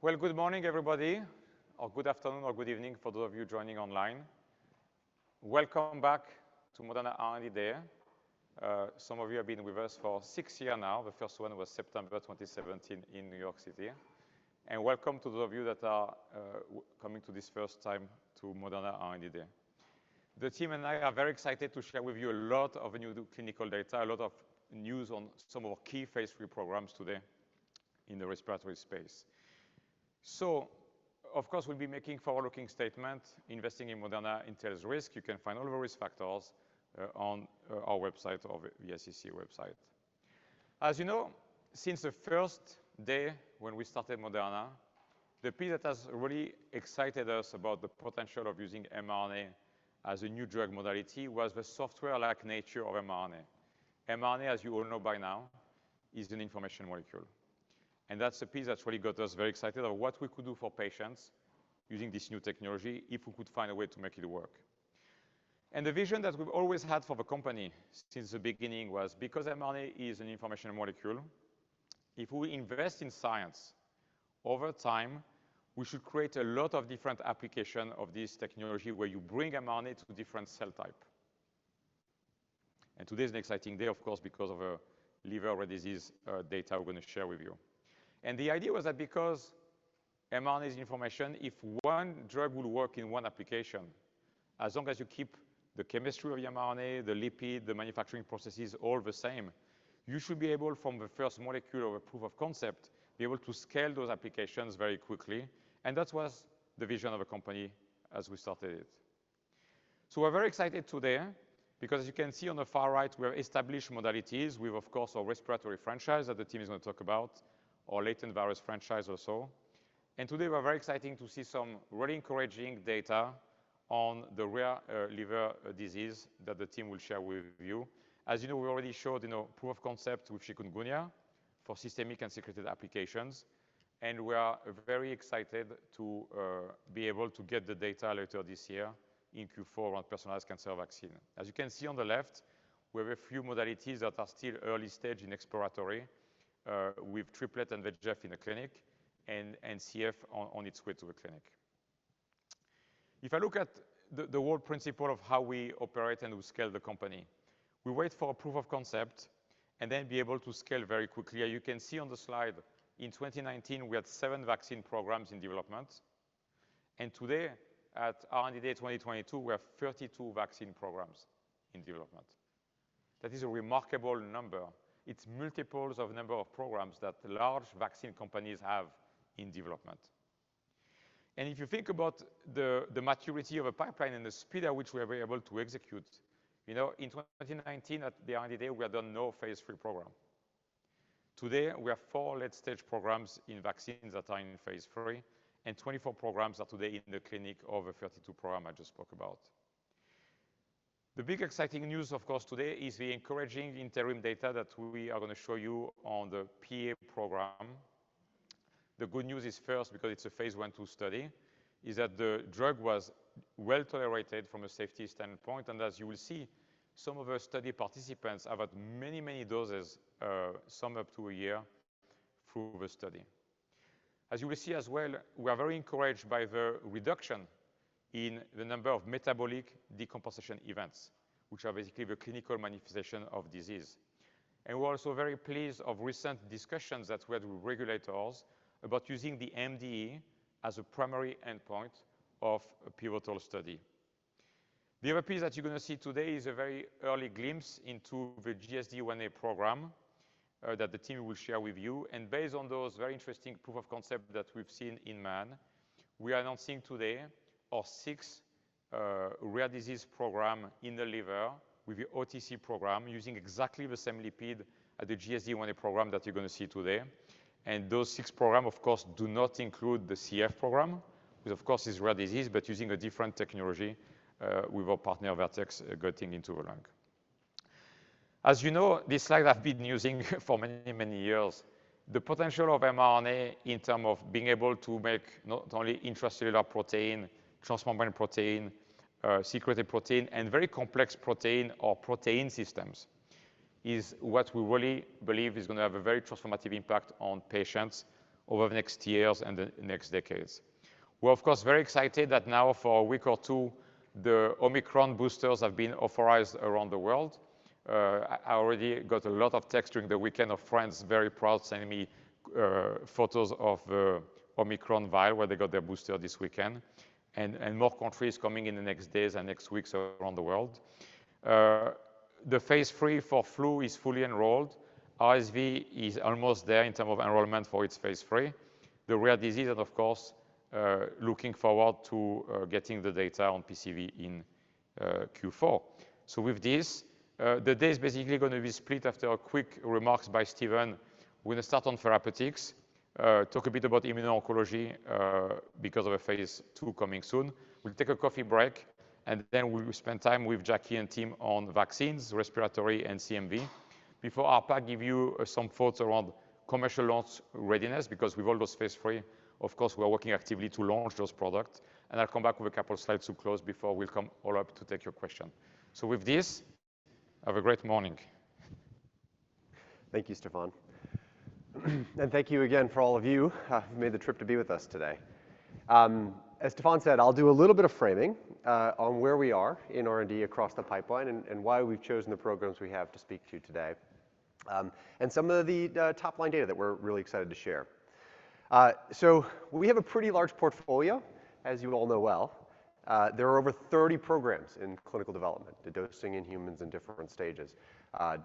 Well, good morning everybody, or good afternoon, or good evening for those of you joining online. Welcome back to Moderna R&D Day. Some of you have been with us for six years now. The first one was September 2017 in New York City. Welcome to those of you that are coming to this first time to Moderna R&D Day. The team and I are very excited to share with you a lot of new clinical data, a lot of news on some of key phase III programs today in the respiratory space. Of course, we'll be making forward-looking statements. Investing in Moderna entails risk. You can find all the risk factors on our website or the SEC website. As you know, since the first day when we started Moderna, the piece that has really excited us about the potential of using mRNA as a new drug modality was the software-like nature of mRNA. mRNA, as you all know by now, is an information molecule, and that's the piece that really got us very excited of what we could do for patients using this new technology if we could find a way to make it work. The vision that we've always had for the company since the beginning was because mRNA is an information molecule, if we invest in science, over time, we should create a lot of different application of this technology where you bring mRNA to different cell type. Today's an exciting day, of course, because of our liver disease data we're gonna share with you. The idea was that because mRNA is information, if one drug will work in one application, as long as you keep the chemistry of your mRNA, the lipid, the manufacturing processes all the same, you should be able, from the first molecule of a proof of concept, be able to scale those applications very quickly, and that was the vision of the company as we started it. We're very excited today because you can see on the far right, we have established modalities. We've, of course, our respiratory franchise that the team is gonna talk about, our latent virus franchise also. Today we are very exciting to see some really encouraging data on the rare liver disease that the team will share with you. As you know, we already showed, you know, proof of concept with Chikungunya for systemic and secreted applications, and we are very excited to be able to get the data later this year in Q4 on personalized cancer vaccine. As you can see on the left, we have a few modalities that are still early stage in exploratory, with triplet and VEGF in the clinic, and CF on its way to a clinic. If I look at the whole principle of how we operate and we scale the company, we wait for a proof of concept and then be able to scale very quickly. You can see on the slide, in 2019 we had seven vaccine programs in development, and today at R&D Day 2022, we have 32 vaccine programs in development. That is a remarkable number. It's multiples of number of programs that large vaccine companies have in development. If you think about the maturity of a pipeline and the speed at which we are able to execute, you know, in 2019 at the R&D Day, we had done no phase III program. Today, we have four late-stage programs in vaccines that are in phase III, and 24 programs are today in the clinic of the 32 program I just spoke about. The big exciting news, of course, today is the encouraging interim data that we are gonna show you on the PA program. The good news is first, because it's a phase I/II study, is that the drug was well-tolerated from a safety standpoint, and as you will see, some of our study participants have had many doses, some up to a year through the study. As you will see as well, we are very encouraged by the reduction in the number of metabolic decompensation events, which are basically the clinical manifestation of disease. We're also very pleased with recent discussions that we had with regulators about using the MDE as a primary endpoint of a pivotal study. The other piece that you're gonna see today is a very early glimpse into the GSD1a program that the team will share with you. Based on those very interesting proof of concept that we've seen in man, we are announcing today our sixth rare disease program in the liver with the OTC program using exactly the same lipid as the GSD1a program that you're gonna see today. Those six program, of course, do not include the CF program, which of course is rare disease, but using a different technology, with our partner Vertex getting into the lung. As you know, this slide I've been using for many, many years. The potential of mRNA in terms of being able to make not only intracellular protein, transmembrane protein, secreted protein, and very complex protein or protein systems, is what we really believe is gonna have a very transformative impact on patients over the next years and the next decades. We're of course very excited that now for a week or two, the Omicron boosters have been authorized around the world. I already got a lot of texts during the weekend from friends very proud sending me photos of Omicron vials where they got their booster this weekend, and more countries coming in the next days and next weeks around the world. The phase III for flu is fully enrolled. RSV is almost there in terms of enrollment for its phase III. The rare disease and of course looking forward to getting the data on PCV in Q4. With this, the day is basically gonna be split after a quick remark by Stephen. We'll start on therapeutics, talk a bit about immuno-oncology because of a phase II coming soon. We'll take a coffee break, and then we will spend time with Jackie and team on vaccines, respiratory, and CMV. Before Arpa gives you some thoughts around commercial launch readiness because with all those phase III, of course, we are working actively to launch those products. I'll come back with a couple of slides to close before we'll come all up to take your question. With this, have a great morning. Thank you, Stéphane. Thank you again for all of you who have made the trip to be with us today. As Stéphane said, I'll do a little bit of framing on where we are in R&D across the pipeline and why we've chosen the programs we have to speak to you today, and some of the top-line data that we're really excited to share. We have a pretty large portfolio, as you all know well. There are over 30 programs in clinical development, the dosing in humans in different stages,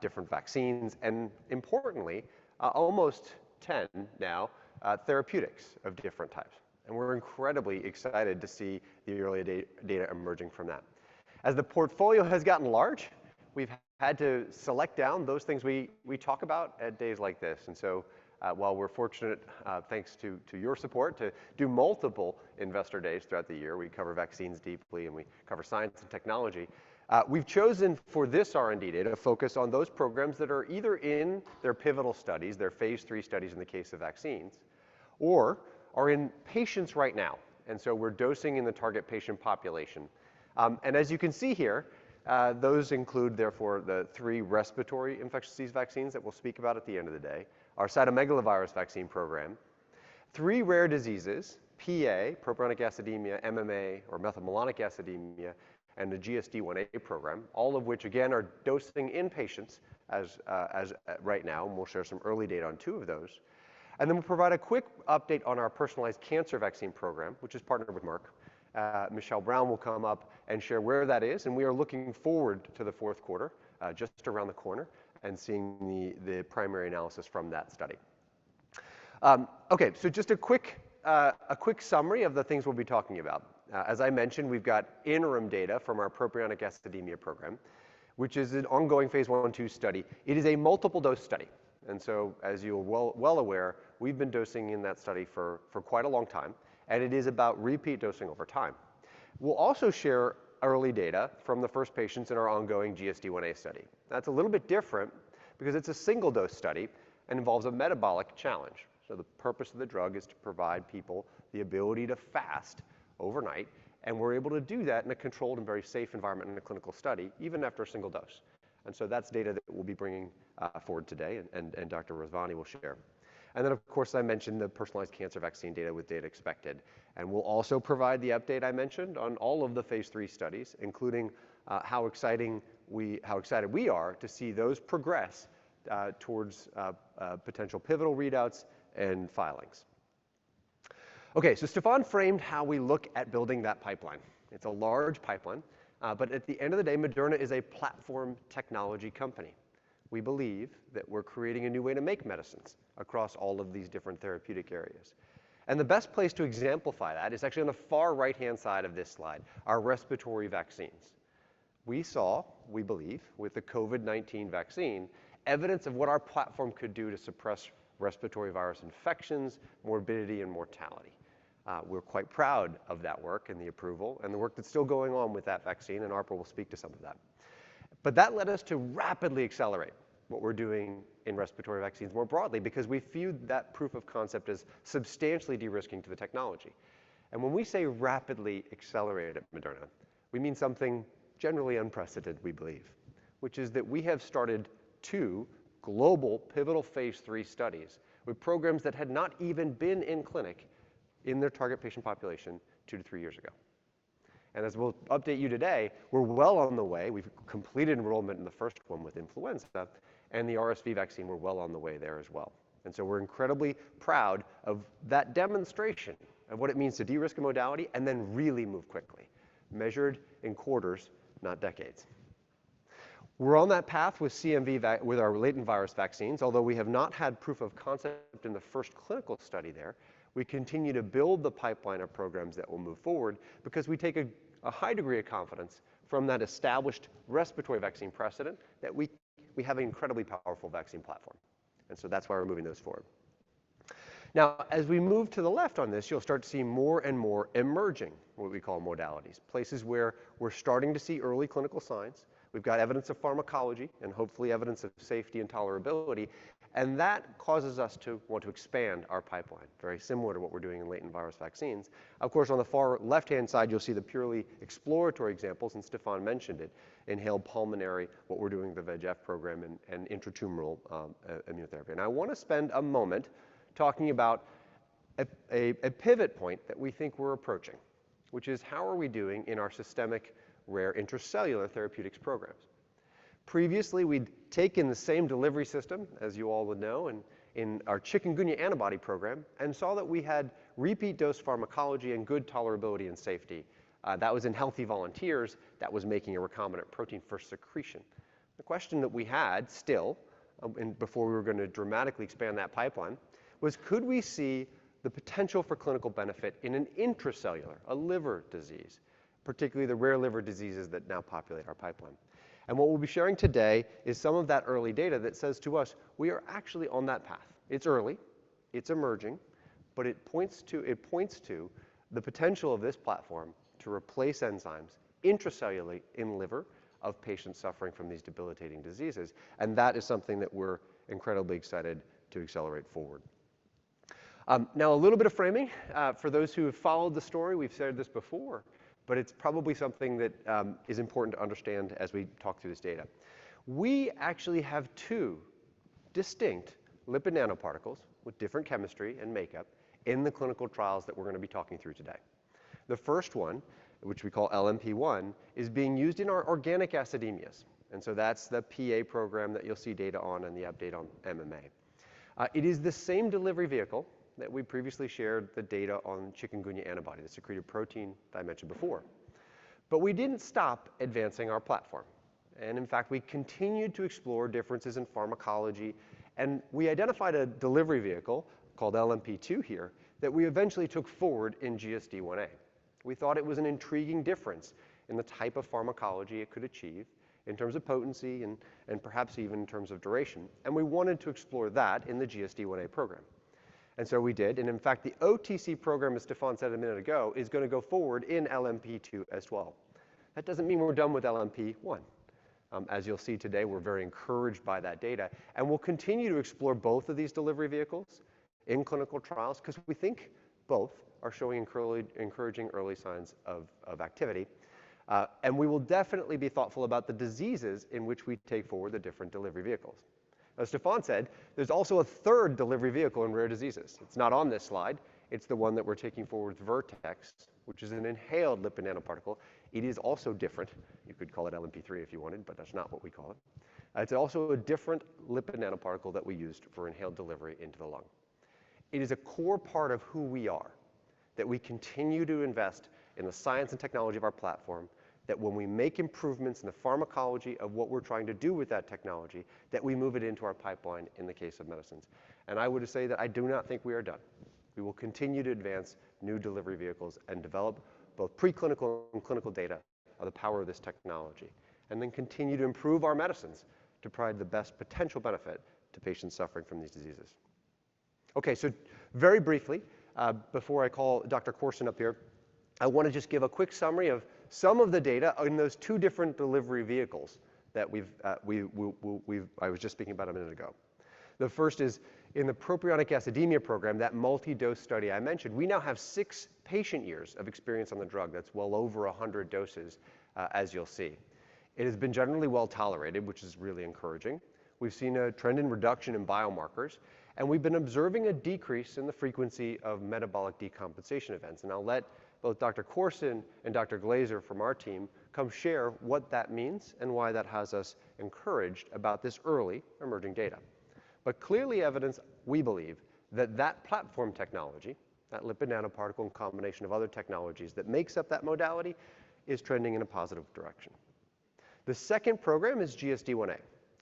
different vaccines, and importantly, almost 10 now, therapeutics of different types. We're incredibly excited to see the early data emerging from that. As the portfolio has gotten large, we've had to select down those things we talk about at days like this. While we're fortunate, thanks to your support, to do multiple investor days throughout the year, we cover vaccines deeply, and we cover science and technology, we've chosen for this R&D day to focus on those programs that are either in their pivotal studies, their phase III studies in the case of vaccines, or are in patients right now. We're dosing in the target patient population. As you can see here, those include, therefore, the three respiratory infectious disease vaccines that we'll speak about at the end of the day, our cytomegalovirus vaccine program, three rare diseases, PA, propionic acidemia, MMA, or methylmalonic acidemia, and the GSD1a program, all of which, again, are dosing in patients right now, and we'll share some early data on two of those. We'll provide a quick update on our personalized cancer vaccine program, which is partnered with Merck. Michelle Brown will come up and share where that is, and we are looking forward to the fourth quarter, just around the corner, and seeing the primary analysis from that study. Okay. Just a quick summary of the things we'll be talking about. As I mentioned, we've got interim data from our propionic acidemia program, which is an ongoing phase I/II study. It is a multiple-dose study. As you are well aware, we've been dosing in that study for quite a long time, and it is about repeat dosing over time. We'll also share early data from the first patients in our ongoing GSD1a study. That's a little bit different because it's a single-dose study and involves a metabolic challenge. The purpose of the drug is to provide people the ability to fast overnight, and we're able to do that in a controlled and very safe environment in a clinical study, even after a single dose. That's data that we'll be bringing forward today and Dr. Rezvani will share. Of course, I mentioned the personalized cancer vaccine data with data expected. We'll also provide the update I mentioned on all of the phase III studies, including how excited we are to see those progress towards potential pivotal readouts and filings. Okay. Stéphane framed how we look at building that pipeline. It's a large pipeline, but at the end of the day, Moderna is a platform technology company. We believe that we're creating a new way to make medicines across all of these different therapeutic areas. The best place to exemplify that is actually on the far right-hand side of this slide, our respiratory vaccines. We saw, we believe, with the COVID-19 vaccine, evidence of what our platform could do to suppress respiratory virus infections, morbidity, and mortality. We're quite proud of that work and the approval and the work that's still going on with that vaccine, and Arpa will speak to some of that. That led us to rapidly accelerate what we're doing in respiratory vaccines more broadly because we view that proof of concept as substantially de-risking to the technology. When we say rapidly accelerated at Moderna, we mean something generally unprecedented, we believe, which is that we have started two global pivotal phase III studies with programs that had not even been in clinic in their target patient population two to three years ago. As we'll update you today, we're well on the way. We've completed enrollment in the first one with influenza, and the RSV vaccine, we're well on the way there as well. We're incredibly proud of that demonstration of what it means to de-risk a modality and then really move quickly, measured in quarters, not decades. We're on that path with our latent virus vaccines. Although we have not had proof of concept in the first clinical study there, we continue to build the pipeline of programs that will move forward because we take a high degree of confidence from that established respiratory vaccine precedent that we have an incredibly powerful vaccine platform. That's why we're moving those forward. Now, as we move to the left on this, you'll start to see more and more emerging, what we call modalities, places where we're starting to see early clinical signs. We've got evidence of pharmacology and hopefully evidence of safety and tolerability, and that causes us to want to expand our pipeline, very similar to what we're doing in latent virus vaccines. Of course, on the far left-hand side, you'll see the purely exploratory examples, and Stefan mentioned it, inhaled pulmonary, what we're doing with the VEGF program, and intratumoral immunotherapy. I want to spend a moment talking about a pivot point that we think we're approaching, which is how are we doing in our systemic rare intracellular therapeutics programs? Previously, we'd taken the same delivery system, as you all would know, in our Chikungunya antibody program and saw that we had repeat dose pharmacology and good tolerability and safety. That was in healthy volunteers that was making a recombinant protein for secretion. The question that we had still, and before we were going to dramatically expand that pipeline, was could we see the potential for clinical benefit in an intracellular, a liver disease, particularly the rare liver diseases that now populate our pipeline? What we'll be sharing today is some of that early data that says to us, we are actually on that path. It's early, it's emerging, but it points to the potential of this platform to replace enzymes intracellularly in liver of patients suffering from these debilitating diseases, and that is something that we're incredibly excited to accelerate forward. Now a little bit of framing. For those who have followed the story, we've shared this before, but it's probably something that is important to understand as we talk through this data. We actually have two distinct lipid nanoparticles with different chemistry and makeup in the clinical trials that we're gonna be talking through today. The first one, which we call LNP001, is being used in our organic acidemias. That's the PA program that you'll see data on in the update on MMA. It is the same delivery vehicle that we previously shared the data on Chikungunya antibody, this secreted protein that I mentioned before. We didn't stop advancing our platform. In fact, we continued to explore differences in pharmacology, and we identified a delivery vehicle called LNP002 here that we eventually took forward in GSD1a. We thought it was an intriguing difference in the type of pharmacology it could achieve in terms of potency and perhaps even in terms of duration, and we wanted to explore that in the GSD1a program. We did, and in fact, the OTC program, as Stéphane said a minute ago, is gonna go forward in LNP002 as well. That doesn't mean we're done with LNP001. As you'll see today, we're very encouraged by that data, and we'll continue to explore both of these delivery vehicles in clinical trials 'cause we think both are showing encouraging early signs of activity. We will definitely be thoughtful about the diseases in which we take forward the different delivery vehicles. As Stéphane said, there's also a third delivery vehicle in rare diseases. It's not on this slide. It's the one that we're taking forward with Vertex, which is an inhaled lipid nanoparticle. It is also different. You could call it LNP003 if you wanted, but that's not what we call it. It's also a different lipid nanoparticle that we used for inhaled delivery into the lung. It is a core part of who we are that we continue to invest in the science and technology of our platform, that when we make improvements in the pharmacology of what we're trying to do with that technology, that we move it into our pipeline in the case of medicines. I would say that I do not think we are done. We will continue to advance new delivery vehicles and develop both preclinical and clinical data of the power of this technology, and then continue to improve our medicines to provide the best potential benefit to patients suffering from these diseases. Okay. Very briefly, before I call Dr. Dr. Korson up here, I want to just give a quick summary of some of the data in those two different delivery vehicles that we've I was just speaking about a minute ago. The first is in the propionic acidemia program, that multi-dose study I mentioned, we now have six patient years of experience on the drug. That's well over 100 doses, as you'll see. It has been generally well-tolerated, which is really encouraging. We've seen a trend in reduction in biomarkers, and we've been observing a decrease in the frequency of metabolic decompensation events. I'll let both Dr. Korson and Dr. Glaser from our team come share what that means and why that has us encouraged about this early emerging data. Clearly evidenced, we believe, that that platform technology, that lipid nanoparticle and combination of other technologies that makes up that modality, is trending in a positive direction. The second program is GSD1a,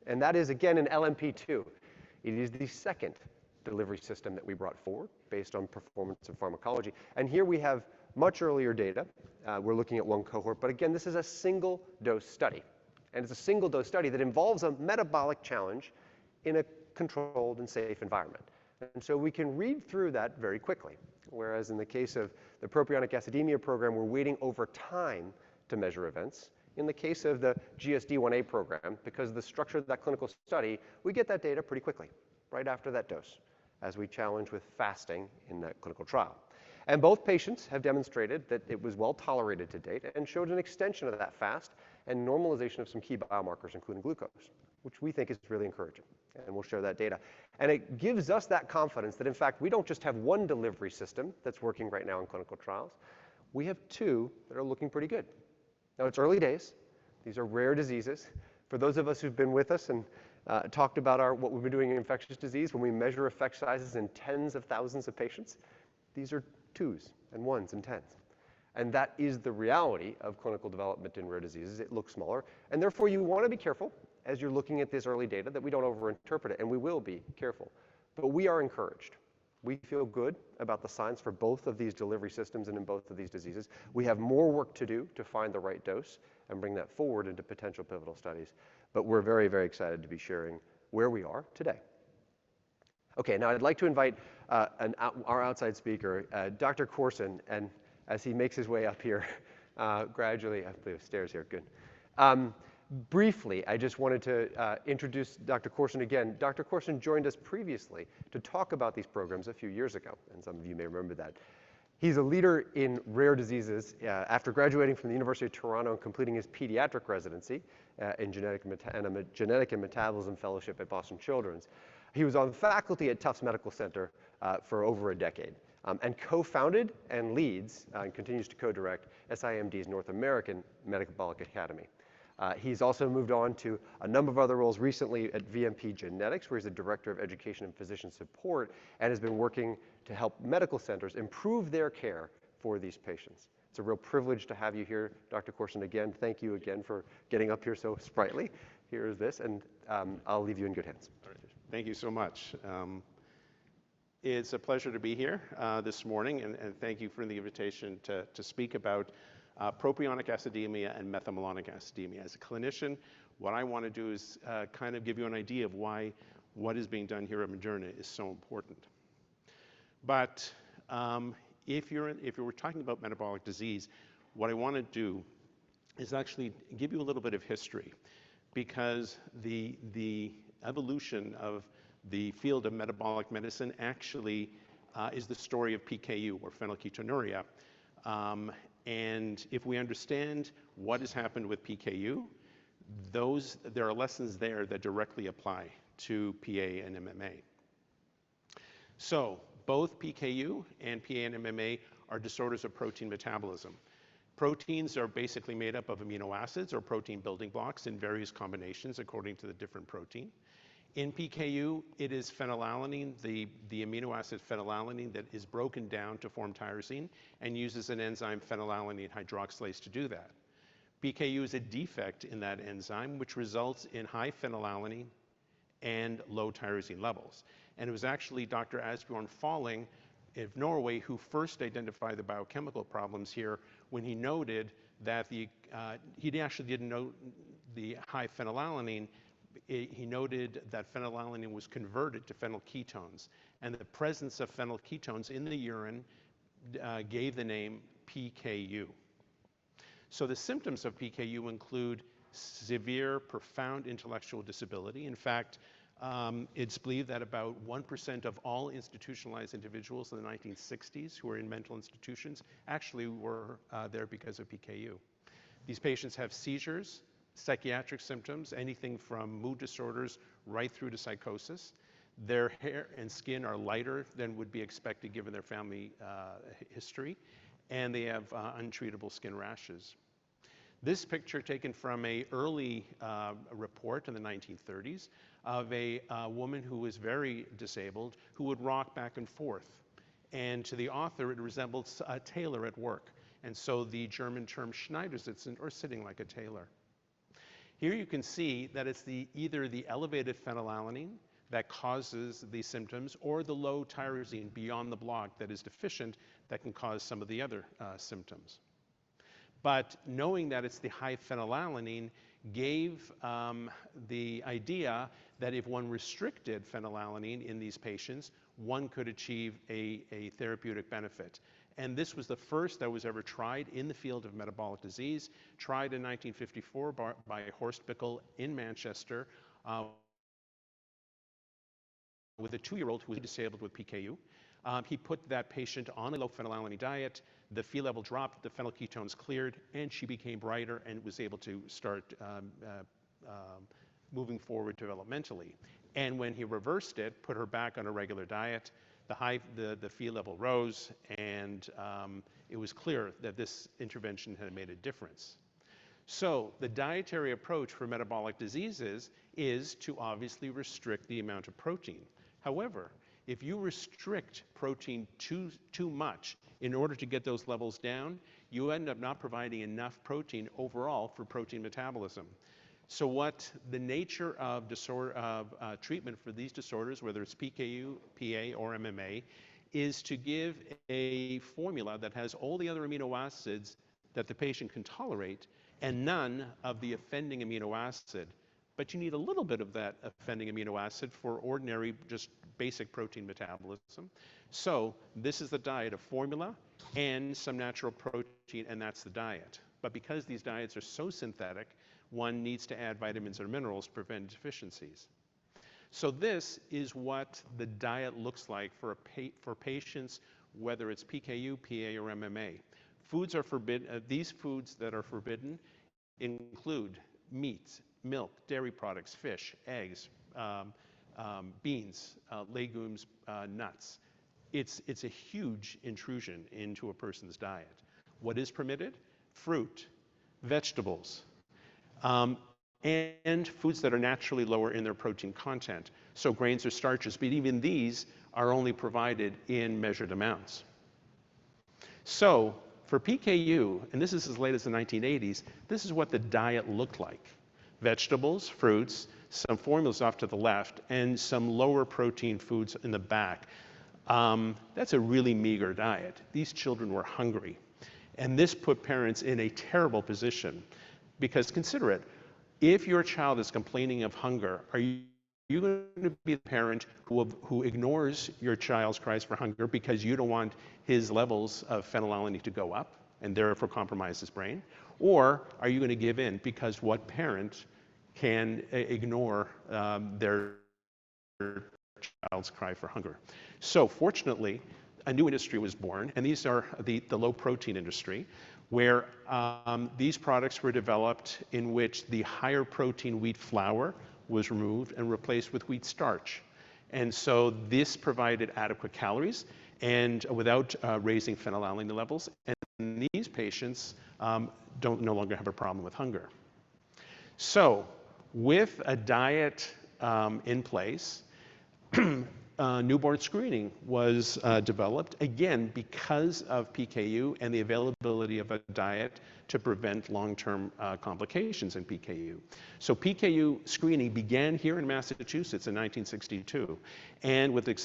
and that is again in LNP002. It is the second delivery system that we brought forward based on performance of pharmacology. Here we have much earlier data. We're looking at one cohort. Again, this is a single-dose study, and it's a single-dose study that involves a metabolic challenge in a controlled and safe environment. We can read through that very quickly, whereas in the case of the propionic acidemia program, we're waiting over time to measure events. In the case of the GSD1a program, because of the structure of that clinical study, we get that data pretty quickly right after that dose as we challenge with fasting in that clinical trial. Both patients have demonstrated that it was well-tolerated to date and showed an extension of that fast and normalization of some key biomarkers, including glucose, which we think is really encouraging, and we'll share that data. It gives us that confidence that, in fact, we don't just have one delivery system that's working right now in clinical trials, we have two that are looking pretty good. Now, it's early days. These are rare diseases. For those of us who've been with us and talked about our, what we've been doing in infectious disease when we measure effect sizes in tens of thousands of patients, these are twos and ones and tens, and that is the reality of clinical development in rare diseases. It looks smaller, and therefore you wanna be careful as you're looking at this early data that we don't overinterpret it, and we will be careful. We are encouraged. We feel good about the science for both of these delivery systems and in both of these diseases. We have more work to do to find the right dose and bring that forward into potential pivotal studies, but we're very, very excited to be sharing where we are today. Okay. Now I'd like to invite our outside speaker, Dr. Korson, and as he makes his way up here, gradually up the stairs here. Good. Briefly, I just wanted to introduce Dr. Korson again. Dr. Korson joined us previously to talk about these programs a few years ago, and some of you may remember that. He's a leader in rare diseases, after graduating from the University of Toronto and completing his pediatric residency, in genetic and metabolism fellowship at Boston Children's. He was on faculty at Tufts Medical Center, for over a decade, and co-founded and leads, and continues to co-direct SIMD's North American Metabolic Academy. He's also moved on to a number of other roles recently at VMP Genetics, where he's the director of education and physician support and has been working to help medical centers improve their care for these patients. It's a real privilege to have you here, Dr. Korson, again. Thank you again for getting up here so sprightly. Here he is, and, I'll leave you in good hands. All right. Thank you so much. It's a pleasure to be here this morning and thank you for the invitation to speak about propionic acidemia and methylmalonic acidemia. As a clinician, what I wanna do is kind of give you an idea of why what is being done here at Moderna is so important. If we're talking about metabolic disease what I wanna do is actually give you a little bit of history because the evolution of the field of metabolic medicine actually is the story of PKU or phenylketonuria. If we understand what has happened with PKU, there are lessons there that directly apply to PA and MMA. Both PKU and PA and MMA are disorders of protein metabolism. Proteins are basically made up of amino acids or protein building blocks in various combinations according to the different protein. In PKU, it is phenylalanine, the amino acid phenylalanine that is broken down to form tyrosine and uses an enzyme phenylalanine hydroxylase to do that. PKU is a defect in that enzyme which results in high phenylalanine and low tyrosine levels. It was actually Dr. Asbjørn Følling of Norway who first identified the biochemical problems here when he noted that the, he actually didn't note the high phenylalanine, he noted that phenylalanine was converted to phenylketones, and the presence of phenylketones in the urine gave the name PKU. The symptoms of PKU include severe profound intellectual disability. In fact, it's believed that about 1% of all institutionalized individuals in the 1960s who were in mental institutions actually were there because of PKU. These patients have seizures, psychiatric symptoms, anything from mood disorders right through to psychosis. Their hair and skin are lighter than would be expected given their family history, and they have untreatable skin rashes. This picture taken from an early report in the 1930s of a woman who was very disabled who would rock back and forth, and to the author it resembled a tailor at work, and so the German term Schneidersitz or sitting like a tailor. Here you can see that it's either the elevated phenylalanine that causes these symptoms or the low tyrosine beyond the block that is deficient that can cause some of the other symptoms. Knowing that it's the high phenylalanine gave the idea that if one restricted phenylalanine in these patients, one could achieve a therapeutic benefit. This was the first that was ever tried in the field of metabolic disease, tried in 1954 by Horst Bickel in Manchester with a two-year-old who was disabled with PKU. He put that patient on a low phenylalanine diet, the Phe level dropped, the phenylketones cleared, and she became brighter and was able to start moving forward developmentally. When he reversed it, put her back on a regular diet, the Phe level rose and it was clear that this intervention had made a difference. The dietary approach for metabolic diseases is to obviously restrict the amount of protein. However, if you restrict protein too much in order to get those levels down, you end up not providing enough protein overall for protein metabolism. What the nature of treatment for these disorders, whether it's PKU, PA or MMA, is to give a formula that has all the other amino acids that the patient can tolerate and none of the offending amino acid. You need a little bit of that offending amino acid for ordinary just basic protein metabolism. This is the diet of formula and some natural protein, and that's the diet. Because these diets are so synthetic, one needs to add vitamins or minerals to prevent deficiencies. This is what the diet looks like for patients, whether it's PKU, PA or MMA. These foods that are forbidden include meats, milk, dairy products, fish, eggs, beans, legumes, nuts. It's a huge intrusion into a person's diet. What is permitted? Fruit, vegetables, and foods that are naturally lower in their protein content, so grains or starches, but even these are only provided in measured amounts. For PKU, and this is as late as the 1980s, this is what the diet looked like. Vegetables, fruits, some formulas off to the left, and some lower protein foods in the back. That's a really meager diet. These children were hungry, and this put parents in a terrible position because consider it, if your child is complaining of hunger, are you gonna be the parent who ignores your child's cries for hunger because you don't want his levels of phenylalanine to go up and therefore compromise his brain? Or are you gonna give in because what parent can ignore their child's cry for hunger? Fortunately, a new industry was born, and these are the low protein industry where these products were developed in which the higher protein wheat flour was removed and replaced with wheat starch. This provided adequate calories without raising phenylalanine levels, and these patients don't no longer have a problem with hunger. With a diet in place, newborn screening was developed again because of PKU and the availability of a diet to prevent long-term complications in PKU. PKU screening began here in Massachusetts in 1962, and with the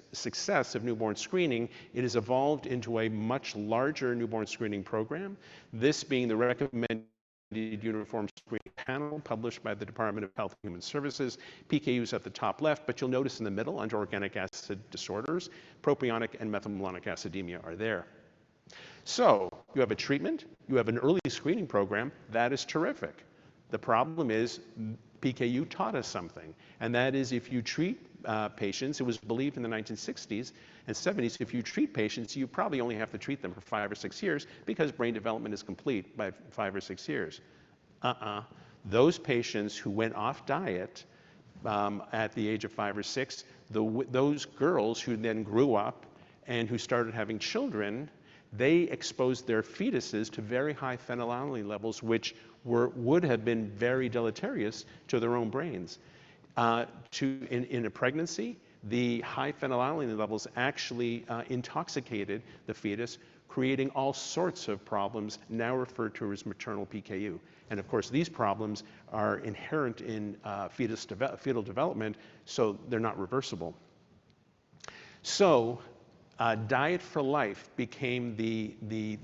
success of newborn screening, it has evolved into a much larger newborn screening program. This being the Recommended Uniform Screening Panel published by the Department of Health and Human Services. PKU is at the top left, but you'll notice in the middle under organic acid disorders, propionic acidemia and methylmalonic acidemia are there. You have a treatment, you have an early screening program, that is terrific. The problem is PKU taught us something, and that is if you treat patients, it was believed in the 1960s and 1970s, if you treat patients, you probably only have to treat them for five or six years because brain development is complete by five or six years. Those patients who went off diet at the age of five or six, those girls who then grew up and who started having children, they exposed their fetuses to very high phenylalanine levels, which would have been very deleterious to their own brains. In a pregnancy, the high phenylalanine levels actually intoxicated the fetus, creating all sorts of problems now referred to as maternal PKU. Of course, these problems are inherent in fetal development, so they're not reversible. Diet for life became the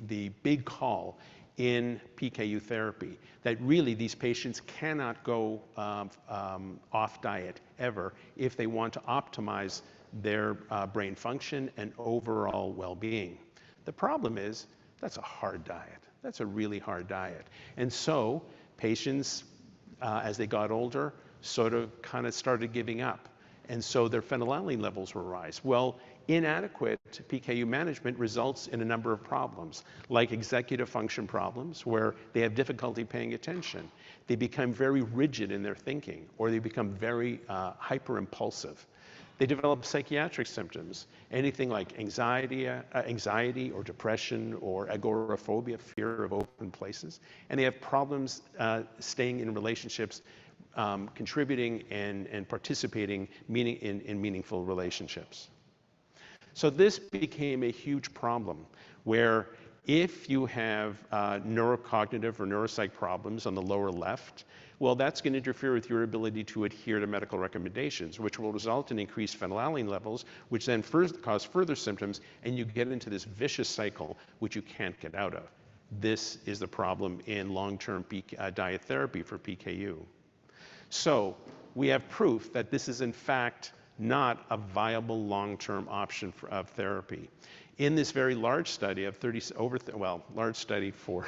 big call in PKU therapy, that really these patients cannot go off diet ever if they want to optimize their brain function and overall well-being. The problem is that's a hard diet. That's a really hard diet. Patients as they got older, sort of kind of started giving up, and so their phenylalanine levels will rise. Well, inadequate PKU management results in a number of problems, like executive function problems, where they have difficulty paying attention. They become very rigid in their thinking, or they become very hyper-impulsive. They develop psychiatric symptoms, anything like anxiety or depression or agoraphobia, fear of open places. They have problems staying in relationships, contributing and participating in meaningful relationships. This became a huge problem, where if you have neurocognitive or neuropsych problems on the lower left, well, that's gonna interfere with your ability to adhere to medical recommendations, which will result in increased phenylalanine levels, which then cause further symptoms, and you get into this vicious cycle which you can't get out of. This is the problem in long-term PKU diet therapy for PKU. We have proof that this is in fact not a viable long-term option of therapy. In this very large study, well, large study for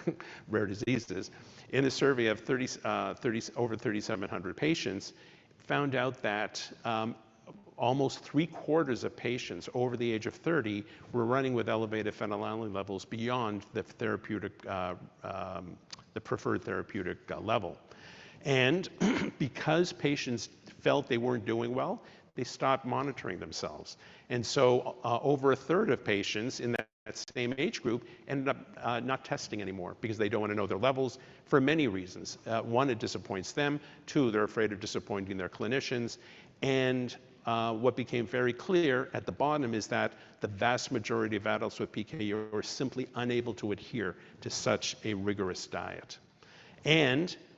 rare diseases. In a survey of over 3,700 patients found out that almost three-quarters of patients over the age of 30 were running with elevated phenylalanine levels beyond the therapeutic, the preferred therapeutic level. Because patients felt they weren't doing well, they stopped monitoring themselves. Over a third of patients in that same age group ended up not testing anymore because they don't wanna know their levels for many reasons. One, it disappoints them. Two, they're afraid of disappointing their clinicians. What became very clear at the bottom is that the vast majority of adults with PKU are simply unable to adhere to such a rigorous diet.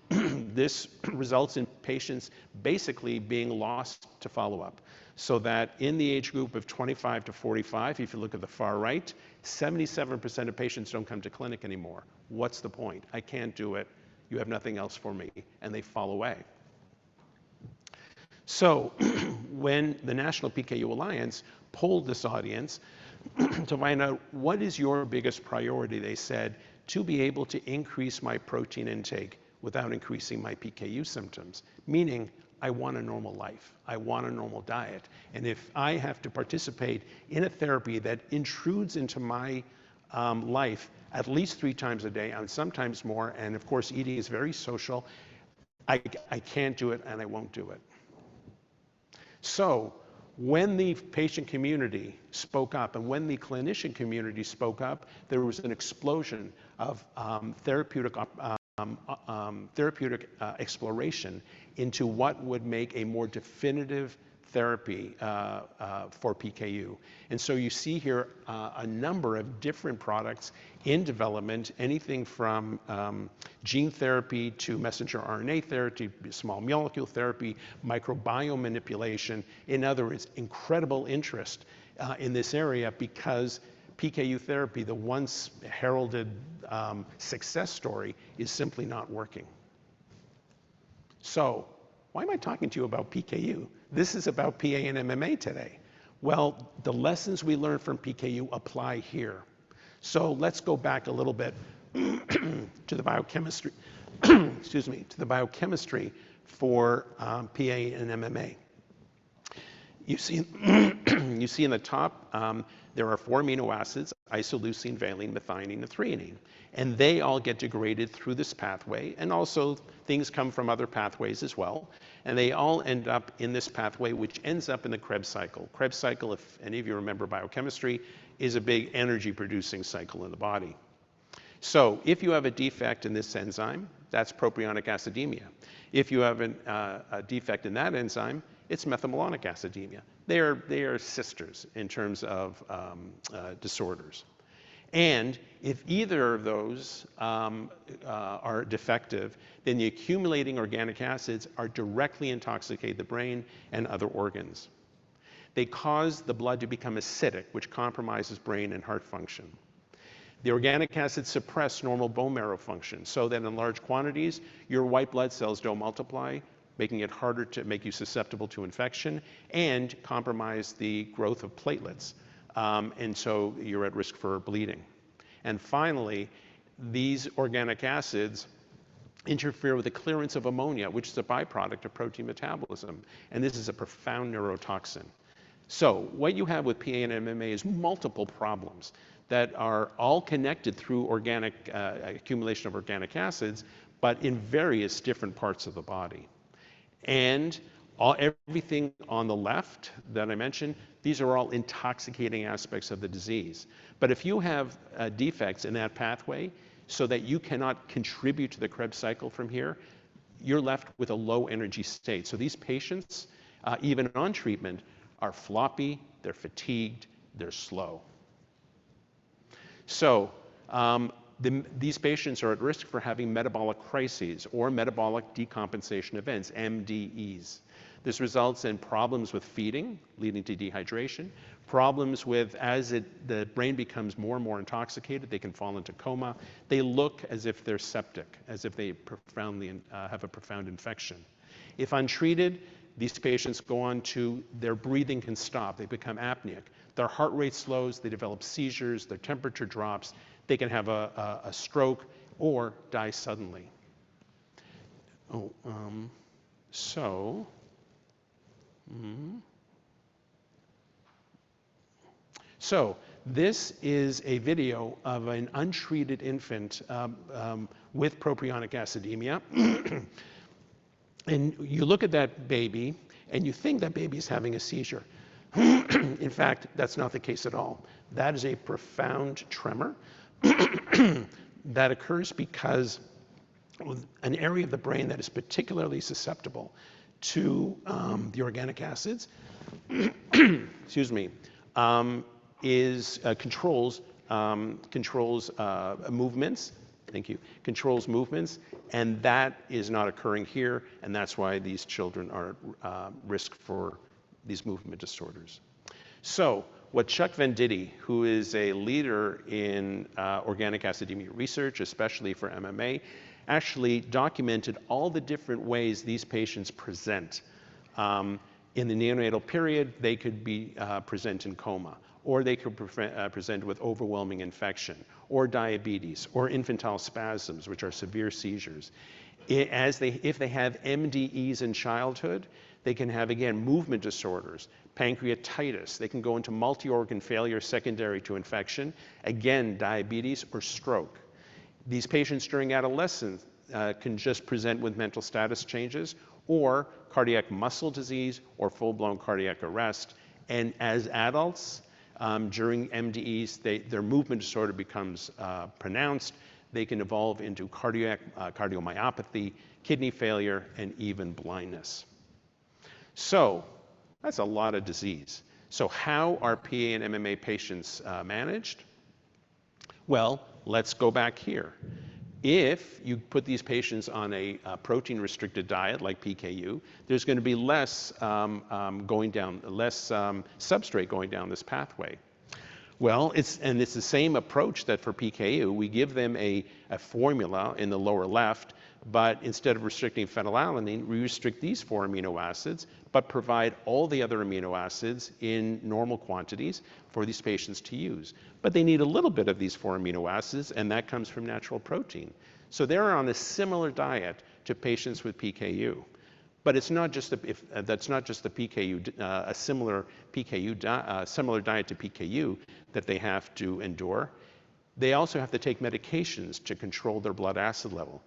This results in patients basically being lost to follow-up, so that in the age group of 25-45, if you look at the far right, 77% of patients don't come to clinic anymore. What's the point? I can't do it. You have nothing else for me. They fall away. When the National PKU Alliance polled this audience to find out what is your biggest priority, they said, "To be able to increase my protein intake without increasing my PKU symptoms," meaning, "I want a normal life. I want a normal diet. And if I have to participate in a therapy that intrudes into my life at least three times a day and sometimes more, and of course, eating is very social, I can't do it, and I won't do it." When the patient community spoke up and when the clinician community spoke up, there was an explosion of therapeutic exploration into what would make a more definitive therapy for PKU. You see here, a number of different products in development, anything from, gene therapy to messenger RNA therapy, small molecule therapy, microbiome manipulation. In other words, incredible interest, in this area because PKU therapy, the once heralded, success story, is simply not working. Why am I talking to you about PKU? This is about PA and MMA today. Well, the lessons we learned from PKU apply here. Let's go back a little bit to the biochemistry. Excuse me. To the biochemistry for, PA and MMA. You see in the top, there are four amino acids, isoleucine, valine, methionine, and threonine, and they all get degraded through this pathway, and also things come from other pathways as well, and they all end up in this pathway, which ends up in the Krebs cycle. Krebs cycle, if any of you remember biochemistry, is a big energy-producing cycle in the body. If you have a defect in this enzyme, that's propionic acidemia. If you have a defect in that enzyme, it's methylmalonic acidemia. They are sisters in terms of disorders. If either of those are defective, then the accumulating organic acids are directly intoxicated the brain and other organs. They cause the blood to become acidic, which compromises brain and heart function. The organic acids suppress normal bone marrow function, so that in large quantities, your white blood cells don't multiply, making it harder to make you susceptible to infection and compromise the growth of platelets, and you're at risk for bleeding. Finally, these organic acids interfere with the clearance of ammonia, which is a byproduct of protein metabolism, and this is a profound neurotoxin. What you have with PA and MMA is multiple problems that are all connected through organic accumulation of organic acids, but in various different parts of the body. Everything on the left that I mentioned, these are all intoxicating aspects of the disease. If you have defects in that pathway so that you cannot contribute to the Krebs cycle from here, you're left with a low energy state. These patients even on treatment are floppy, they're fatigued, they're slow. These patients are at risk for having metabolic crises or metabolic decompensation events, MDEs. This results in problems with feeding, leading to dehydration, problems with the brain becomes more and more intoxicated, they can fall into coma. They look as if they're septic, as if they profoundly have a profound infection. If untreated, these patients go on to their breathing can stop. They become apneic. Their heart rate slows, they develop seizures, their temperature drops, they can have a stroke or die suddenly. This is a video of an untreated infant with propionic acidemia. You look at that baby, and you think that baby's having a seizure. In fact, that's not the case at all. That is a profound tremor that occurs because an area of the brain that is particularly susceptible to the organic acids, excuse me, is controls movements. Thank you. Controls movements, and that is not occurring here, and that's why these children are at risk for these movement disorders. What Charles Venditti, who is a leader in organic acidemia research, especially for MMA, actually documented all the different ways these patients present. In the neonatal period, they could be present in coma, or they could present with overwhelming infection or diabetes or infantile spasms, which are severe seizures. If they have MDEs in childhood, they can have, again, movement disorders, pancreatitis. They can go into multi-organ failure secondary to infection, again, diabetes or stroke. These patients during adolescence can just present with mental status changes or cardiac muscle disease or full-blown cardiac arrest. As adults, during MDEs, they, their movement disorder becomes pronounced. They can evolve into cardiac cardiomyopathy, kidney failure, and even blindness. That's a lot of disease. How are PA and MMA patients managed? Well, let's go back here. If you put these patients on a protein-restricted diet like PKU, there's gonna be less going down, less substrate going down this pathway. Well, it's the same approach that for PKU, we give them a formula in the lower left, but instead of restricting phenylalanine, we restrict these four amino acids but provide all the other amino acids in normal quantities for these patients to use. They need a little bit of these four amino acids, and that comes from natural protein. They're on a similar diet to patients with PKU. It's not just a similar diet to PKU that they have to endure. They also have to take medications to control their blood acid level.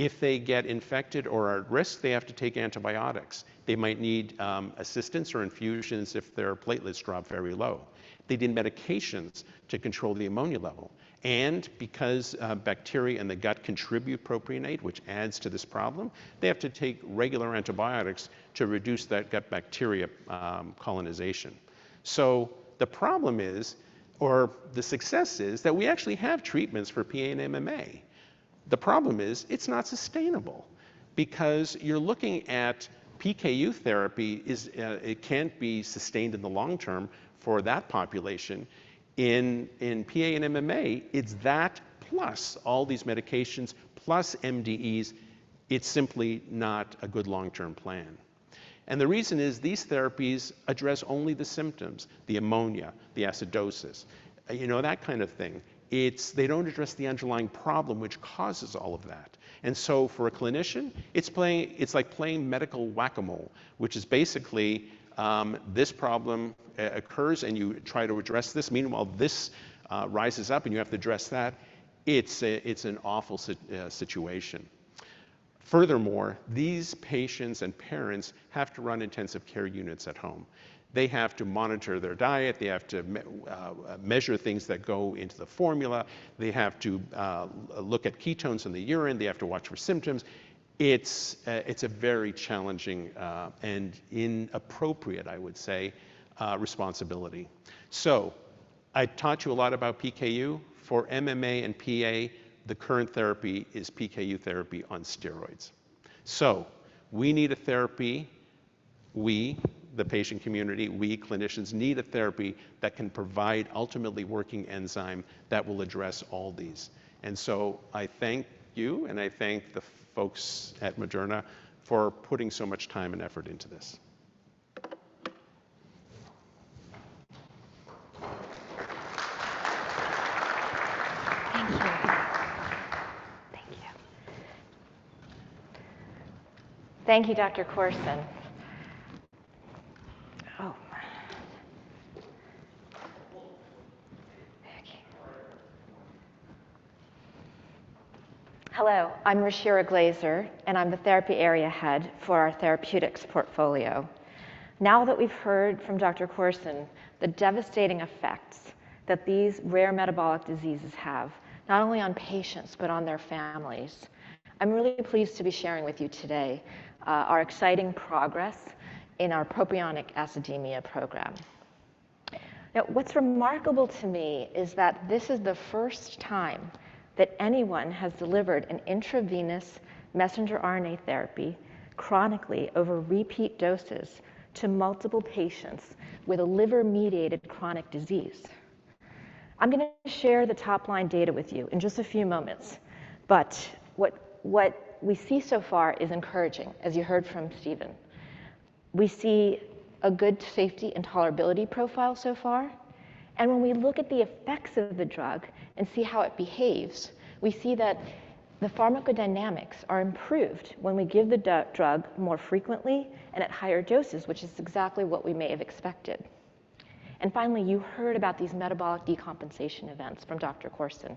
If they get infected or are at risk, they have to take antibiotics. They might need assistance or infusions if their platelets drop very low. They need medications to control the ammonia level. Because bacteria in the gut contribute propionate, which adds to this problem, they have to take regular antibiotics to reduce that gut bacteria colonization. The problem is, or the success is, that we actually have treatments for PA and MMA. The problem is, it's not sustainable because you're looking at PKU therapy, it can't be sustained in the long term for that population. In PA and MMA, it's that plus all these medications plus MDEs. It's simply not a good long-term plan. The reason is these therapies address only the symptoms, the ammonia, the acidosis, you know, that kind of thing. They don't address the underlying problem which causes all of that. For a clinician, it's like playing medical Whack-A-Mole, which is basically, this problem occurs, and you try to address this. Meanwhile, this rises up, and you have to address that. It's an awful situation. Furthermore, these patients and parents have to run intensive care units at home. They have to monitor their diet. They have to measure things that go into the formula. They have to look at ketones in the urine. They have to watch for symptoms. It's a very challenging and inappropriate, I would say, responsibility. I taught you a lot about PKU. For MMA and PA, the current therapy is PKU therapy on steroids. We need a therapy we, the patient community, we clinicians need a therapy that can provide ultimately working enzyme that will address all these. I thank you, and I thank the folks at Moderna for putting so much time and effort into this. Thank you, Dr. Korson. Oh, my. Okay. Hello, I'm Ruchira Glaser, and I'm the therapeutic area head for our therapeutics portfolio. Now that we've heard from Dr. Korson the devastating effects that these rare metabolic diseases have, not only on patients, but on their families, I'm really pleased to be sharing with you today our exciting progress in our propionic acidemia program. Now, what's remarkable to me is that this is the first time that anyone has delivered an intravenous messenger RNA therapy chronically over repeat doses to multiple patients with a liver-mediated chronic disease. I'm gonna share the top-line data with you in just a few moments, but what we see so far is encouraging, as you heard from Stephen. We see a good safety and tolerability profile so far, and when we look at the effects of the drug and see how it behaves, we see that the pharmacodynamics are improved when we give the drug more frequently and at higher doses, which is exactly what we may have expected. Finally, you heard about these metabolic decompensation events from Dr. Korson,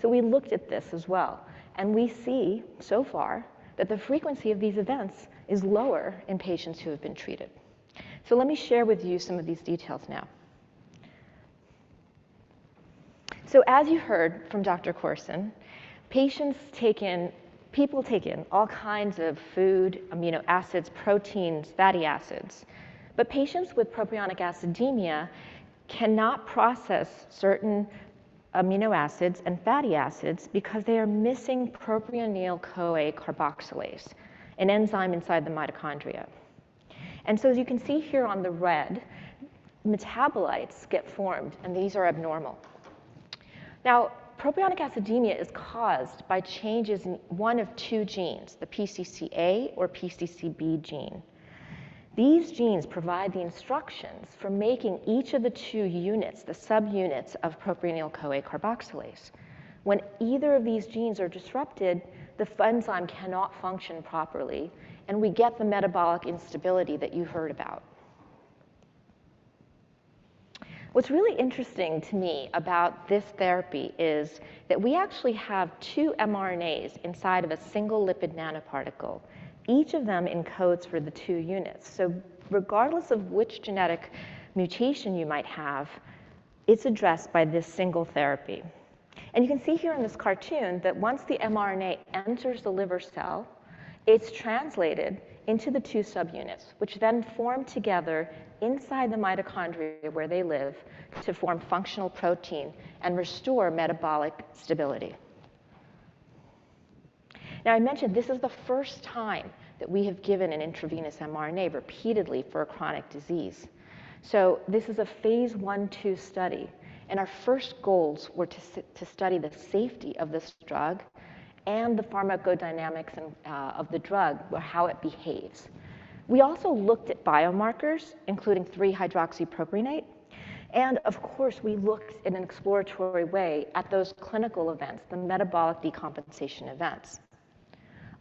so we looked at this as well, and we see so far that the frequency of these events is lower in patients who have been treated. Let me share with you some of these details now. As you heard from Dr. Korson, people take in all kinds of food, amino acids, proteins, fatty acids, but patients with propionic acidemia cannot process certain amino acids and fatty acids because they are missing propionyl-CoA carboxylase, an enzyme inside the mitochondria. As you can see here on the red, metabolites get formed, and these are abnormal. Now, propionic acidemia is caused by changes in one of two genes, the PCCA or PCCB gene. These genes provide the instructions for making each of the two units, the subunits of propionyl-CoA carboxylase. When either of these genes are disrupted, the enzyme cannot function properly, and we get the metabolic instability that you heard about. What's really interesting to me about this therapy is that we actually have two mRNAs inside of a single lipid nanoparticle, each of them encodes for the two units. Regardless of which genetic mutation you might have, it's addressed by this single therapy. You can see here in this cartoon that once the mRNA enters the liver cell, it's translated into the two subunits, which then form together inside the mitochondria where they live to form functional protein and restore metabolic stability. Now, I mentioned this is the first time that we have given an intravenous mRNA repeatedly for a chronic disease, so this is a phase I/II study, and our first goals were to study the safety of this drug and the pharmacodynamics and of the drug or how it behaves. We also looked at biomarkers, including 3-hydroxypropionate, and of course, we looked in an exploratory way at those clinical events, the metabolic decompensation events.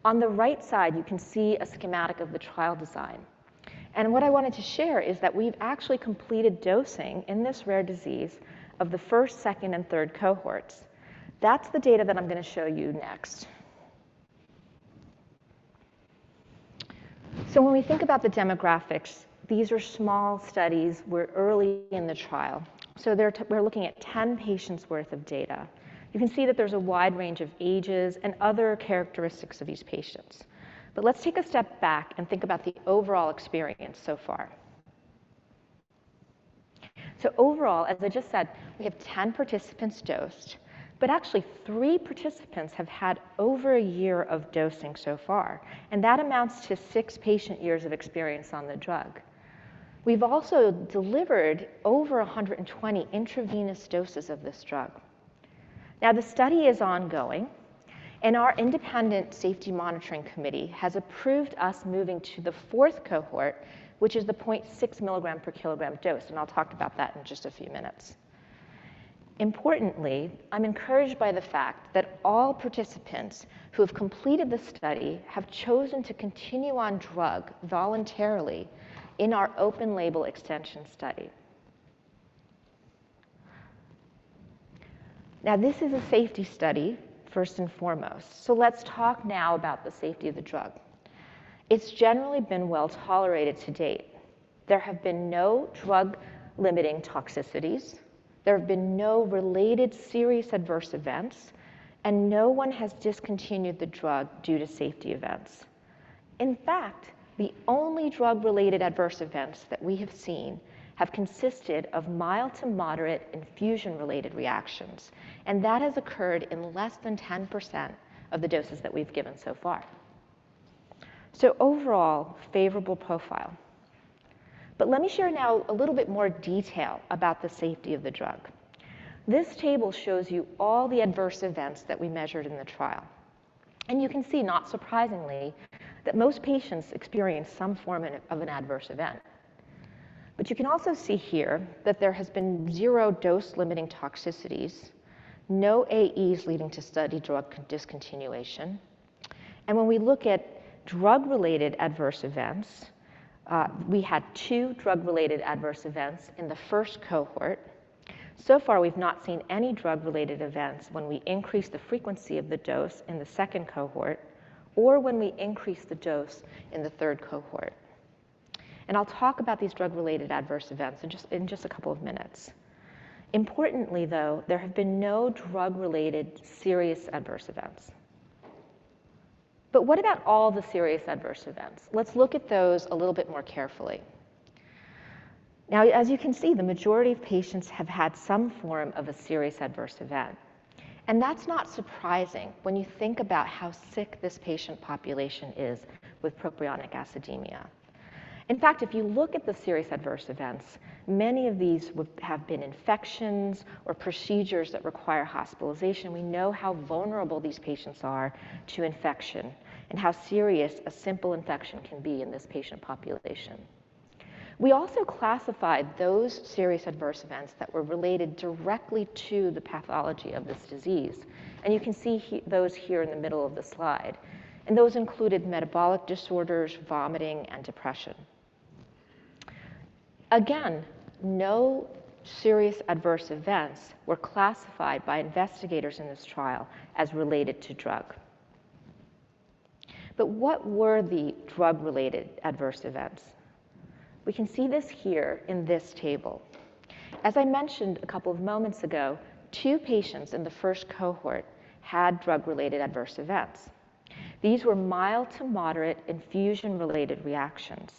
On the right side, you can see a schematic of the trial design, and what I wanted to share is that we've actually completed dosing in this rare disease of the first, second, and third cohorts. That's the data that I'm gonna show you next. When we think about the demographics, these are small studies. We're early in the trial, so we're looking at 10 patients' worth of data. You can see that there's a wide range of ages and other characteristics of these patients. Let's take a step back and think about the overall experience so far. Overall, as I just said, we have 10 participants dosed, but actually three participants have had over a year of dosing so far, and that amounts to six patient years of experience on the drug. We've also delivered over 120 intravenous doses of this drug. Now the study is ongoing, and our independent safety monitoring committee has approved us moving to the fourth cohort, which is the 0.6 mg/kg dose, and I'll talk about that in just a few minutes. Importantly, I'm encouraged by the fact that all participants who have completed the study have chosen to continue on drug voluntarily in our open label extension study. Now, this is a safety study first and foremost, so let's talk now about the safety of the drug. It's generally been well-tolerated to date. There have been no drug-limiting toxicities, there have been no related serious adverse events, and no one has discontinued the drug due to safety events. In fact, the only drug-related adverse events that we have seen have consisted of mild to moderate infusion-related reactions, and that has occurred in less than 10% of the doses that we've given so far. Overall, favorable profile. Let me share now a little bit more detail about the safety of the drug. This table shows you all the adverse events that we measured in the trial. You can see, not surprisingly, that most patients experience some form of an adverse event. You can also see here that there has been zero dose-limiting toxicities, no AEs leading to study drug discontinuation. When we look at drug-related adverse events, we had two drug-related adverse events in the first cohort. So far, we've not seen any drug-related events when we increase the frequency of the dose in the second cohort or when we increase the dose in the third cohort. I'll talk about these drug-related adverse events in just a couple of minutes. Importantly, though, there have been no drug-related serious adverse events. What about all the serious adverse events? Let's look at those a little bit more carefully. Now, as you can see, the majority of patients have had some form of a serious adverse event. That's not surprising when you think about how sick this patient population is with propionic acidemia. In fact, if you look at the serious adverse events, many of these have been infections or procedures that require hospitalization. We know how vulnerable these patients are to infection and how serious a simple infection can be in this patient population. We also classified those serious adverse events that were related directly to the pathology of this disease. You can see those here in the middle of the slide. Those included metabolic disorders, vomiting, and depression. Again, no serious adverse events were classified by investigators in this trial as related to drug. What were the drug-related adverse events? We can see this here in this table. As I mentioned a couple of moments ago, two patients in the first cohort had drug-related adverse events. These were mild to moderate infusion-related reactions.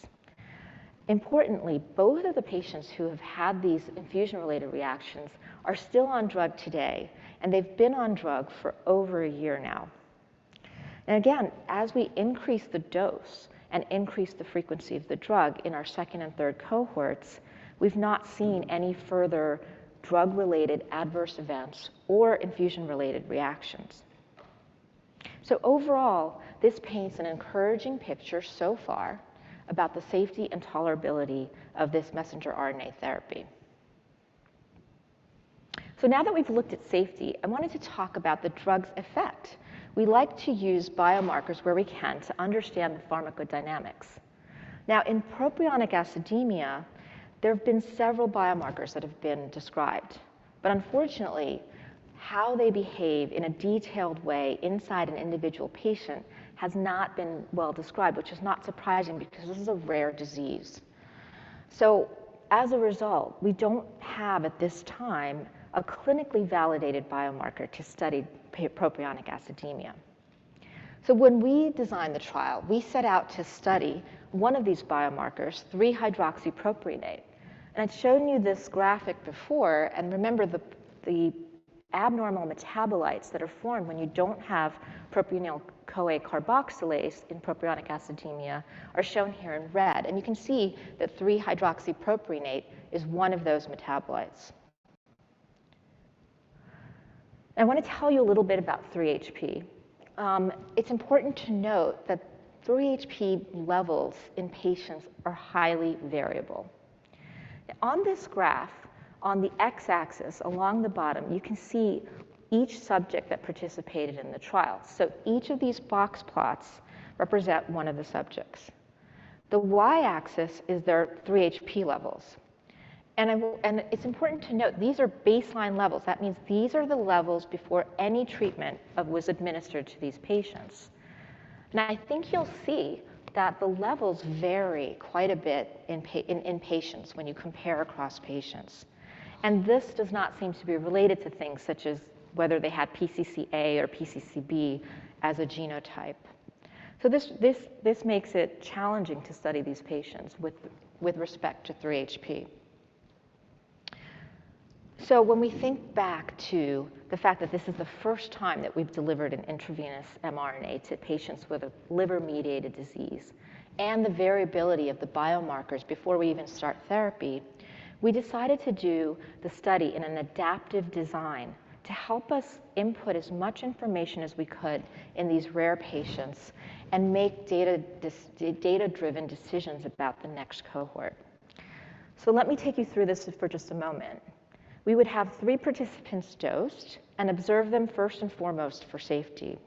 Importantly, both of the patients who have had these infusion-related reactions are still on drug today, and they've been on drug for over a year now. Again, as we increase the dose and increase the frequency of the drug in our second and third cohorts, we've not seen any further drug-related adverse events or infusion-related reactions. Overall, this paints an encouraging picture so far about the safety and tolerability of this messenger RNA therapy. Now that we've looked at safety, I wanted to talk about the drug's effect. We like to use biomarkers where we can to understand the pharmacodynamics. Now, in propionic acidemia, there have been several biomarkers that have been described. Unfortunately, how they behave in a detailed way inside an individual patient has not been well described, which is not surprising because this is a rare disease. As a result, we don't have at this time a clinically validated biomarker to study propionic acidemia. When we designed the trial, we set out to study one of these biomarkers, 3-hydroxypropionate. I'd shown you this graphic before, and remember the abnormal metabolites that are formed when you don't have propionyl-CoA carboxylase in propionic acidemia are shown here in red. You can see that 3-hydroxypropionate is one of those metabolites. I want to tell you a little bit about 3HP. It's important to note that 3HP levels in patients are highly variable. On this graph, on the x-axis along the bottom, you can see each subject that participated in the trial. Each of these box plots represent one of the subjects. The y-axis is their 3HP levels. It's important to note, these are baseline levels. That means these are the levels before any treatment was administered to these patients. Now, I think you'll see that the levels vary quite a bit in patients when you compare across patients. This does not seem to be related to things such as whether they had PCCA or PCCB as a genotype. This makes it challenging to study these patients with respect to 3HP. When we think back to the fact that this is the first time that we've delivered an intravenous mRNA to patients with a liver-mediated disease and the variability of the biomarkers before we even start therapy, we decided to do the study in an adaptive design to help us input as much information as we could in these rare patients and make data-driven decisions about the next cohort. Let me take you through this for just a moment. We would have three participants dosed and observe them first and foremost for safety.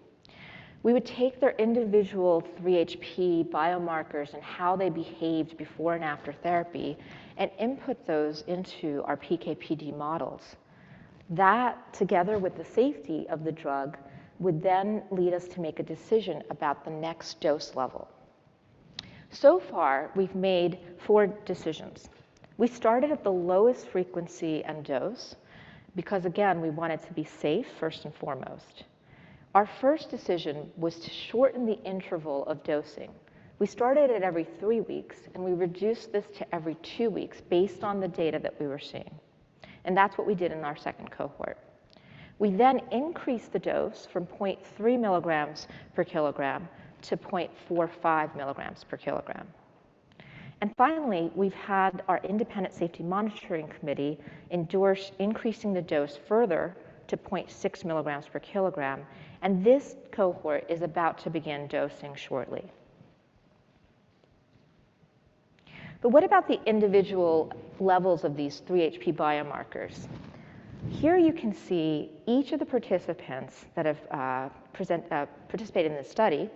We would take their individual 3HP biomarkers and how they behaved before and after therapy and input those into our PKPD models. That, together with the safety of the drug, would then lead us to make a decision about the next dose level. So far, we've made four decisions. We started at the lowest frequency and dose because again, we want it to be safe first and foremost. Our first decision was to shorten the interval of dosing. We started at every three weeks, and we reduced this to every two weeks based on the data that we were seeing. That's what we did in our second cohort. We then increased the dose from 0.3 milligrams per kilogram to 0.45 milligrams per kilogram. Finally, we've had our independent safety monitoring committee endorse increasing the dose further to 0.6 milligrams per kilogram, and this cohort is about to begin dosing shortly. What about the individual levels of these 3HP biomarkers? Here you can see each of the participants that have participated in this study,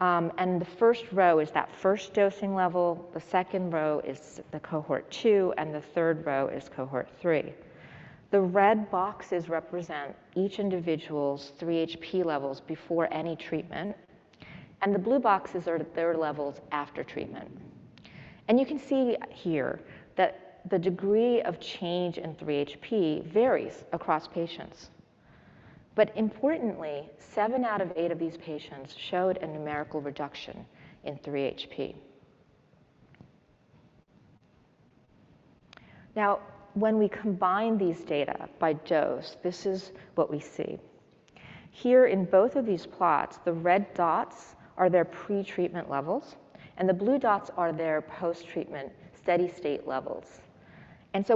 and the first row is that first dosing level, the second row is the cohort two, and the third row is cohort three. The red boxes represent each individual's 3HP levels before any treatment, and the blue boxes are their levels after treatment. You can see here that the degree of change in 3HP varies across patients. Importantly, seven out of eight of these patients showed a numerical reduction in 3HP. Now, when we combine these data by dose, this is what we see. Here in both of these plots, the red dots are their pretreatment levels, and the blue dots are their post-treatment steady-state levels.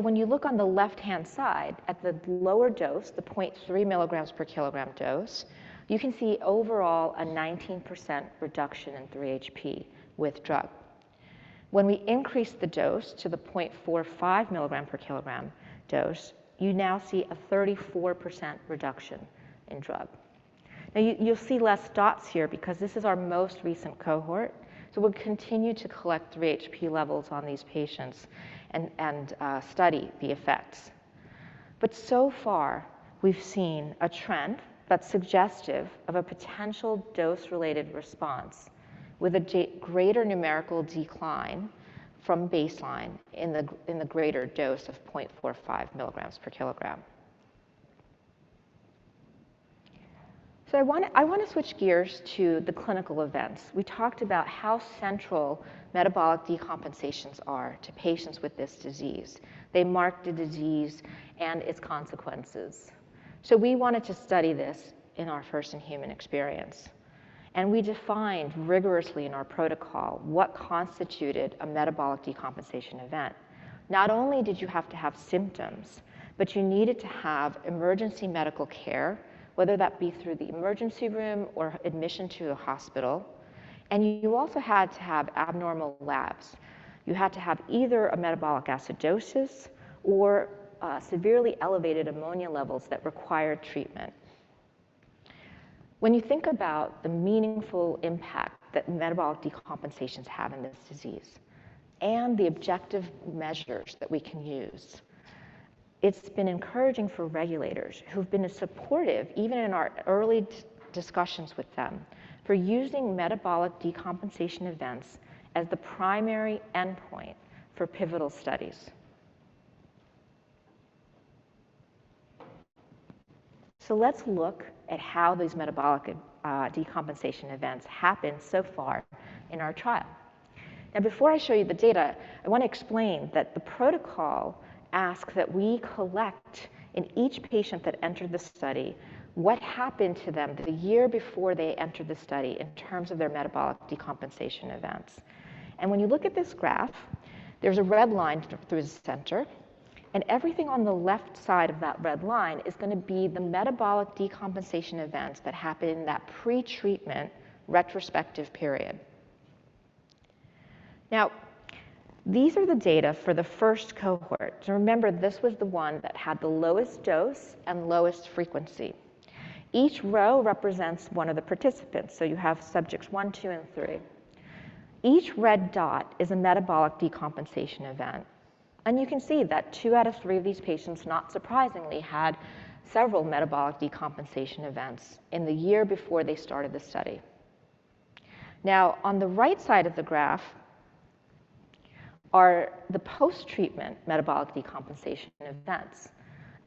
When you look on the left-hand side at the lower dose, the 0.3 milligrams per kilogram dose, you can see overall a 19% reduction in 3 HP with drug. When we increase the dose to the 0.45 milligram per kilogram dose, you now see a 34% reduction in drug. Now you'll see less dots here because this is our most recent cohort, so we'll continue to collect 3 HP levels on these patients and study the effects. But so far, we've seen a trend that's suggestive of a potential dose-related response with a greater numerical decline from baseline in the greater dose of 0.45 milligrams per kilogram. I want to switch gears to the clinical events. We talked about how central metabolic decompensations are to patients with this disease. They mark the disease and its consequences. We wanted to study this in our first-in-human experience, and we defined rigorously in our protocol what constituted a metabolic decompensation event. Not only did you have to have symptoms, but you needed to have emergency medical care, whether that be through the emergency room or admission to a hospital, and you also had to have abnormal labs. You had to have either a metabolic acidosis or severely elevated ammonia levels that required treatment. When you think about the meaningful impact that metabolic decompensations have in this disease and the objective measures that we can use, it's been encouraging for regulators who've been supportive, even in our early discussions with them, for using metabolic decompensation events as the primary endpoint for pivotal studies. Let's look at how these metabolic decompensation events happened so far in our trial. Before I show you the data, I want to explain that the protocol asks that we collect in each patient that entered the study what happened to them the year before they entered the study in terms of their metabolic decompensation events. When you look at this graph, there's a red line through the center, and everything on the left side of that red line is going to be the metabolic decompensation events that happened in that pretreatment retrospective period. Now, these are the data for the first cohort. Remember, this was the one that had the lowest dose and lowest frequency. Each row represents one of the participants, so you have subjects 1, 2, and 3. Each red dot is a metabolic decompensation event. You can see that 2 out of 3 of these patients, not surprisingly, had several metabolic decompensation events in the year before they started the study. Now, on the right side of the graph are the post-treatment metabolic decompensation events.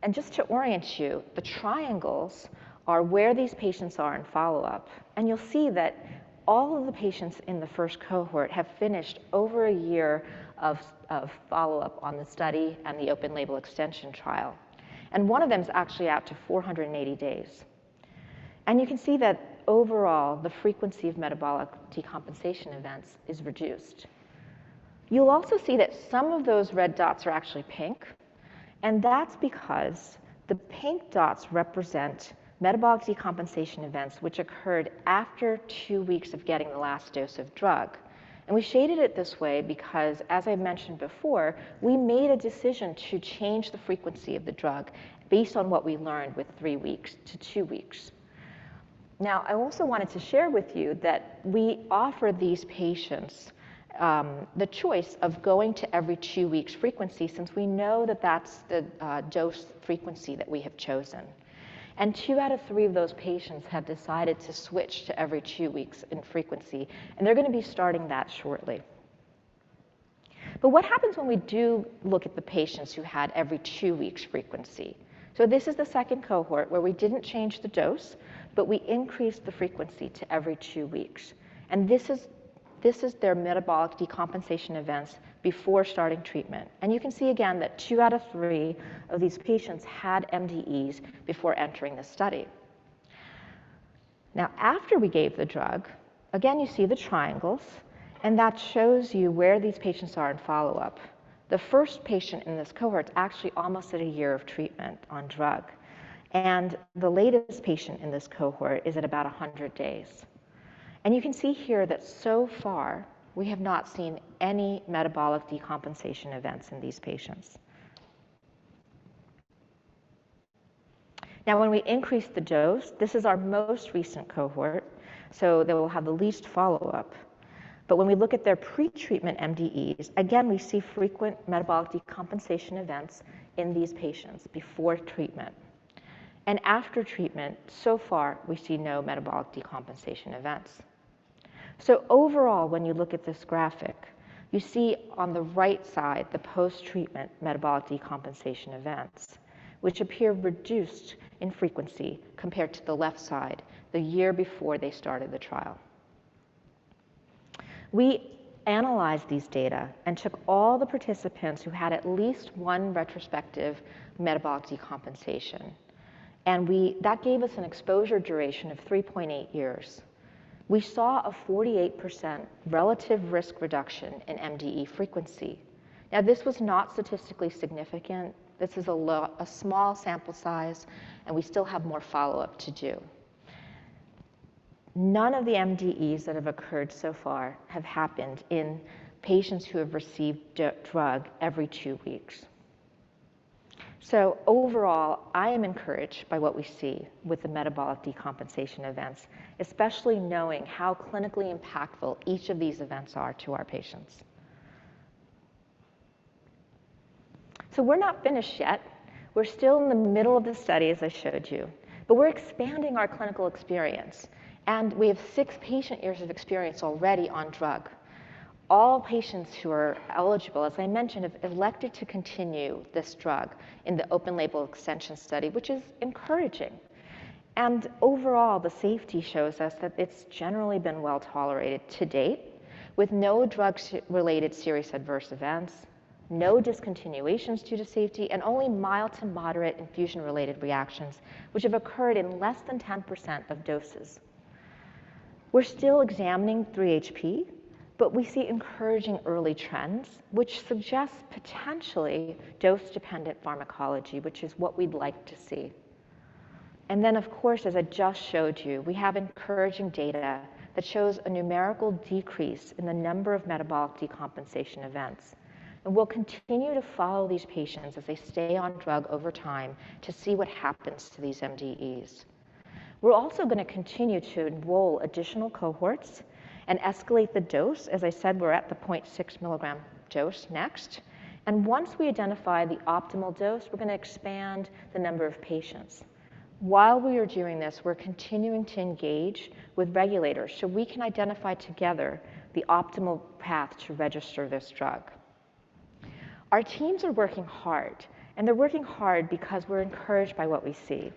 Just to orient you, the triangles are where these patients are in follow-up, and you'll see that all of the patients in the first cohort have finished over a year of follow-up on the study and the open label extension trial, and one of them is actually out to 480 days. You can see that overall the frequency of metabolic decompensation events is reduced. You'll also see that some of those red dots are actually pink, and that's because the pink dots represent metabolic decompensation events which occurred after two weeks of getting the last dose of drug. We shaded it this way because, as I mentioned before, we made a decision to change the frequency of the drug based on what we learned with three weeks to two weeks. Now, I also wanted to share with you that we offer these patients the choice of going to every two weeks frequency since we know that that's the dose frequency that we have chosen. Two out of three of those patients have decided to switch to every two weeks in frequency, and they're going to be starting that shortly. What happens when we do look at the patients who had every two weeks frequency? This is the second cohort where we didn't change the dose, but we increased the frequency to every two weeks. This is their metabolic decompensation events before starting treatment. You can see again that two out of three of these patients had MDEs before entering the study. Now, after we gave the drug, again you see the triangles, and that shows you where these patients are in follow-up. The first patient in this cohort's actually almost at a year of treatment on drug, and the latest patient in this cohort is at about 100 days. You can see here that so far we have not seen any metabolic decompensation events in these patients. When we increase the dose, this is our most recent cohort, so they will have the least follow-up. When we look at their pretreatment MDEs, again, we see frequent metabolic decompensation events in these patients before treatment. After treatment, so far we see no metabolic decompensation events. Overall, when you look at this graphic, you see on the right side the post-treatment metabolic decompensation events, which appear reduced in frequency compared to the left side the year before they started the trial. We analyzed these data and took all the participants who had at least one retrospective metabolic decompensation, and that gave us an exposure duration of 3.8 years. We saw a 48% relative risk reduction in MDE frequency. This was not statistically significant. This is a small sample size, and we still have more follow-up to do. None of the MDEs that have occurred so far have happened in patients who have received the drug every two weeks. Overall, I am encouraged by what we see with the metabolic decompensation events, especially knowing how clinically impactful each of these events are to our patients. We're not finished yet. We're still in the middle of the study, as I showed you, but we're expanding our clinical experience, and we have six patient years of experience already on drug. All patients who are eligible, as I mentioned, have elected to continue this drug in the open label extension study, which is encouraging. Overall, the safety shows us that it's generally been well-tolerated to date, with no drug-related serious adverse events, no discontinuations due to safety, and only mild to moderate infusion-related reactions which have occurred in less than 10% of doses. We're still examining 3HP, but we see encouraging early trends which suggest potentially dose-dependent pharmacology, which is what we'd like to see. Of course, as I just showed you, we have encouraging data that shows a numerical decrease in the number of metabolic decompensation events. We'll continue to follow these patients as they stay on drug over time to see what happens to these MDEs. We're also gonna continue to enroll additional cohorts and escalate the dose. As I said, we're at the 0.6 mg dose next. Once we identify the optimal dose, we're gonna expand the number of patients. While we are doing this, we're continuing to engage with regulators, so we can identify together the optimal path to register this drug. Our teams are working hard, and they're working hard because we're encouraged by what we see.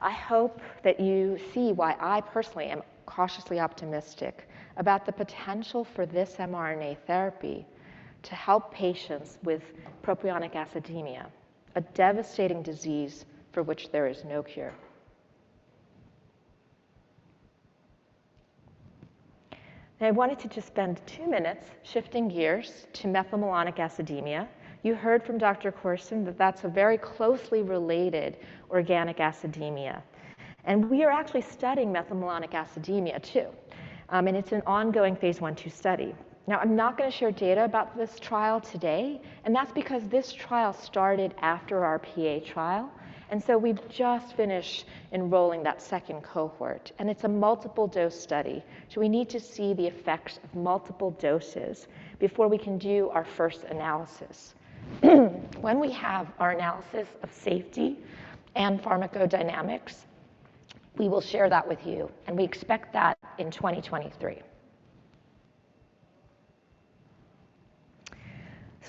I hope that you see why I personally am cautiously optimistic about the potential for this mRNA therapy to help patients with propionic acidemia, a devastating disease for which there is no cure. Now, I wanted to just spend two minutes shifting gears to methylmalonic acidemia. You heard from Dr. Korson that that's a very closely related organic acidemia, and we are actually studying methylmalonic acidemia too. It's an ongoing phase I/II study. I'm not gonna share data about this trial today, and that's because this trial started after our PA trial, and we've just finished enrolling that second cohort, and it's a multiple dose study, so we need to see the effects of multiple doses before we can do our first analysis. When we have our analysis of safety and pharmacodynamics, we will share that with you, and we expect that in 2023.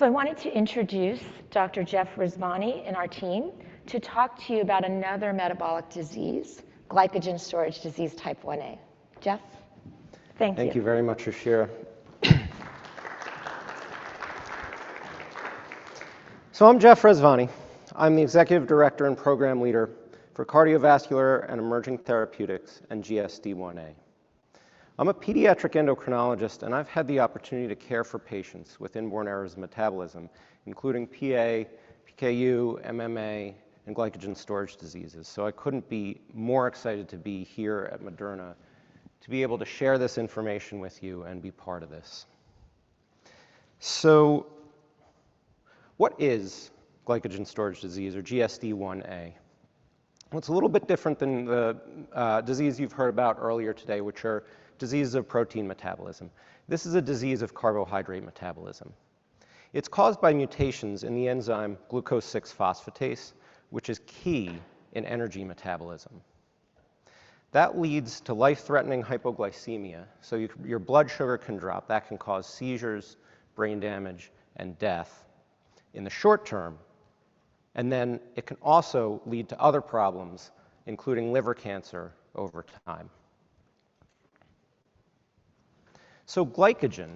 I wanted to introduce Dr. Jeff Rezvani in our team to talk to you about another metabolic disease, glycogen storage disease type 1a. Jeff, thank you. Thank you very much, Ruchira Glaser. I'm Jeff Rezvani. I'm the Executive Director and Program Leader for Cardiovascular and Emerging Therapeutics and GSD1a. I'm a pediatric endocrinologist, and I've had the opportunity to care for patients with inborn errors of metabolism, including PA, PKU, MMA, and glycogen storage diseases. I couldn't be more excited to be here at Moderna to be able to share this information with you and be part of this. What is glycogen storage disease or GSD1a? Well, it's a little bit different than the disease you've heard about earlier today, which are diseases of protein metabolism. This is a disease of carbohydrate metabolism. It's caused by mutations in the enzyme glucose-6-phosphatase, which is key in energy metabolism. That leads to life-threatening hypoglycemia, so your blood sugar can drop. That can cause seizures, brain damage, and death in the short term, and then it can also lead to other problems, including liver cancer over time. Glycogen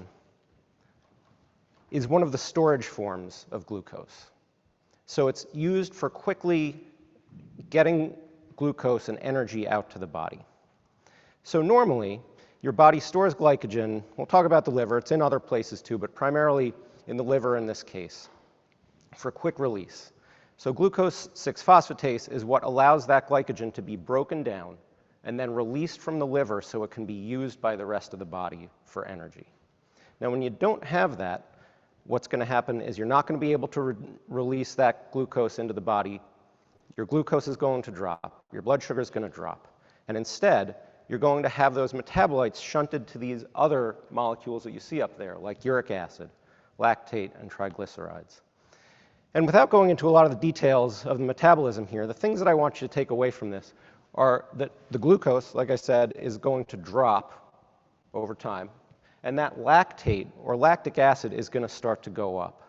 is one of the storage forms of glucose. It's used for quickly getting glucose and energy out to the body. Normally, your body stores glycogen, we'll talk about the liver, it's in other places too, but primarily in the liver in this case for quick release. Glucose-6-phosphatase is what allows that glycogen to be broken down and then released from the liver so it can be used by the rest of the body for energy. Now, when you don't have that, what's gonna happen is you're not gonna be able to re-release that glucose into the body, your glucose is going to drop, your blood sugar is gonna drop, and instead you're going to have those metabolites shunted to these other molecules that you see up there, like uric acid, lactate, and triglycerides. Without going into a lot of the details of the metabolism here, the things that I want you to take away from this are that the glucose, like I said, is going to drop over time, and that lactate or lactic acid is gonna start to go up.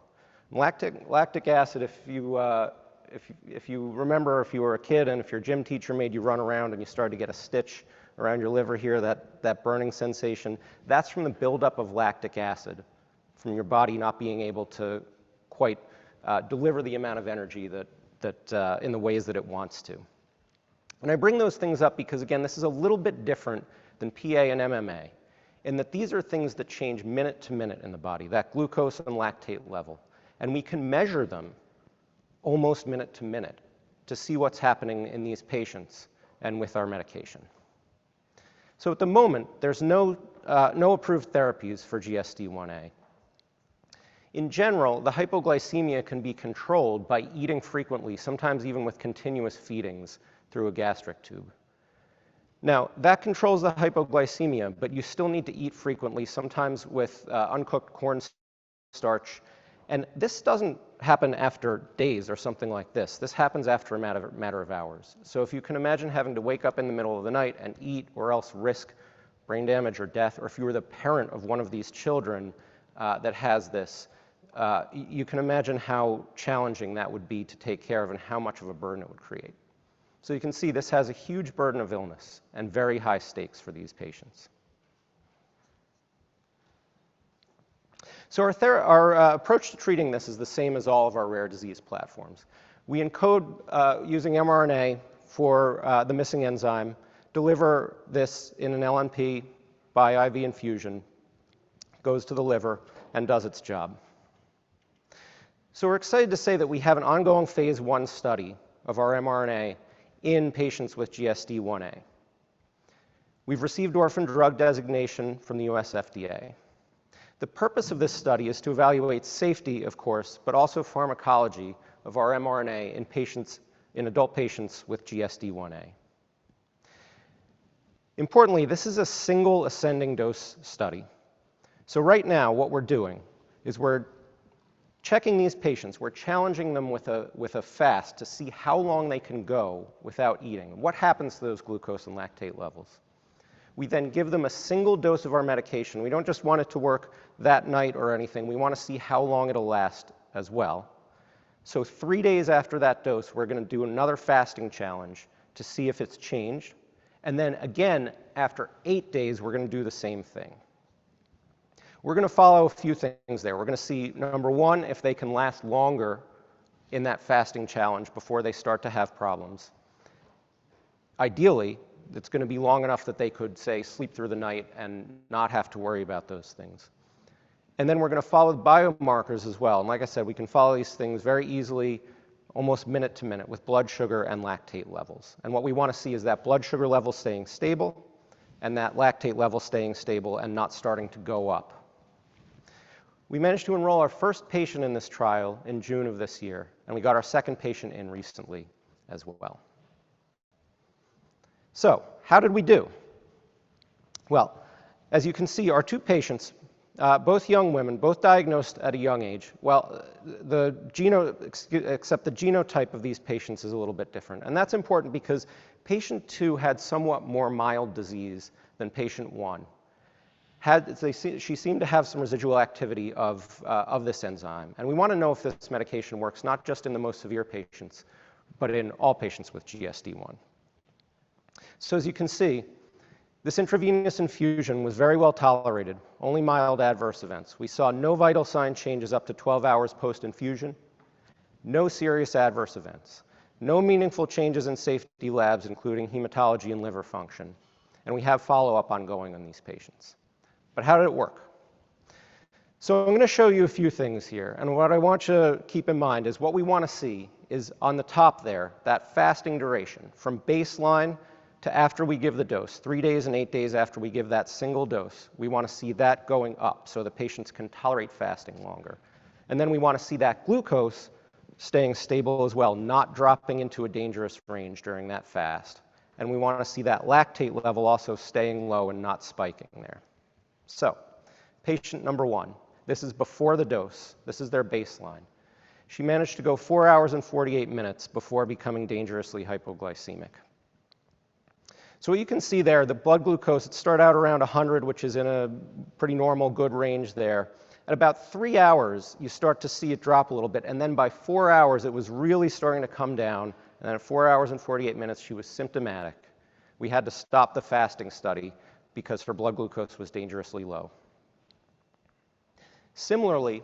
Lactic acid, if you remember if you were a kid and if your gym teacher made you run around and you started to get a stitch around your liver here, that burning sensation, that's from the buildup of lactic acid from your body not being able to quite deliver the amount of energy that in the ways that it wants to. I bring those things up because, again, this is a little bit different than PA and MMA in that these are things that change minute to minute in the body, that glucose and lactate level, and we can measure them almost minute to minute to see what's happening in these patients and with our medication. At the moment, there's no approved therapies for GSD1a. In general, the hypoglycemia can be controlled by eating frequently, sometimes even with continuous feedings through a gastric tube. Now, that controls the hypoglycemia, but you still need to eat frequently, sometimes with uncooked corn starch. This doesn't happen after days or something like this. This happens after a matter of hours. If you can imagine having to wake up in the middle of the night and eat or else risk brain damage or death, or if you were the parent of one of these children, that has this, you can imagine how challenging that would be to take care of and how much of a burden it would create. You can see this has a huge burden of illness and very high stakes for these patients. Our approach to treating this is the same as all of our rare disease platforms. We encode using mRNA for the missing enzyme, deliver this in an LNP by IV infusion, goes to the liver and does its job. We're excited to say that we have an ongoing phase I study of our mRNA in patients with GSD1a. We've received orphan drug designation from the U.S. FDA. The purpose of this study is to evaluate safety, of course, but also pharmacology of our mRNA in adult patients with GSD1a. Importantly, this is a single ascending dose study. Right now what we're doing is we're checking these patients. We're challenging them with a fast to see how long they can go without eating. What happens to those glucose and lactate levels? We then give them a single dose of our medication. We don't just want it to work that night or anything. We wanna see how long it'll last as well. Three days after that dose, we're gonna do another fasting challenge to see if it's changed. Again, after eight days, we're gonna do the same thing. We're gonna follow a few things there. We're gonna see, number one, if they can last longer in that fasting challenge before they start to have problems. Ideally, it's gonna be long enough that they could, say, sleep through the night and not have to worry about those things. We're gonna follow the biomarkers as well. And like I said, we can follow these things very easily almost minute to minute with blood sugar and lactate levels. What we wanna see is that blood sugar level staying stable and that lactate level staying stable and not starting to go up. We managed to enroll our first patient in this trial in June of this year, and we got our second patient in recently as well. How did we do? Well, as you can see, our two patients, both young women, both diagnosed at a young age. Well, except the genotype of these patients is a little bit different. That's important because Patient 2 had somewhat more mild disease than Patient 1. She seemed to have some residual activity of this enzyme. We wanna know if this medication works not just in the most severe patients, but in all patients with GSD1. As you can see, this intravenous infusion was very well tolerated, only mild adverse events. We saw no vital sign changes up to 12 hours post infusion, no serious adverse events, no meaningful changes in safety labs, including hematology and liver function, and we have follow-up ongoing on these patients. How did it work? I'm gonna show you a few things here, and what I want you to keep in mind is what we wanna see is on the top there, that fasting duration from baseline to after we give the dose, 3 days and 8 days after we give that single dose. We wanna see that going up so the patients can tolerate fasting longer. Then we wanna see that glucose staying stable as well, not dropping into a dangerous range during that fast. We wanna see that lactate level also staying low and not spiking there. Patient number one, this is before the dose. This is their baseline. She managed to go 4 hours and 48 minutes before becoming dangerously hypoglycemic. What you can see there, the blood glucose, it started out around 100, which is in a pretty normal good range there. At about 3 hours, you start to see it drop a little bit, and then by 4 hours, it was really starting to come down. Then at 4 hours and 48 minutes, she was symptomatic. We had to stop the fasting study because her blood glucose was dangerously low. Similarly,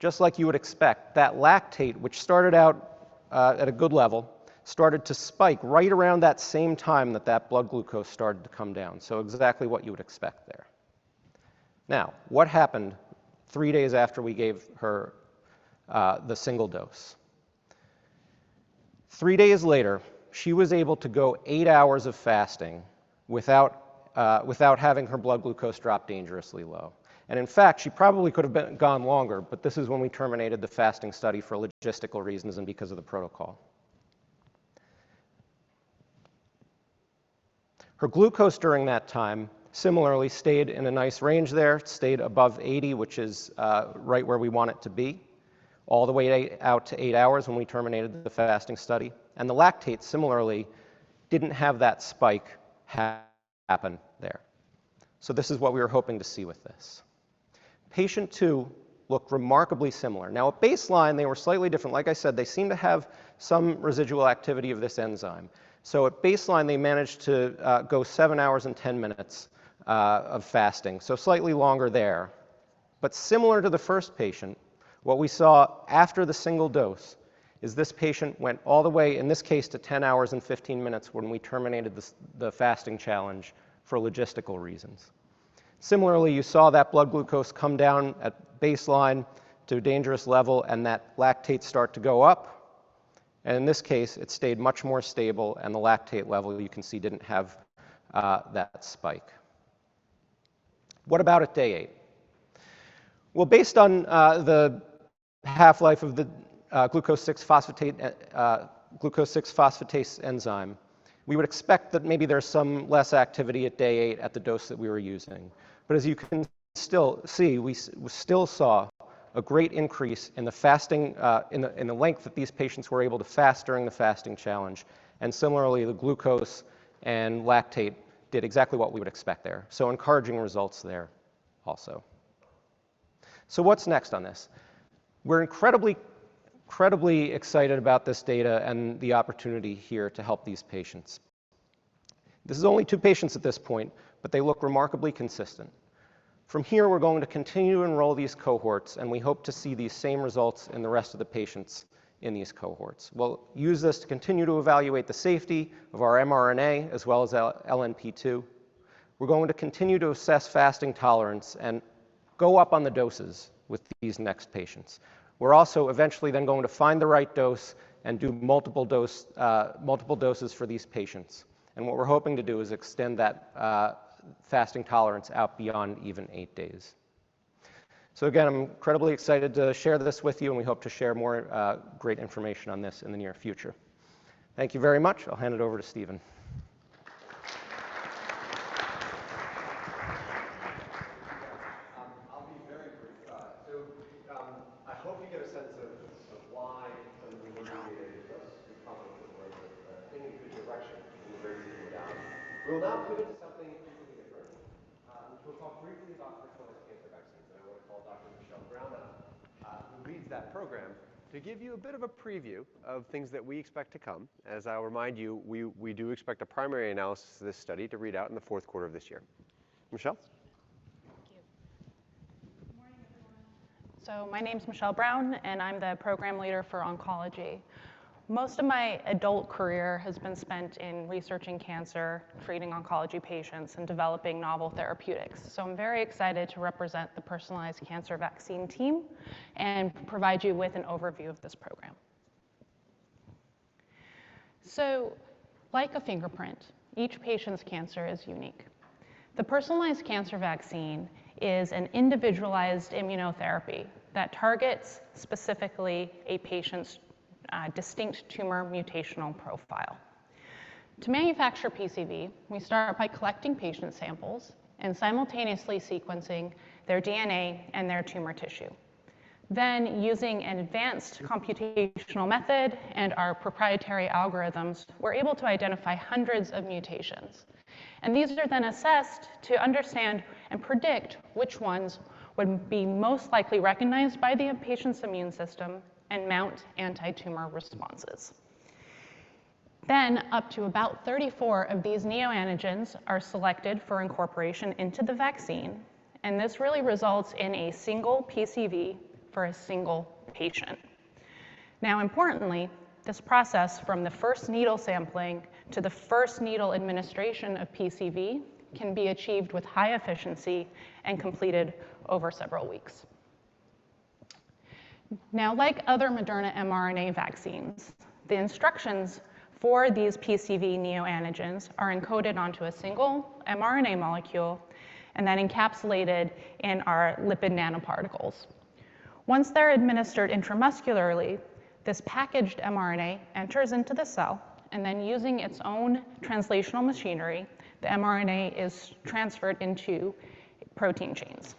just like you would expect, that lactate, which started out at a good level, started to spike right around that same time that that blood glucose started to come down. Exactly what you would expect there. Now, what happened three days after we gave her the single dose? Three days later, she was able to go eight hours of fasting without having her blood glucose drop dangerously low. In fact, she probably could have been gone longer, but this is when we terminated the fasting study for logistical reasons and because of the protocol. Her glucose during that time similarly stayed in a nice range there, stayed above 80, which is right where we want it to be, all the way out to eight hours when we terminated the fasting study. The lactate similarly didn't have that spike happen there. This is what we were hoping to see with this. Patient 2 looked remarkably similar. Now, at baseline, they were slightly different. Like I said, they seem to have some residual activity of this enzyme. At baseline, they managed to go 7 hours and 10 minutes of fasting, so slightly longer there. Similar to the first patient, what we saw after the single dose is this patient went all the way, in this case, to 10 hours and 15 minutes when we terminated the fasting challenge for logistical reasons. Similarly, you saw that blood glucose come down at baseline to a dangerous level, and that lactate start to go up, and in this case, it stayed much more stable, and the lactate level you can see didn't have that spike. What about at day eight? Well, based on the half-life of the glucose-6-phosphatase enzyme, we would expect that maybe there's some less activity at day 8 at the dose that we were using. But as you can still see, we still saw a great increase in the fasting, in the length that these patients were able to fast during the fasting challenge. Similarly, the glucose and lactate did exactly what we would expect there. Encouraging results there also. What's next on this? We're incredibly excited about this data and the opportunity here to help these patients. This is only 2 patients at this point, but they look remarkably consistent. From here, we're going to continue to enroll these cohorts, and we hope to see these same results in the rest of the patients in these cohorts. We'll use this to continue to evaluate the safety of our mRNA as well as LNP002. We're going to continue to assess fasting tolerance and go up on the doses with these next patients. We're also eventually then going to find the right dose and do multiple dose, multiple doses for these patients. What we're hoping to do is extend that fasting tolerance out beyond even eight days. Again, I'm incredibly excited to share this with you, and we hope to share more great information on this in the near future. Thank you very much. I'll hand it over to Stephen. I'll be very brief. I hope you get a sense of why some of the work we did with this, we thought it was worth heading in a good direction, and we're very pleased with that. We will now pivot to something completely different. We'll talk briefly about personalized cancer vaccines, and I want to call Dr. Michelle Brown up, who leads that program, to give you a bit of a preview of things that we expect to come, as I'll remind you, we do expect a primary analysis of this study to read out in the fourth quarter of this year. Michelle. Thank you. Good morning, everyone. My name's Michelle Brown, and I'm the program leader for oncology. Most of my adult career has been spent in researching cancer, treating oncology patients, and developing novel therapeutics. I'm very excited to represent the personalized cancer vaccine team and provide you with an overview of this program. Like a fingerprint, each patient's cancer is unique. The personalized cancer vaccine is an individualized immunotherapy that targets specifically a patient's distinct tumor mutational profile. To manufacture PCV, we start by collecting patient samples and simultaneously sequencing their DNA and their tumor tissue. Using an advanced computational method and our proprietary algorithms, we're able to identify hundreds of mutations, and these are then assessed to understand and predict which ones would be most likely recognized by the patient's immune system and mount antitumor responses. Up to about 34 of these neoantigens are selected for incorporation into the vaccine, and this really results in a single PCV for a single patient. Now importantly, this process from the first needle sampling to the first needle administration of PCV can be achieved with high efficiency and completed over several weeks. Now, like other Moderna mRNA vaccines, the instructions for these PCV neoantigens are encoded onto a single mRNA molecule and then encapsulated in our lipid nanoparticles. Once they're administered intramuscularly, this packaged mRNA enters into the cell, and then using its own translational machinery, the mRNA is translated into proteins.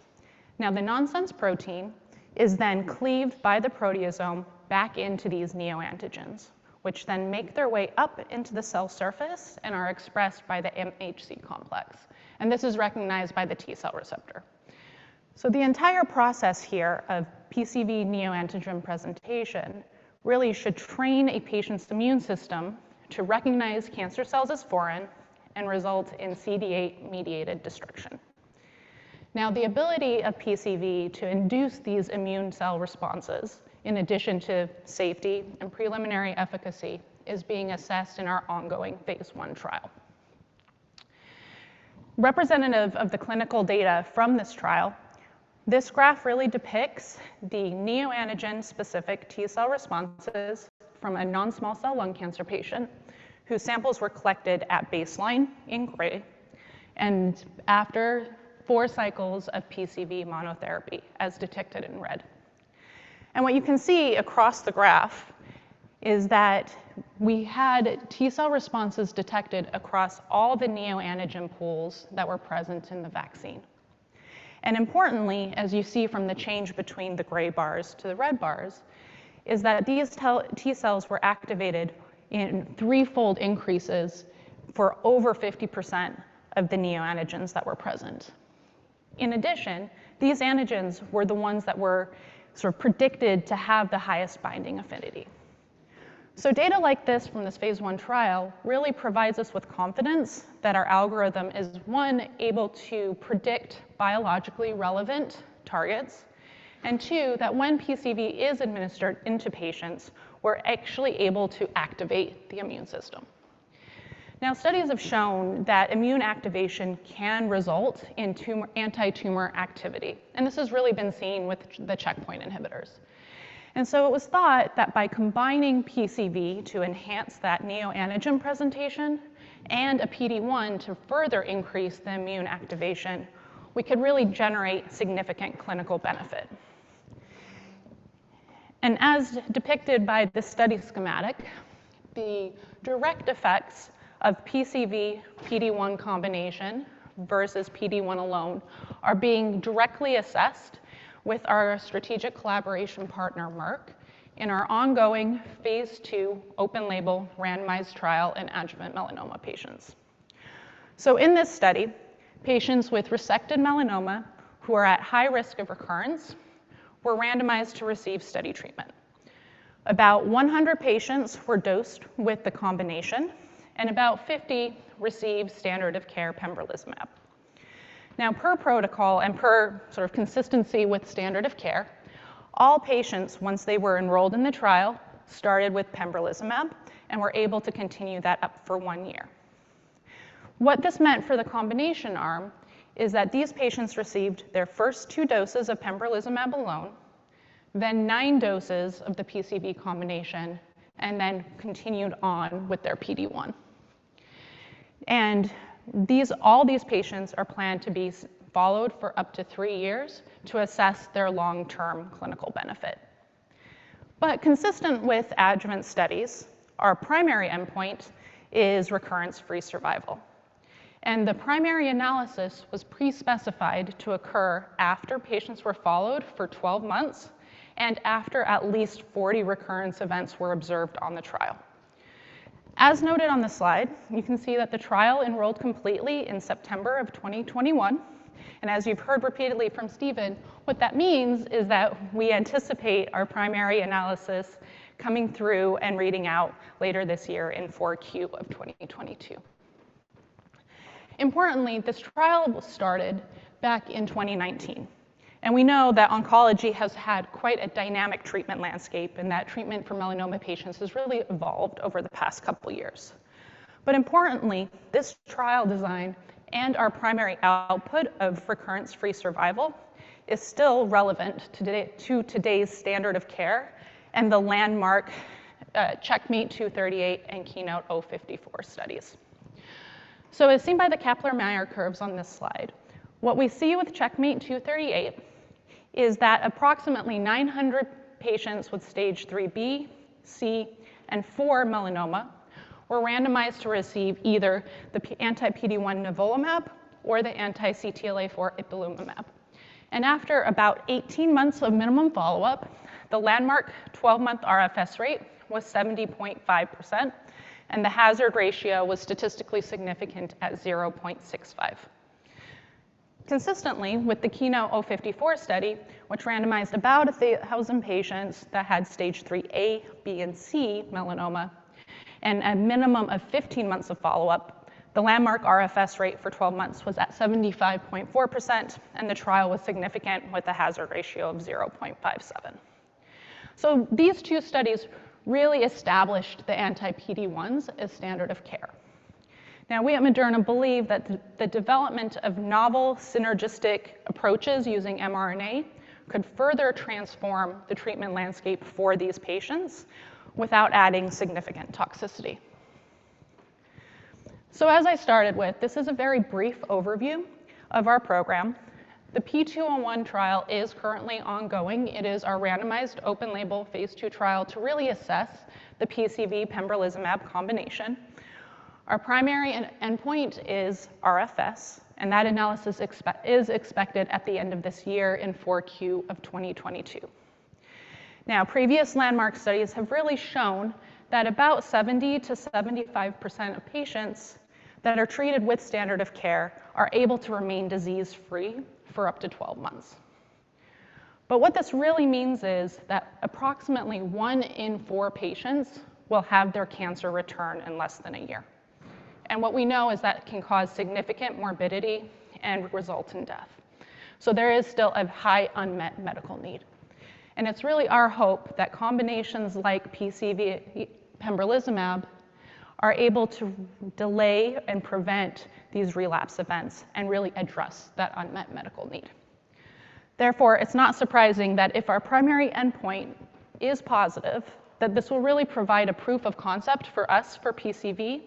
Now the nascent protein is then cleaved by the proteasome back into these neoantigens, which then make their way up into the cell surface and are expressed by the MHC complex. This is recognized by the T cell receptor. The entire process here of PCV neoantigen presentation really should train a patient's immune system to recognize cancer cells as foreign and result in CD8-mediated destruction. Now, the ability of PCV to induce these immune cell responses, in addition to safety and preliminary efficacy, is being assessed in our ongoing phase I trial. Representative of the clinical data from this trial, this graph really depicts the neoantigen-specific T cell responses from a non-small cell lung cancer patient whose samples were collected at baseline in gray and after 4 cycles of PCV monotherapy as detected in red. What you can see across the graph is that we had T cell responses detected across all the neoantigen pools that were present in the vaccine. Importantly, as you see from the change between the gray bars to the red bars, is that these T cells were activated in threefold increases for over 50% of the neoantigens that were present. In addition, these antigens were the ones that were sort of predicted to have the highest binding affinity. Data like this from this phase I trial really provides us with confidence that our algorithm is, one, able to predict biologically relevant targets and two, that when PCV is administered into patients, we're actually able to activate the immune system. Studies have shown that immune activation can result in anti-tumor activity, and this has really been seen with the checkpoint inhibitors. It was thought that by combining PCV to enhance that neoantigen presentation and a PD-1 to further increase the immune activation, we could really generate significant clinical benefit. As depicted by this study schematic, the direct effects of PCV, PD-1 combination versus PD-1 alone are being directly assessed with our strategic collaboration partner, Merck, in our ongoing phase II open-label randomized trial in adjuvant melanoma patients. In this study, patients with resected melanoma who are at high risk of recurrence were randomized to receive study treatment. About 100 patients were dosed with the combination, and about 50 received standard of care pembrolizumab. Now per protocol and per sort of consistency with standard of care, all patients once they were enrolled in the trial started with pembrolizumab and were able to continue that up for one year. What this meant for the combination arm is that these patients received their first 2 doses of pembrolizumab alone, then 9 doses of the PCV combination, and then continued on with their PD-1. All these patients are planned to be followed for up to three years to assess their long-term clinical benefit. Consistent with adjuvant studies, our primary endpoint is recurrence-free survival. The primary analysis was pre-specified to occur after patients were followed for 12 months and after at least 40 recurrence events were observed on the trial. As noted on the slide, you can see that the trial enrolled completely in September of 2021. As you've heard repeatedly from Stephen, what that means is that we anticipate our primary analysis coming through and reading out later this year in Q4 of 2022. Importantly, this trial was started back in 2019, and we know that oncology has had quite a dynamic treatment landscape and that treatment for melanoma patients has really evolved over the past couple years. Importantly, this trial design and our primary output of recurrence-free survival is still relevant today to today's standard of care and the landmark CheckMate 238 and KEYNOTE-054 studies. As seen by the Kaplan-Meier curves on this slide, what we see with CheckMate 238 is that approximately 900 patients with stage three B, C, and four melanoma were randomized to receive either anti-PD-1 nivolumab or anti-CTLA-4 ipilimumab. After about 18 months of minimum follow-up, the landmark 12-month RFS rate was 70.5% and the hazard ratio was statistically significant at 0.65. Consistently with the KEYNOTE-054 study, which randomized about 1,000 patients that had stage IIIA, IIIB, and IIIC melanoma and a minimum of 15 months of follow-up, the landmark RFS rate for 12 months was at 75.4% and the trial was significant with a hazard ratio of 0.57. These two studies really established the anti-PD-1s as standard of care. Now we at Moderna believe that the development of novel synergistic approaches using mRNA could further transform the treatment landscape for these patients without adding significant toxicity. As I started with, this is a very brief overview of our program. The P201 trial is currently ongoing. It is our randomized open label phase II trial to really assess the PCV pembrolizumab combination. Our primary endpoint is RFS, and that analysis is expected at the end of this year in Q4 of 2022. Now previous landmark studies have really shown that about 70%-75% of patients that are treated with standard of care are able to remain disease-free for up to 12 months. What this really means is that approximately one in four patients will have their cancer return in less than a year. What we know is that can cause significant morbidity and result in death. There is still a high unmet medical need, and it's really our hope that combinations like PCV pembrolizumab are able to delay and prevent these relapse events and really address that unmet medical need. Therefore, it's not surprising that if our primary endpoint is positive, that this will really provide a proof of concept for us for PCV,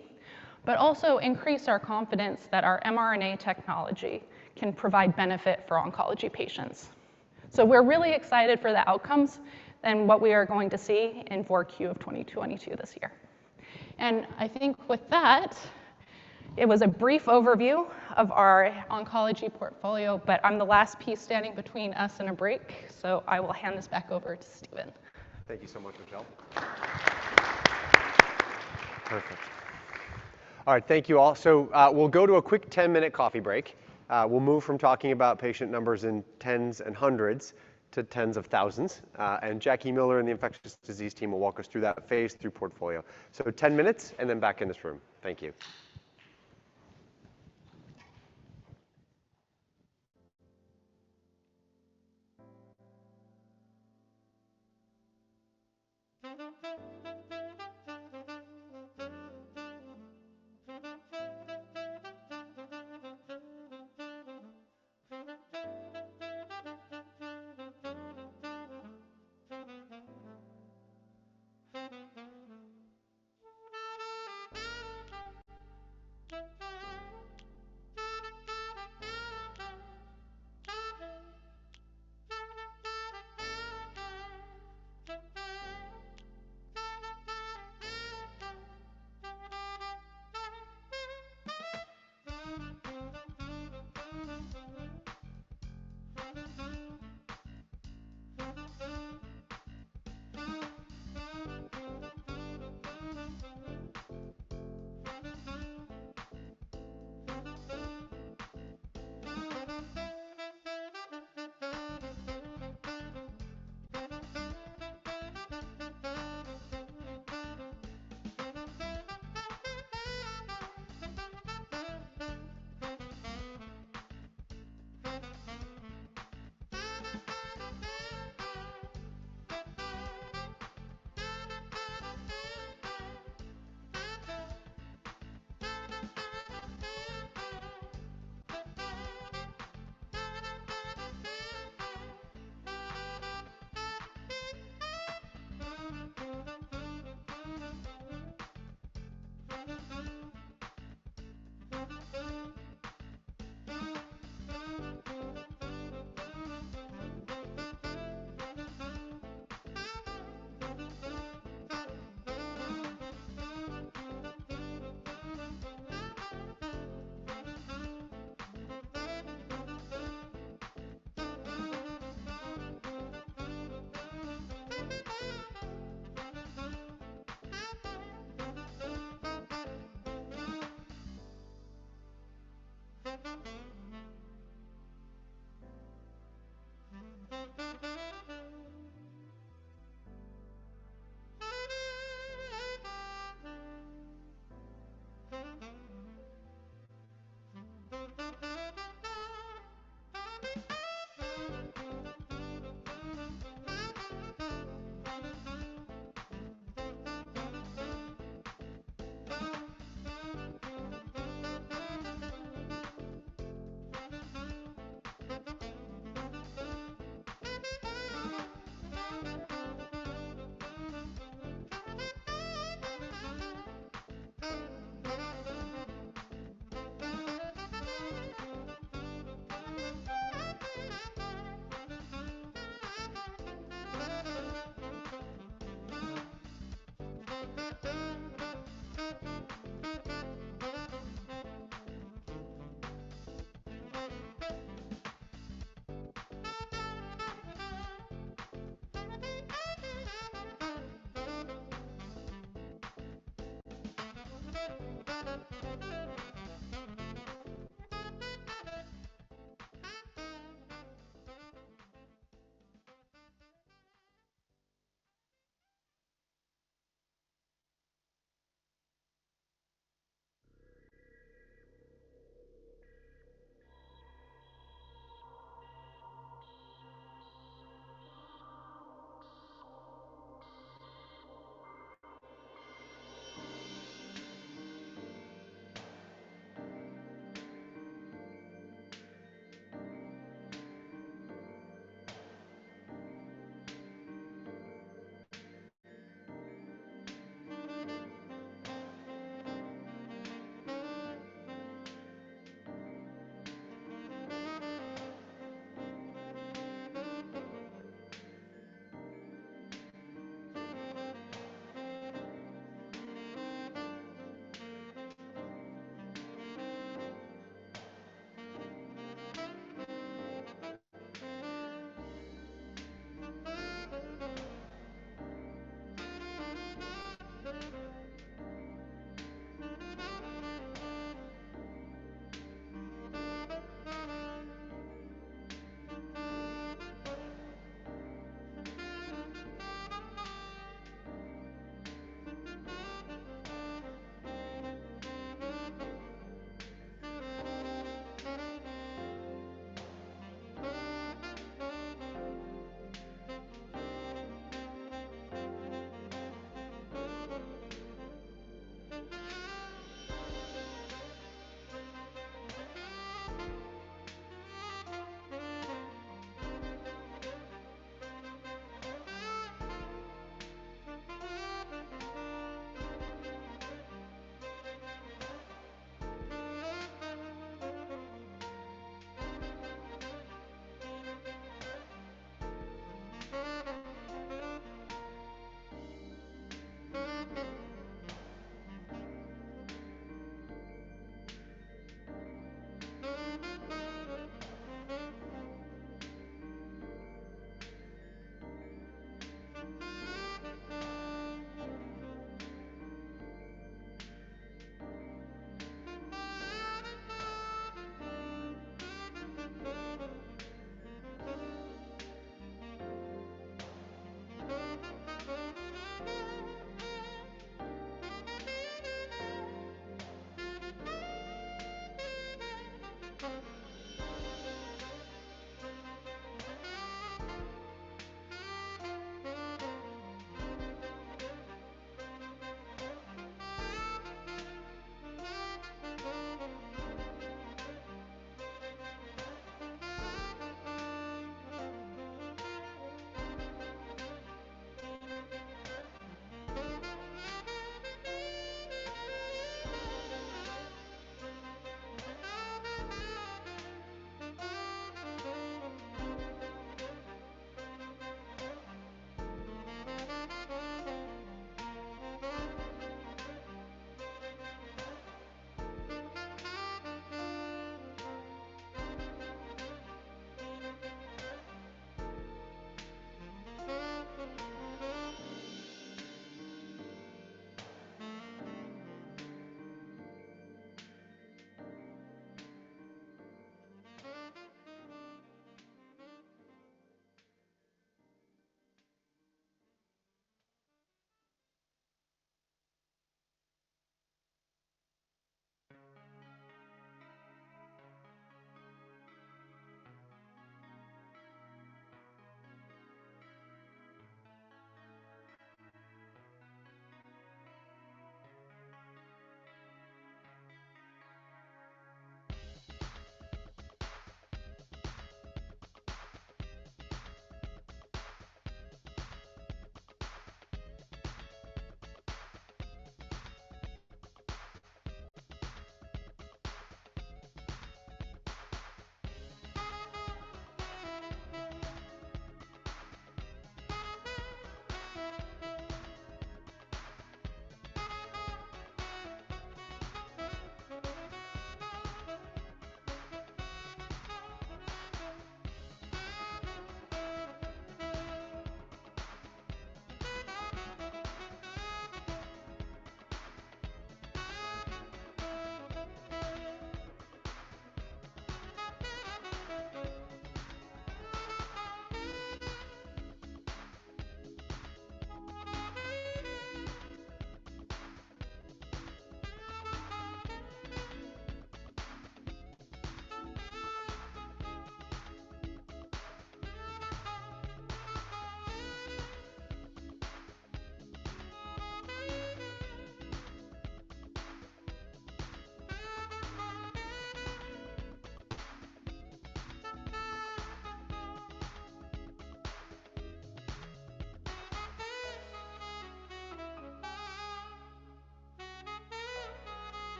but also increase our confidence that our mRNA technology can provide benefit for oncology patients. We're really excited for the outcomes and what we are going to see in Q4 of 2022 this year. I think with that, it was a brief overview of our oncology portfolio, but I'm the last piece standing between us and a break, so I will hand this back over to Stephen. Thank you so much, Michelle. Perfect. All right. Thank you all. We'll go to a quick 10-minute coffee break. We'll move from talking about patient numbers in tens and hundreds to tens of thousands, and Jackie Miller and the infectious disease team will walk us through that phase III portfolio. 10 minutes and then back in this room.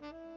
Thank you.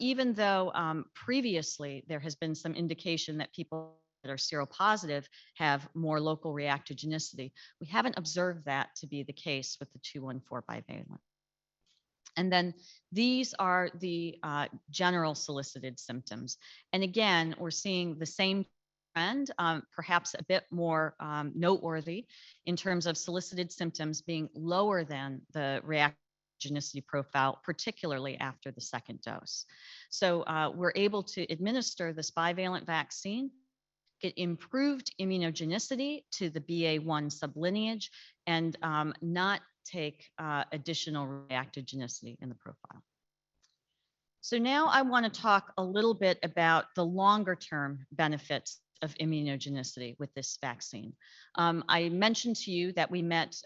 Even though, previously there has been some indication that people that are seropositive have more local reactogenicity, we haven't observed that to be the case with the 214 bivalent. These are the general solicited symptoms. Again, we're seeing the same trend, perhaps a bit more noteworthy in terms of solicited symptoms being lower than the reactogenicity profile, particularly after the second dose. We're able to administer this bivalent vaccine, get improved immunogenicity to the BA.1 sublineage, and not take additional reactogenicity in the profile. Now I wanna talk a little bit about the longer-term benefits of immunogenicity with this vaccine. I mentioned to you that we met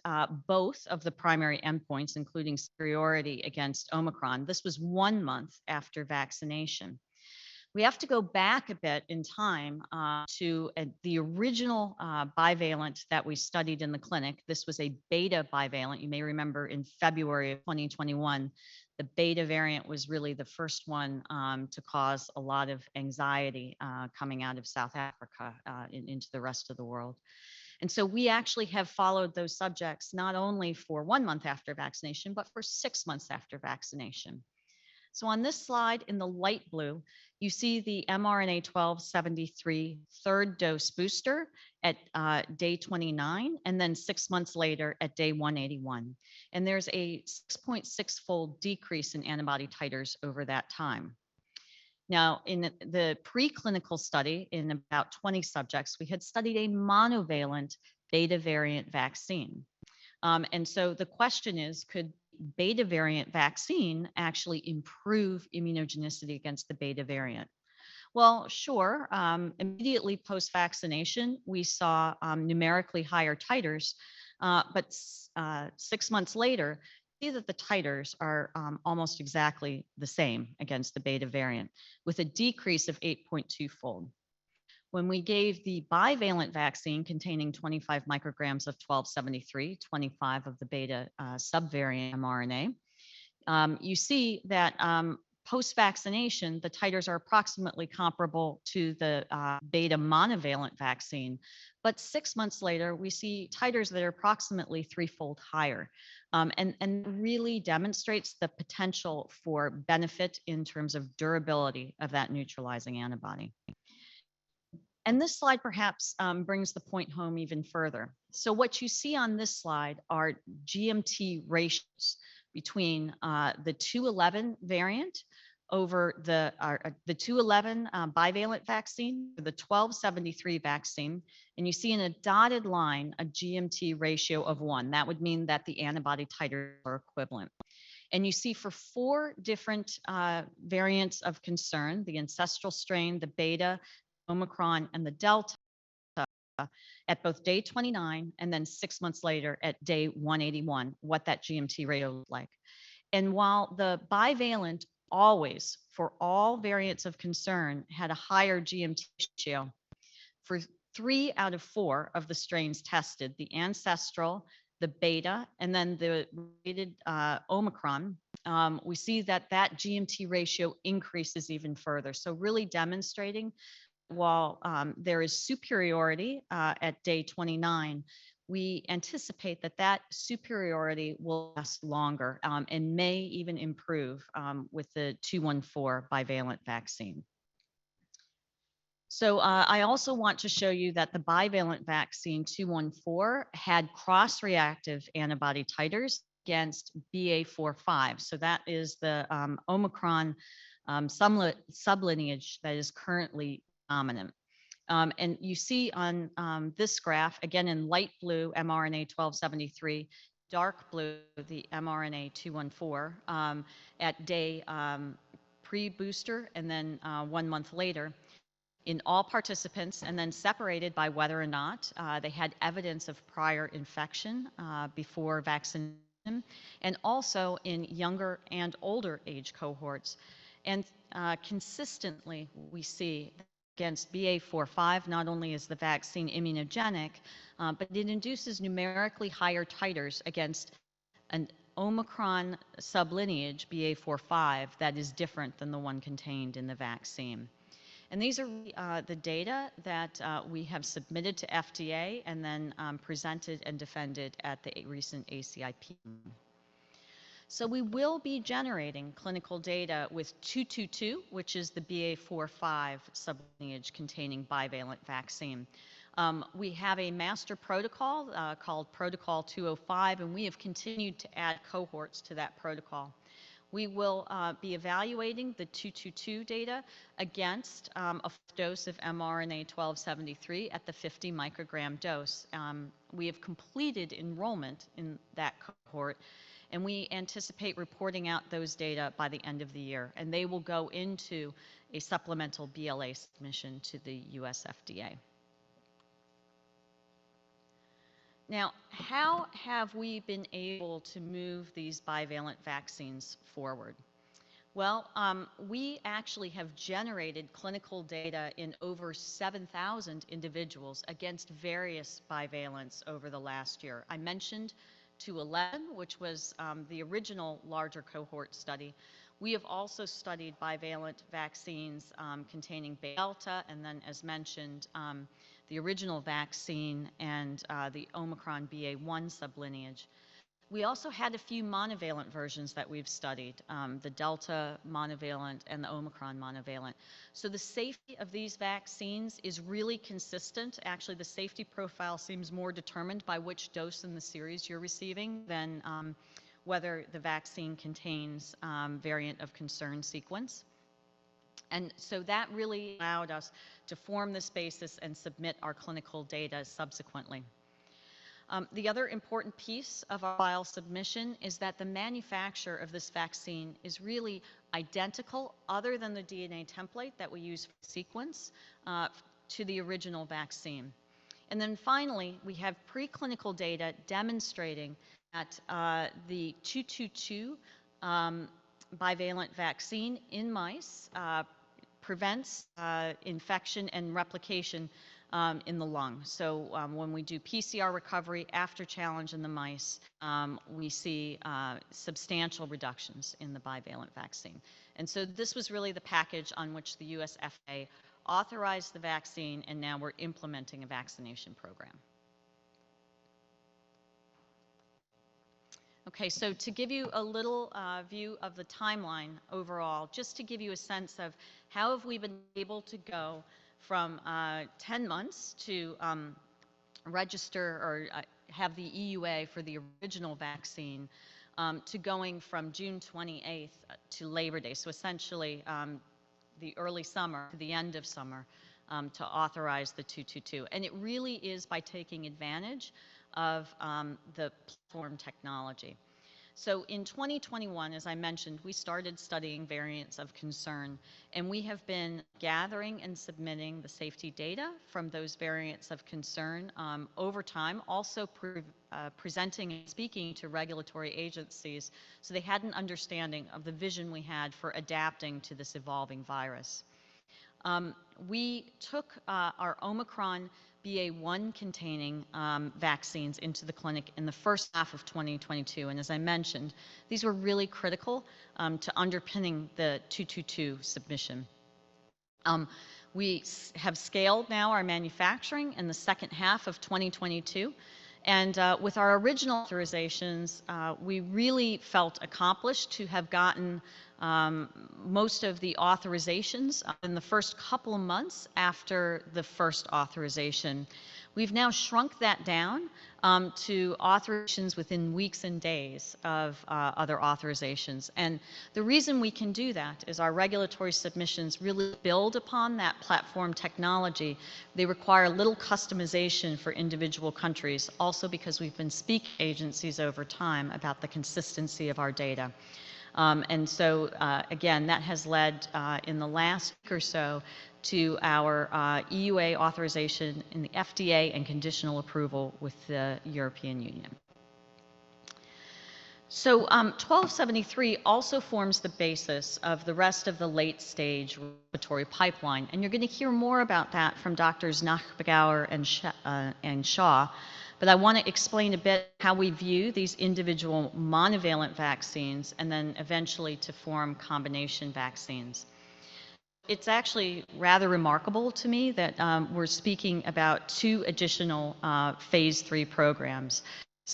both of the primary endpoints, including superiority against Omicron. This was one month after vaccination. We have to go back a bit in time to the original bivalent that we studied in the clinic. This was a Beta bivalent. You may remember in February of 2021, the Beta variant was really the first one to cause a lot of anxiety coming out of South Africa into the rest of the world. We actually have followed those subjects not only for one month after vaccination, but for six months after vaccination. On this slide in the light blue, you see the mRNA-1273 third dose booster at day 29, and then six months later at day 181. There's a 6.6-fold decrease in antibody titers over that time. Now, in the preclinical study in about 20 subjects, we had studied a monovalent Beta variant vaccine. The question is, could Beta variant vaccine actually improve immunogenicity against the Beta variant? Well, sure. Immediately post-vaccination, we saw numerically higher titers, but six months later, the titers are almost exactly the same against the Beta variant with a decrease of 8.2-fold. When we gave the bivalent vaccine containing 25 micrograms of 1273, 25 of the Beta subvariant mRNA, you see that post-vaccination, the titers are approximately comparable to the Beta monovalent vaccine. But six months later, we see titers that are approximately threefold higher, and really demonstrates the potential for benefit in terms of durability of that neutralizing antibody. This slide perhaps brings the point home even further. What you see on this slide are GMT ratios between the 211 variant over the The 211 bivalent vaccine, the 1273 vaccine. You see in a dotted line, a GMT ratio of one. That would mean that the antibody titers are equivalent. You see for four different variants of concern, the ancestral strain, the Beta, Omicron, and the Delta. At both day 29 and then six months later at day 181, what that GMT ratio looked like and while the bivalent always for all variants of concern had a higher GMT ratio for three out of four of the strains tested, the ancestral, the Beta, and then the mutated Omicron, we see that that GMT ratio increases even further. Really demonstrating while there is superiority at day 29, we anticipate that that superiority will last longer and may even improve with the 214 bivalent vaccine. I also want to show you that the bivalent vaccine 214 had cross-reactive antibody titers against BA.4/5. That is the Omicron sublineage that is currently dominant. You see on this graph, again in light blue mRNA-1273, dark blue the mRNA-1273.214 at day pre-booster and then 1 month later in all participants and then separated by whether or not they had evidence of prior infection before vaccination and also in younger and older age cohorts. Consistently we see against BA.4/5, not only is the vaccine immunogenic, but it induces numerically higher titers against an Omicron sublineage BA.4/5 that is different than the one contained in the vaccine. These are the data that we have submitted to FDA and then presented and defended at the recent ACIP meeting. We will be generating clinical data with 222, which is the BA.4/5 sublineage containing bivalent vaccine. We have a master protocol called Protocol 205, and we have continued to add cohorts to that protocol. We will be evaluating the 222 data against a dose of mRNA-1273 at the 50 microgram dose. We have completed enrollment in that cohort, and we anticipate reporting out those data by the end of the year. They will go into a supplemental BLA submission to the U.S. FDA. Now, how have we been able to move these bivalent vaccines forward? Well, we actually have generated clinical data in over 7,000 individuals against various bivalents over the last year. I mentioned 211, which was the original larger cohort study. We have also studied bivalent vaccines containing Beta and then, as mentioned, the original vaccine and the Omicron BA.1 sublineage. We also had a few monovalent versions that we've studied, the Delta monovalent and the Omicron monovalent. The safety of these vaccines is really consistent. Actually, the safety profile seems more determined by which dose in the series you're receiving than whether the vaccine contains variant of concern sequence. That really allowed us to form this basis and submit our clinical data subsequently. The other important piece of our file submission is that the manufacturing of this vaccine is really identical other than the DNA template that we use for sequence to the original vaccine. Finally, we have preclinical data demonstrating that the 222 bivalent vaccine in mice prevents infection and replication in the lung. When we do PCR recovery after challenge in the mice, we see substantial reductions in the bivalent vaccine. This was really the package on which the U.S. FDA authorized the vaccine, and now we're implementing a vaccination program. Okay, to give you a little view of the timeline overall, just to give you a sense of how have we been able to go from 10 months to register or have the EUA for the original vaccine to going from June 28th to Labor Day. Essentially the early summer, the end of summer to authorize the 222. It really is by taking advantage of the platform technology. In 2021, as I mentioned, we started studying variants of concern, and we have been gathering and submitting the safety data from those variants of concern over time, also presenting and speaking to regulatory agencies so they had an understanding of the vision we had for adapting to this evolving virus. We took our Omicron BA.1 containing vaccines into the clinic in the first half of 2022. As I mentioned, these were really critical to underpinning the 222 submission. We have scaled now our manufacturing in the second half of 2022. With our original authorizations, we really felt accomplished to have gotten most of the authorizations in the first couple of months after the first authorization. We've now shrunk that down to authorizations within weeks and days of other authorizations. The reason we can do that is our regulatory submissions really build upon that platform technology. They require little customization for individual countries, also because we've been speaking to agencies over time about the consistency of our data. Again, that has led in the last week or so to our EUA authorization in the FDA and conditional approval with the European Union. 1273 also forms the basis of the rest of the late-stage regulatory pipeline, and you're gonna hear more about that from Doctors Nachbagauer and Shaw. I wanna explain a bit how we view these individual monovalent vaccines, and then eventually to form combination vaccines. It's actually rather remarkable to me that we're speaking about two additional phase III programs.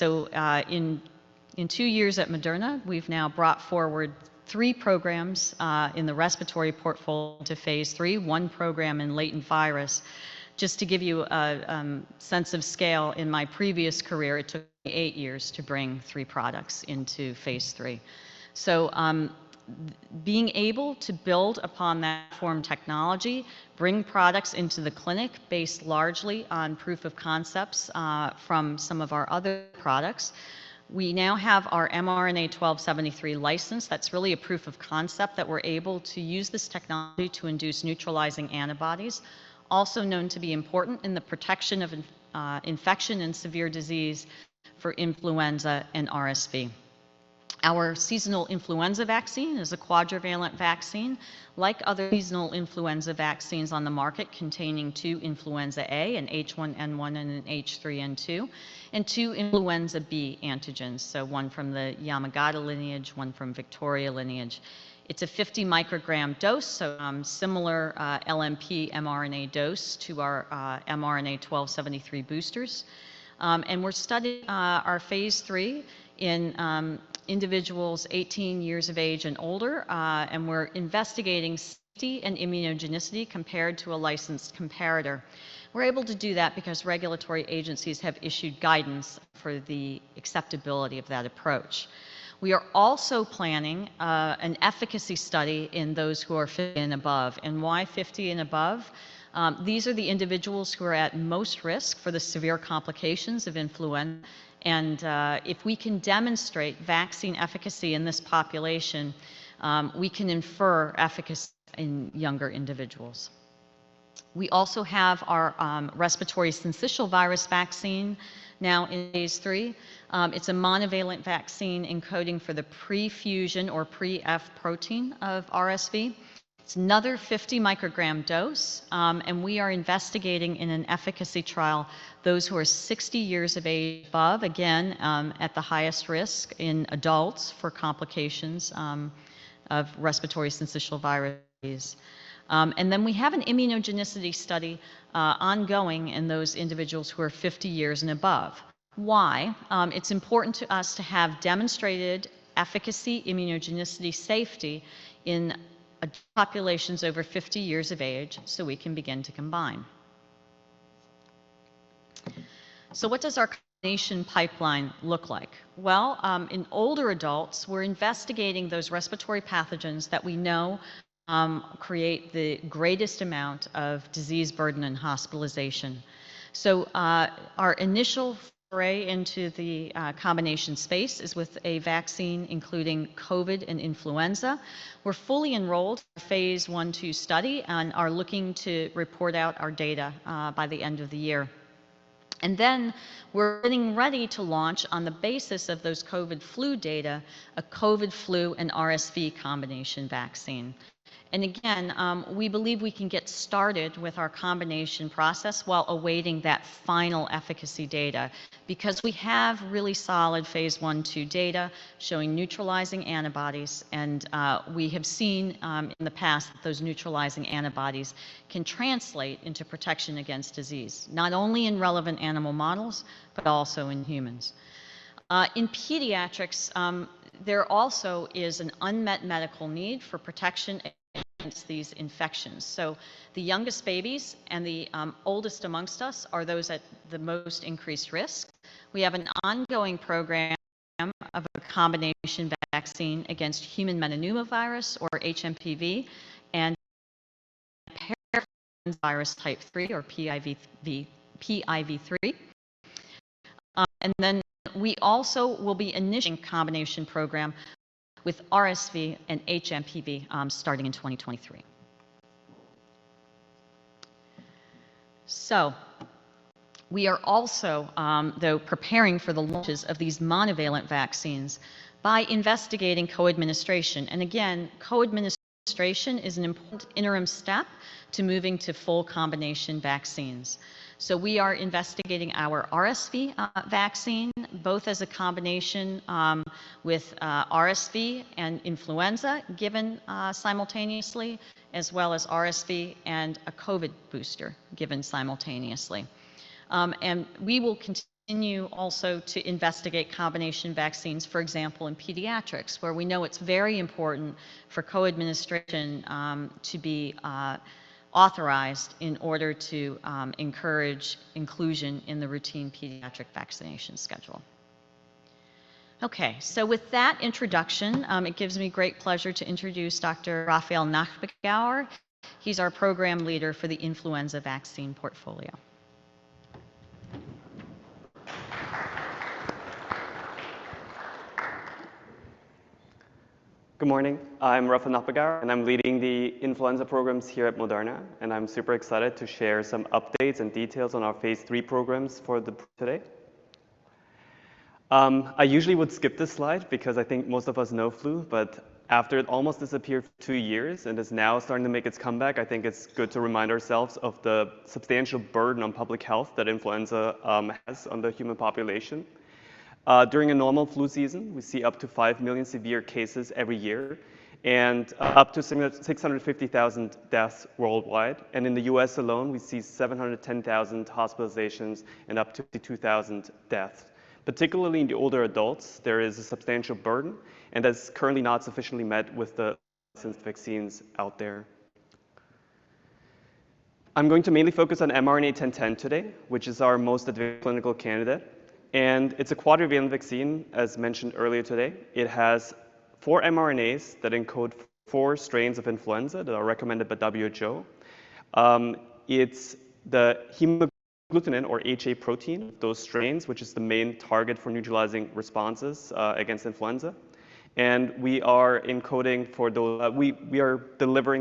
In two years at Moderna, we've now brought forward three programs in the respiratory portfolio to phase III, one program in latent virus. Just to give you a sense of scale, in my previous career, it took me eight years to bring three products into phase III. Being able to build upon that platform technology, bring products into the clinic based largely on proof of concepts from some of our other products. We now have our mRNA-1273 licensed. That's really a proof of concept that we're able to use this technology to induce neutralizing antibodies, also known to be important in the protection of infection and severe disease for influenza and RSV. Our seasonal influenza vaccine is a quadrivalent vaccine like other seasonal influenza vaccines on the market, containing two influenza A, an H1N1 and an H3N2, and two influenza B antigens, so one from the Yamagata lineage, one from Victoria lineage. It's a 50 microgram dose, similar LNP/mRNA dose to our mRNA-1273 boosters. We're studying our phase III in individuals 18 years of age and older, and we're investigating safety and immunogenicity compared to a licensed comparator. We're able to do that because regulatory agencies have issued guidance for the acceptability of that approach. We are also planning an efficacy study in those who are 50 and above. Why 50 and above? These are the individuals who are at most risk for the severe complications of influenza, and if we can demonstrate vaccine efficacy in this population, we can infer efficacy in younger individuals. We also have our respiratory syncytial virus vaccine now in phase III. It's a monovalent vaccine encoding for the pre-fusion or pre-F protein of RSV. It's another 50 microgram dose, and we are investigating in an efficacy trial those who are 60 years of age above, again, at the highest risk in adults for complications, of respiratory syncytial virus disease. We have an immunogenicity study, ongoing in those individuals who are 50 years and above. Why? It's important to us to have demonstrated efficacy, immunogenicity safety in, populations over 50 years of age, so we can begin to combine. What does our combination pipeline look like? Well, in older adults, we're investigating those respiratory pathogens that we know, create the greatest amount of disease burden and hospitalization. Our initial foray into the, combination space is with a vaccine including COVID and influenza. We're fully enrolled in a phase I/II study and are looking to report out our data by the end of the year. We're getting ready to launch on the basis of those COVID flu data a COVID flu and RSV combination vaccine. We believe we can get started with our combination process while awaiting that final efficacy data because we have really solid phase I/II data showing neutralizing antibodies, and we have seen in the past that those neutralizing antibodies can translate into protection against disease, not only in relevant animal models, but also in humans. In pediatrics, there also is an unmet medical need for protection against these infections. The youngest babies and the oldest amongst us are those at the most increased risk. We have an ongoing program of a combination vaccine against human metapneumovirus or HMPV and parainfluenza virus type 3 or PIV3. We also will be initiating a combination program with RSV and HMPV starting in 2023. We are also though preparing for the launches of these monovalent vaccines by investigating co-administration. Again, co-administration is an important interim step to moving to full combination vaccines. We are investigating our RSV vaccine both as a combination with RSV and influenza given simultaneously as well as RSV and a COVID booster given simultaneously. We will continue also to investigate combination vaccines, for example, in pediatrics, where we know it's very important for co-administration to be authorized in order to encourage inclusion in the routine pediatric vaccination schedule. With that introduction, it gives me great pleasure to introduce Dr. Raffael Nachbagauer. He's our program leader for the influenza vaccine portfolio. Good morning. I'm Raffael Nachbagauer, and I'm leading the influenza programs here at Moderna, and I'm super excited to share some updates and details on our phase III programs for today. I usually would skip this slide because I think most of us know flu, but after it almost disappeared for two years and is now starting to make its comeback, I think it's good to remind ourselves of the substantial burden on public health that influenza has on the human population. During a normal flu season, we see up to 5 million severe cases every year and up to 650,000 deaths worldwide. In the US alone, we see 710,000 hospitalizations and up to 2,000 deaths. Particularly in the older adults, there is a substantial burden, and that's currently not sufficiently met with the current vaccines out there. I'm going to mainly focus on mRNA-1010 today, which is our most advanced clinical candidate, and it's a quadrivalent vaccine, as mentioned earlier today. It has four mRNAs that encode four strains of influenza that are recommended by WHO. It's the hemagglutinin or HA protein of those strains, which is the main target for neutralizing responses against influenza. We are delivering the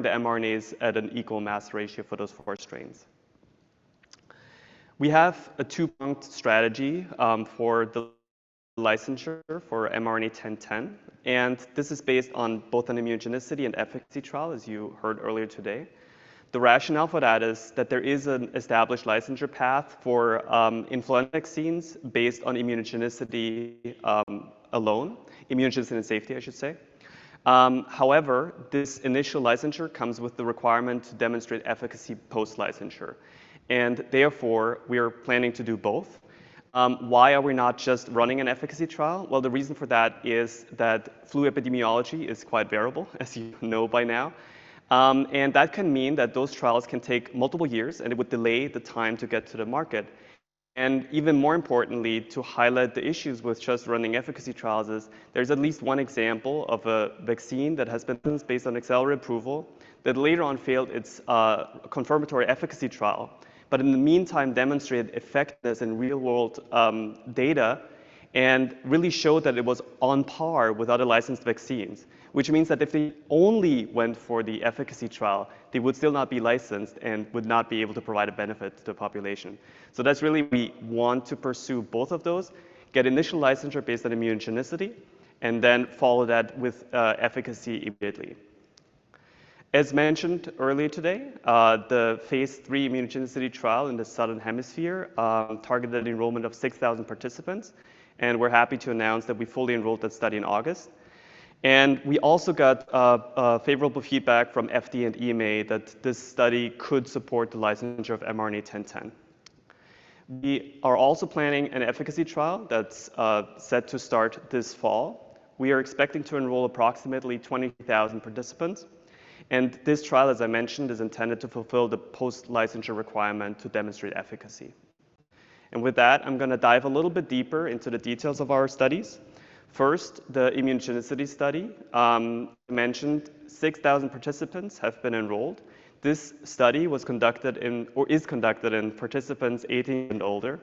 mRNAs at an equal mass ratio for those four strains. We have a two-pronged strategy for the licensure for mRNA-1010, and this is based on both an immunogenicity and efficacy trial, as you heard earlier today. The rationale for that is that there is an established licensure path for influenza vaccines based on immunogenicity alone, immunogenicity and safety, I should say. However, this initial licensure comes with the requirement to demonstrate efficacy post-licensure, and therefore, we are planning to do both. Why are we not just running an efficacy trial? Well, the reason for that is that flu epidemiology is quite variable, as you know by now. That can mean that those trials can take multiple years, and it would delay the time to get to the market. Even more importantly, to highlight the issues with just running efficacy trials is there's at least one example of a vaccine that has been based on accelerated approval that later on failed its confirmatory efficacy trial, but in the meantime, demonstrated effectiveness in real-world data and really showed that it was on par with other licensed vaccines, which means that if they only went for the efficacy trial, they would still not be licensed and would not be able to provide a benefit to the population. That's really why we want to pursue both of those, get initial licensure based on immunogenicity, and then follow that with efficacy immediately. As mentioned earlier today, the phase III immunogenicity trial in the Southern Hemisphere targeted enrollment of 6,000 participants, and we're happy to announce that we fully enrolled that study in August. We also got favorable feedback from FDA and EMA that this study could support the licensure of mRNA-1010. We are also planning an efficacy trial that's set to start this fall. We are expecting to enroll approximately 20,000 participants, and this trial, as I mentioned, is intended to fulfill the post-licensure requirement to demonstrate efficacy. With that, I'm gonna dive a little bit deeper into the details of our studies. First, the immunogenicity study mentioned 6,000 participants have been enrolled. This study was conducted in, or is conducted in participants 18 and older.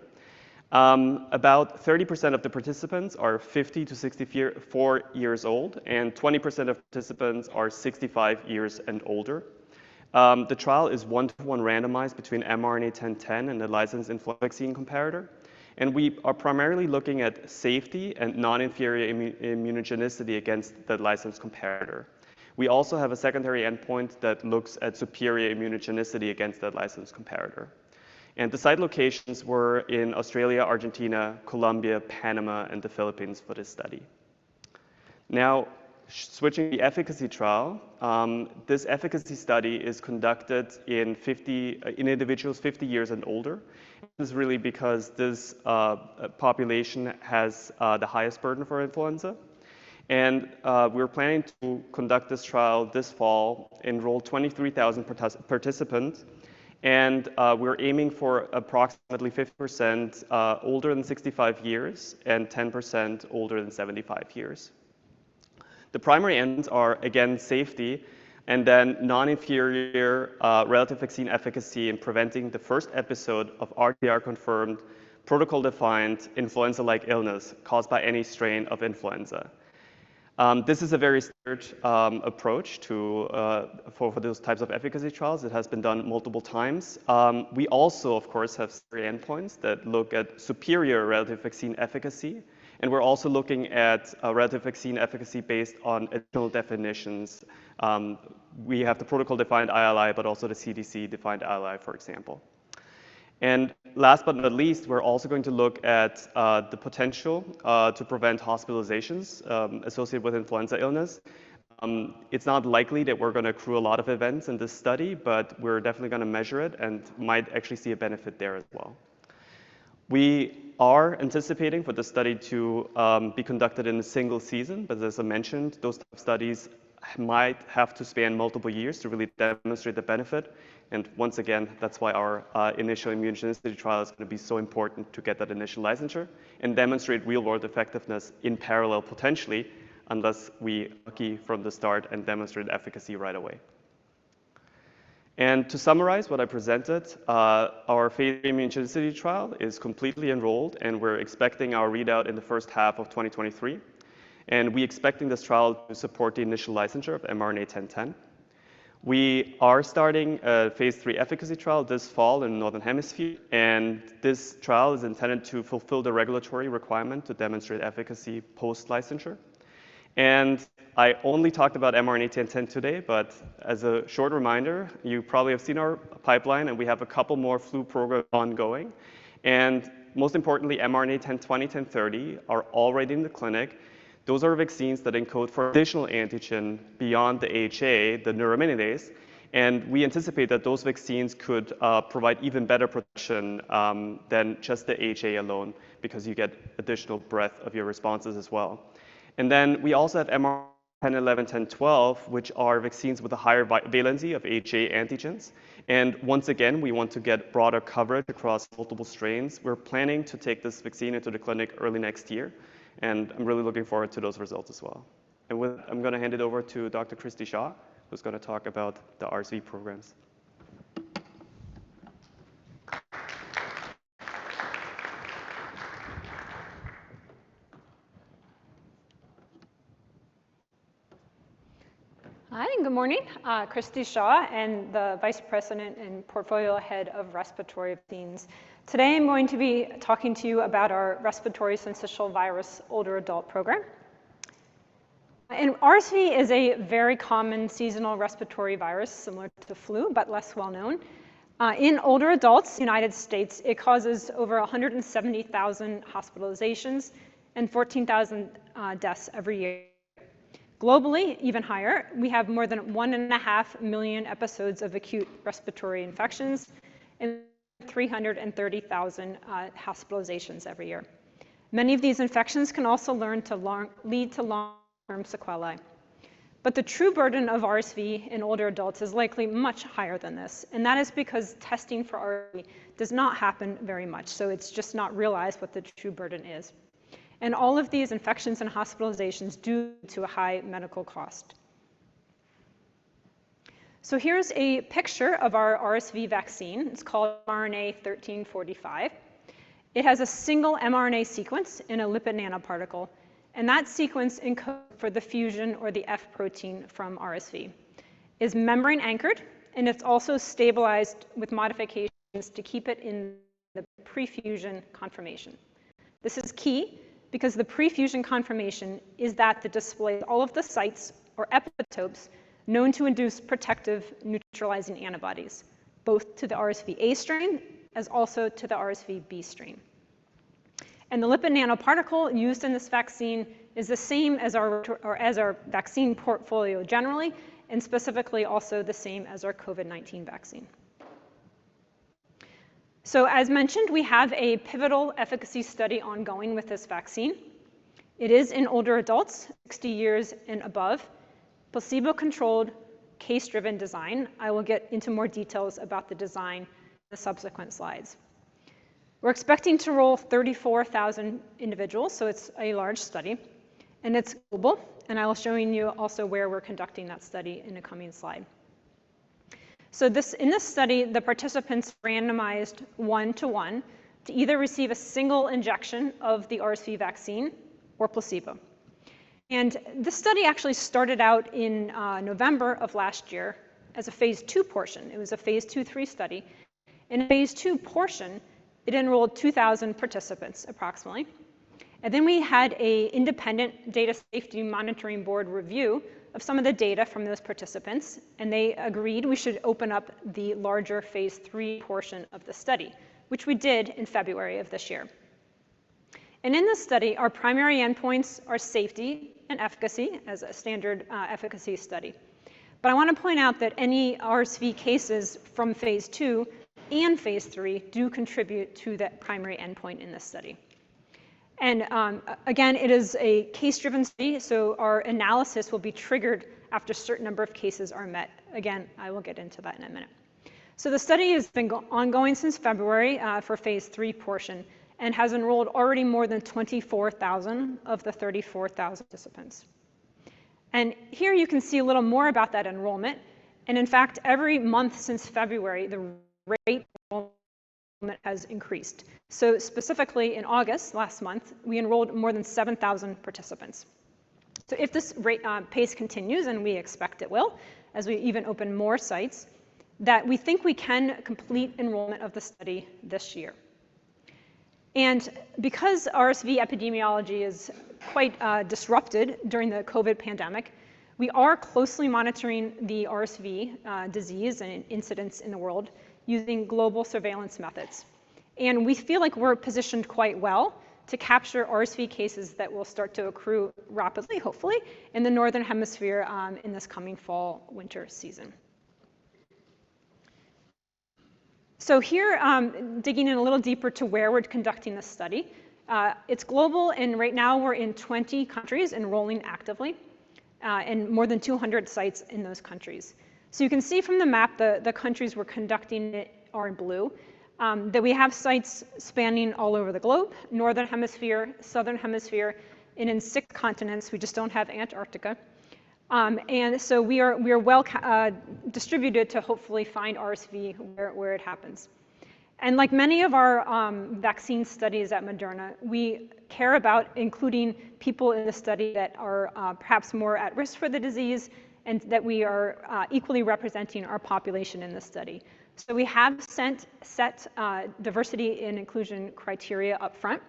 About 30% of the participants are 50-64 years old, and 20% of participants are 65 years and older. The trial is 1:1 randomized between mRNA-1010 and the licensed influenza vaccine comparator, and we are primarily looking at safety and non-inferior immunogenicity against the licensed comparator. We also have a secondary endpoint that looks at superior immunogenicity against that licensed comparator. The site locations were in Australia, Argentina, Colombia, Panama, and the Philippines for this study. Now, switching to the efficacy trial. This efficacy study is conducted in individuals 50 years and older. This is really because this population has the highest burden for influenza. We're planning to conduct this trial this fall, enroll 23,000 participants, and we're aiming for approximately 50% older than 65 years and 10% older than 75 years. The primary ends are, again, safety and then non-inferior relative vaccine efficacy in preventing the first episode of RT-PCR-confirmed protocol-defined influenza-like illness caused by any strain of influenza. This is a very standard approach for those types of efficacy trials. It has been done multiple times. We also, of course, have three endpoints that look at superior relative vaccine efficacy, and we're also looking at relative vaccine efficacy based on additional definitions. We have the protocol-defined ILI, but also the CDC-defined ILI, for example. Last but not least, we're also going to look at the potential to prevent hospitalizations associated with influenza illness. It's not likely that we're gonna accrue a lot of events in this study, but we're definitely gonna measure it and might actually see a benefit there as well. We are anticipating for the study to be conducted in a single season, but as I mentioned, those type of studies might have to span multiple years to really demonstrate the benefit. Once again, that's why our initial immunogenicity trial is going to be so important to get that initial licensure and demonstrate real-world effectiveness in parallel, potentially, unless we are lucky from the start and demonstrate efficacy right away. To summarize what I presented, our phase immunogenicity trial is completely enrolled, and we're expecting our readout in the first half of 2023. We expecting this trial to support the initial licensure of mRNA-1010. We are starting a phase III efficacy trial this fall in Northern Hemisphere, and this trial is intended to fulfill the regulatory requirement to demonstrate efficacy post-licensure. I only talked about mRNA-1010 today, but as a short reminder, you probably have seen our pipeline, and we have a couple more flu programs ongoing. Most importantly, mRNA-1020, mRNA-1030 are already in the clinic. Those are vaccines that encode for additional antigen beyond the HA, the neuraminidase, and we anticipate that those vaccines could provide even better protection than just the HA alone because you get additional breadth of your responses as well. Then we also have mRNA-1011, mRNA-1012, which are vaccines with a higher valency of HA antigens. Once again, we want to get broader coverage across multiple strains. We're planning to take this vaccine into the clinic early next year, and I'm really looking forward to those results as well. I'm gonna hand it over to Dr. Christy Shaw, who's gonna talk about the RSV programs. Hi, good morning. Christy Shaw, Vice President and Portfolio Head of Respiratory Vaccines. Today, I'm going to be talking to you about our respiratory syncytial virus older adult program. RSV is a very common seasonal respiratory virus, similar to the flu, but less well-known. In older adults in the United States, it causes over 170,000 hospitalizations and 14,000 deaths every year. Globally, even higher, we have more than 1.5 million episodes of acute respiratory infections and 330,000 hospitalizations every year. Many of these infections can also lead to long-term sequelae. The true burden of RSV in older adults is likely much higher than this, and that is because testing for RSV does not happen very much, so it's just not realized what the true burden is. All of these infections and hospitalizations due to a high medical cost. Here's a picture of our RSV vaccine. It's called mRNA-1345. It has a single mRNA sequence in a lipid nanoparticle, and that sequence encode for the fusion, or the F protein from RSV. It's membrane-anchored, and it's also stabilized with modifications to keep it in the prefusion conformation. This is key because the prefusion conformation is that display all of the sites or epitopes known to induce protective neutralizing antibodies, both to the RSV-A strain, as also to the RSV-B strain. The lipid nanoparticle used in this vaccine is the same as our vaccine portfolio generally, and specifically also the same as our COVID-19 vaccine. As mentioned, we have a pivotal efficacy study ongoing with this vaccine. It is in older adults 60 years and above, placebo-controlled case-driven design. I will get into more details about the design in the subsequent slides. We're expecting to enroll 34,000 individuals, so it's a large study, and it's global. I'll show you also where we're conducting that study in a coming slide. In this study, the participants randomized 1:1 to either receive a single injection of the RSV vaccine or placebo. This study actually started out in November of last year as a phase II portion. It was a phase II/III study. In the phase II portion, it enrolled approximately 2,000 participants. Then we had an independent data safety monitoring board review of some of the data from those participants, and they agreed we should open up the larger phase III portion of the study, which we did in February of this year. In this study, our primary endpoints are safety and efficacy as a standard efficacy study. But I wanna point out that any RSV cases from phase II and phase III do contribute to that primary endpoint in this study. Again, it is a case-driven study, so our analysis will be triggered after a certain number of cases are met. Again, I will get into that in a minute. The study has been ongoing since February for phase III portion and has enrolled already more than 24,000 of the 34,000 participants. Here you can see a little more about that enrollment, and in fact, every month since February, the rate of enrollment has increased. Specifically in August, last month, we enrolled more than 7,000 participants. If this rate, pace continues, and we expect it will, as we even open more sites, that we think we can complete enrollment of the study this year. Because RSV epidemiology is quite disrupted during the COVID pandemic, we are closely monitoring the RSV disease and incidence in the world using global surveillance methods. We feel like we're positioned quite well to capture RSV cases that will start to accrue rapidly, hopefully, in the Northern Hemisphere, in this coming fall/winter season. Here, digging in a little deeper to where we're conducting this study. It's global, and right now we're in 20 countries enrolling actively, and more than 200 sites in those countries. You can see from the map the countries we're conducting it are in blue, that we have sites spanning all over the globe, Northern Hemisphere, Southern Hemisphere, and in six continents. We just don't have Antarctica. We are well distributed to hopefully find RSV where it happens. Like many of our vaccine studies at Moderna, we care about including people in the study that are perhaps more at risk for the disease and that we are equally representing our population in the study. We have set diversity and inclusion criteria up front.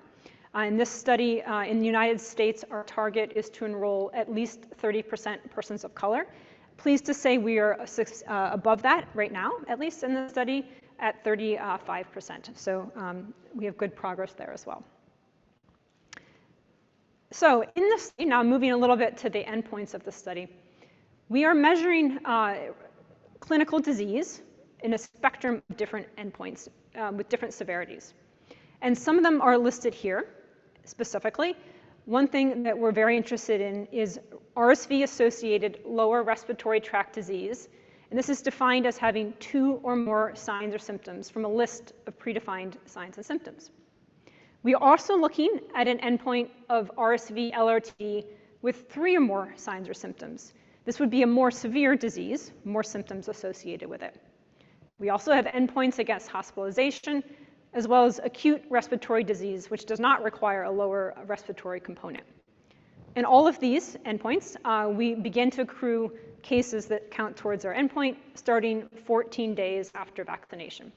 In this study, in the United States, our target is to enroll at least 30% persons of color. Pleased to say we are above that right now, at least in the study at 35%. We have good progress there as well. Moving a little bit to the endpoints of the study, we are measuring clinical disease in a spectrum of different endpoints with different severities. Some of them are listed here specifically. One thing that we're very interested in is RSV-associated lower respiratory tract disease. This is defined as having 2 or more signs or symptoms from a list of predefined signs and symptoms. We are also looking at an endpoint of RSV LRTD with 3 or more signs or symptoms. This would be a more severe disease, more symptoms associated with it. We also have endpoints against hospitalization as well as acute respiratory disease, which does not require a lower respiratory component. In all of these endpoints, we begin to accrue cases that count towards our endpoint starting 14 days after vaccination.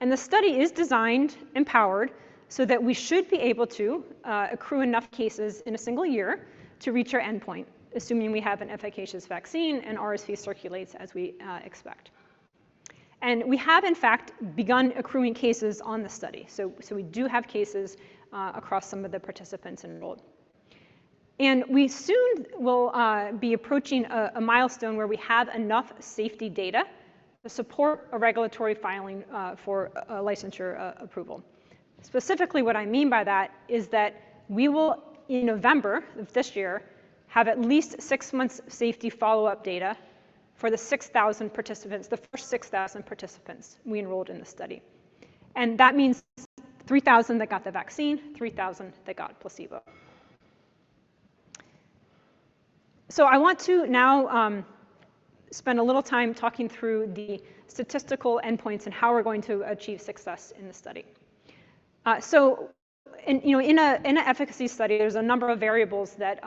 The study is designed and powered so that we should be able to accrue enough cases in a single year to reach our endpoint, assuming we have an efficacious vaccine and RSV circulates as we expect. We have in fact begun accruing cases on the study. So we do have cases across some of the participants enrolled. We soon will be approaching a milestone where we have enough safety data to support a regulatory filing for a licensure approval. Specifically, what I mean by that is that we will in November of this year have at least six months of safety follow-up data for the 6,000 participants, the first 6,000 participants we enrolled in this study. That means 3,000 that got the vaccine, 3,000 that got placebo. I want to now spend a little time talking through the statistical endpoints and how we're going to achieve success in the study. In an efficacy study, there's a number of variables that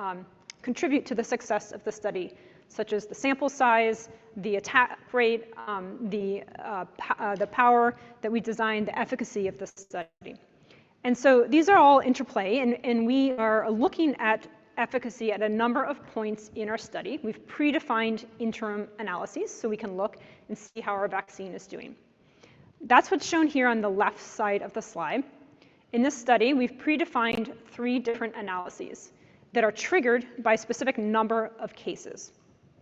contribute to the success of the study, such as the sample size, the attack rate, the power that we designed, the efficacy of the study. These are all in interplay, and we are looking at efficacy at a number of points in our study. We've predefined interim analyses, so we can look and see how our vaccine is doing. That's what's shown here on the left side of the slide. In this study, we've predefined three different analyses that are triggered by a specific number of cases.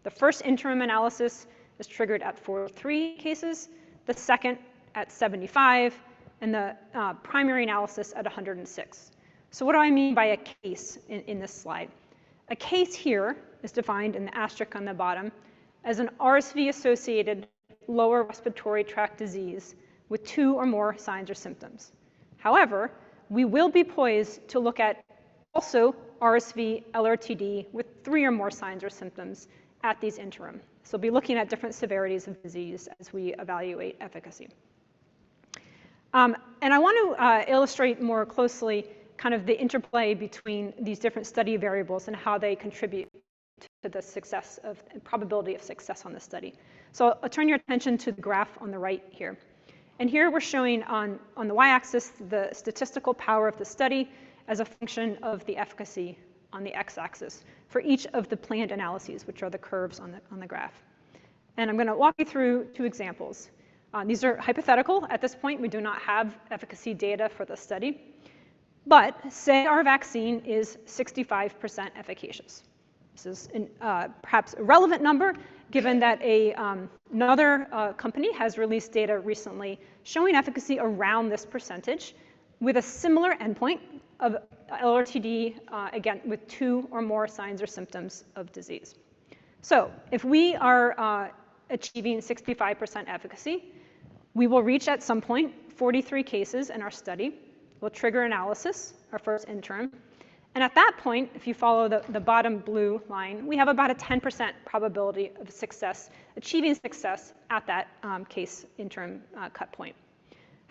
The first interim analysis is triggered at 43 cases, the second at 75, and the primary analysis at 106. What do I mean by a case in this slide? A case here is defined in the asterisk on the bottom as an RSV-associated lower respiratory tract disease with two or more signs or symptoms. However, we will be poised to look at also RSV LRTD with three or more signs or symptoms at these interim. Be looking at different severities of disease as we evaluate efficacy. I want to illustrate more closely kind of the interplay between these different study variables and how they contribute to the probability of success on the study. I'll turn your attention to the graph on the right here. Here we're showing on the Y-axis the statistical power of the study as a function of the efficacy on the X-axis for each of the planned analyses, which are the curves on the graph. I'm gonna walk you through two examples. These are hypothetical. At this point, we do not have efficacy data for the study. Say our vaccine is 65% efficacious. This is a perhaps irrelevant number given that another company has released data recently showing efficacy around this percentage with a similar endpoint of LRTD, again with two or more signs or symptoms of disease. If we are achieving 65% efficacy, we will reach at some point 43 cases in our study. We'll trigger analysis, our first interim. At that point, if you follow the bottom blue line, we have about a 10% probability of success, achieving success at that case interim cut point.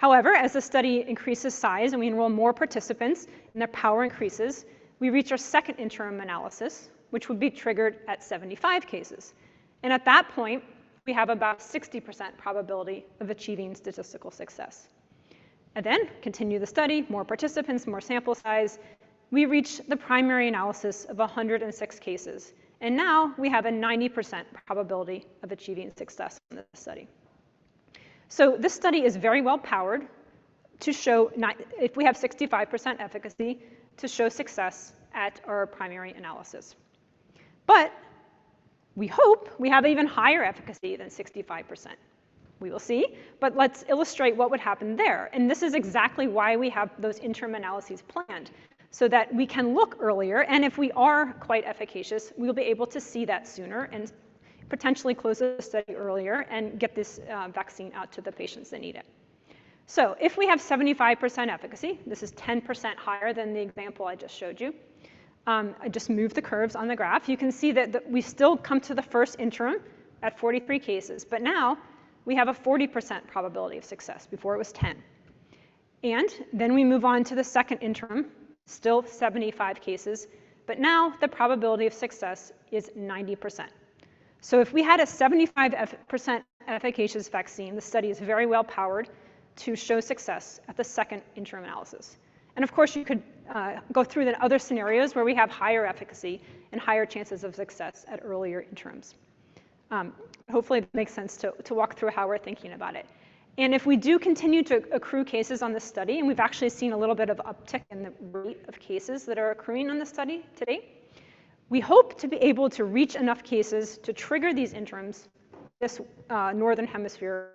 However, as the study increases size, and we enroll more participants, and the power increases, we reach our second interim analysis, which would be triggered at 75 cases. At that point, we have about 60% probability of achieving statistical success. Then continue the study, more participants, more sample size, we reach the primary analysis of 106 cases. Now we have a 90% probability of achieving success in the study. This study is very well powered to show if we have 65% efficacy to show success at our primary analysis. But we hope we have even higher efficacy than 65%. We will see, but let's illustrate what would happen there. This is exactly why we have those interim analyses planned, so that we can look earlier, and if we are quite efficacious, we'll be able to see that sooner and potentially close the study earlier and get this vaccine out to the patients that need it. If we have 75% efficacy, this is 10% higher than the example I just showed you. I just moved the curves on the graph. You can see that we still come to the first interim at 43 cases, but now we have a 40% probability of success. Before it was 10. Then we move on to the second interim, still 75 cases, but now the probability of success is 90%. If we had a 75% efficacious vaccine, the study is very well powered to show success at the second interim analysis. Of course, you could go through the other scenarios where we have higher efficacy and higher chances of success at earlier interims. Hopefully it makes sense to walk through how we're thinking about it. If we do continue to accrue cases on this study, and we've actually seen a little bit of uptick in the rate of cases that are accruing on this study today, we hope to be able to reach enough cases to trigger these interims this Northern Hemisphere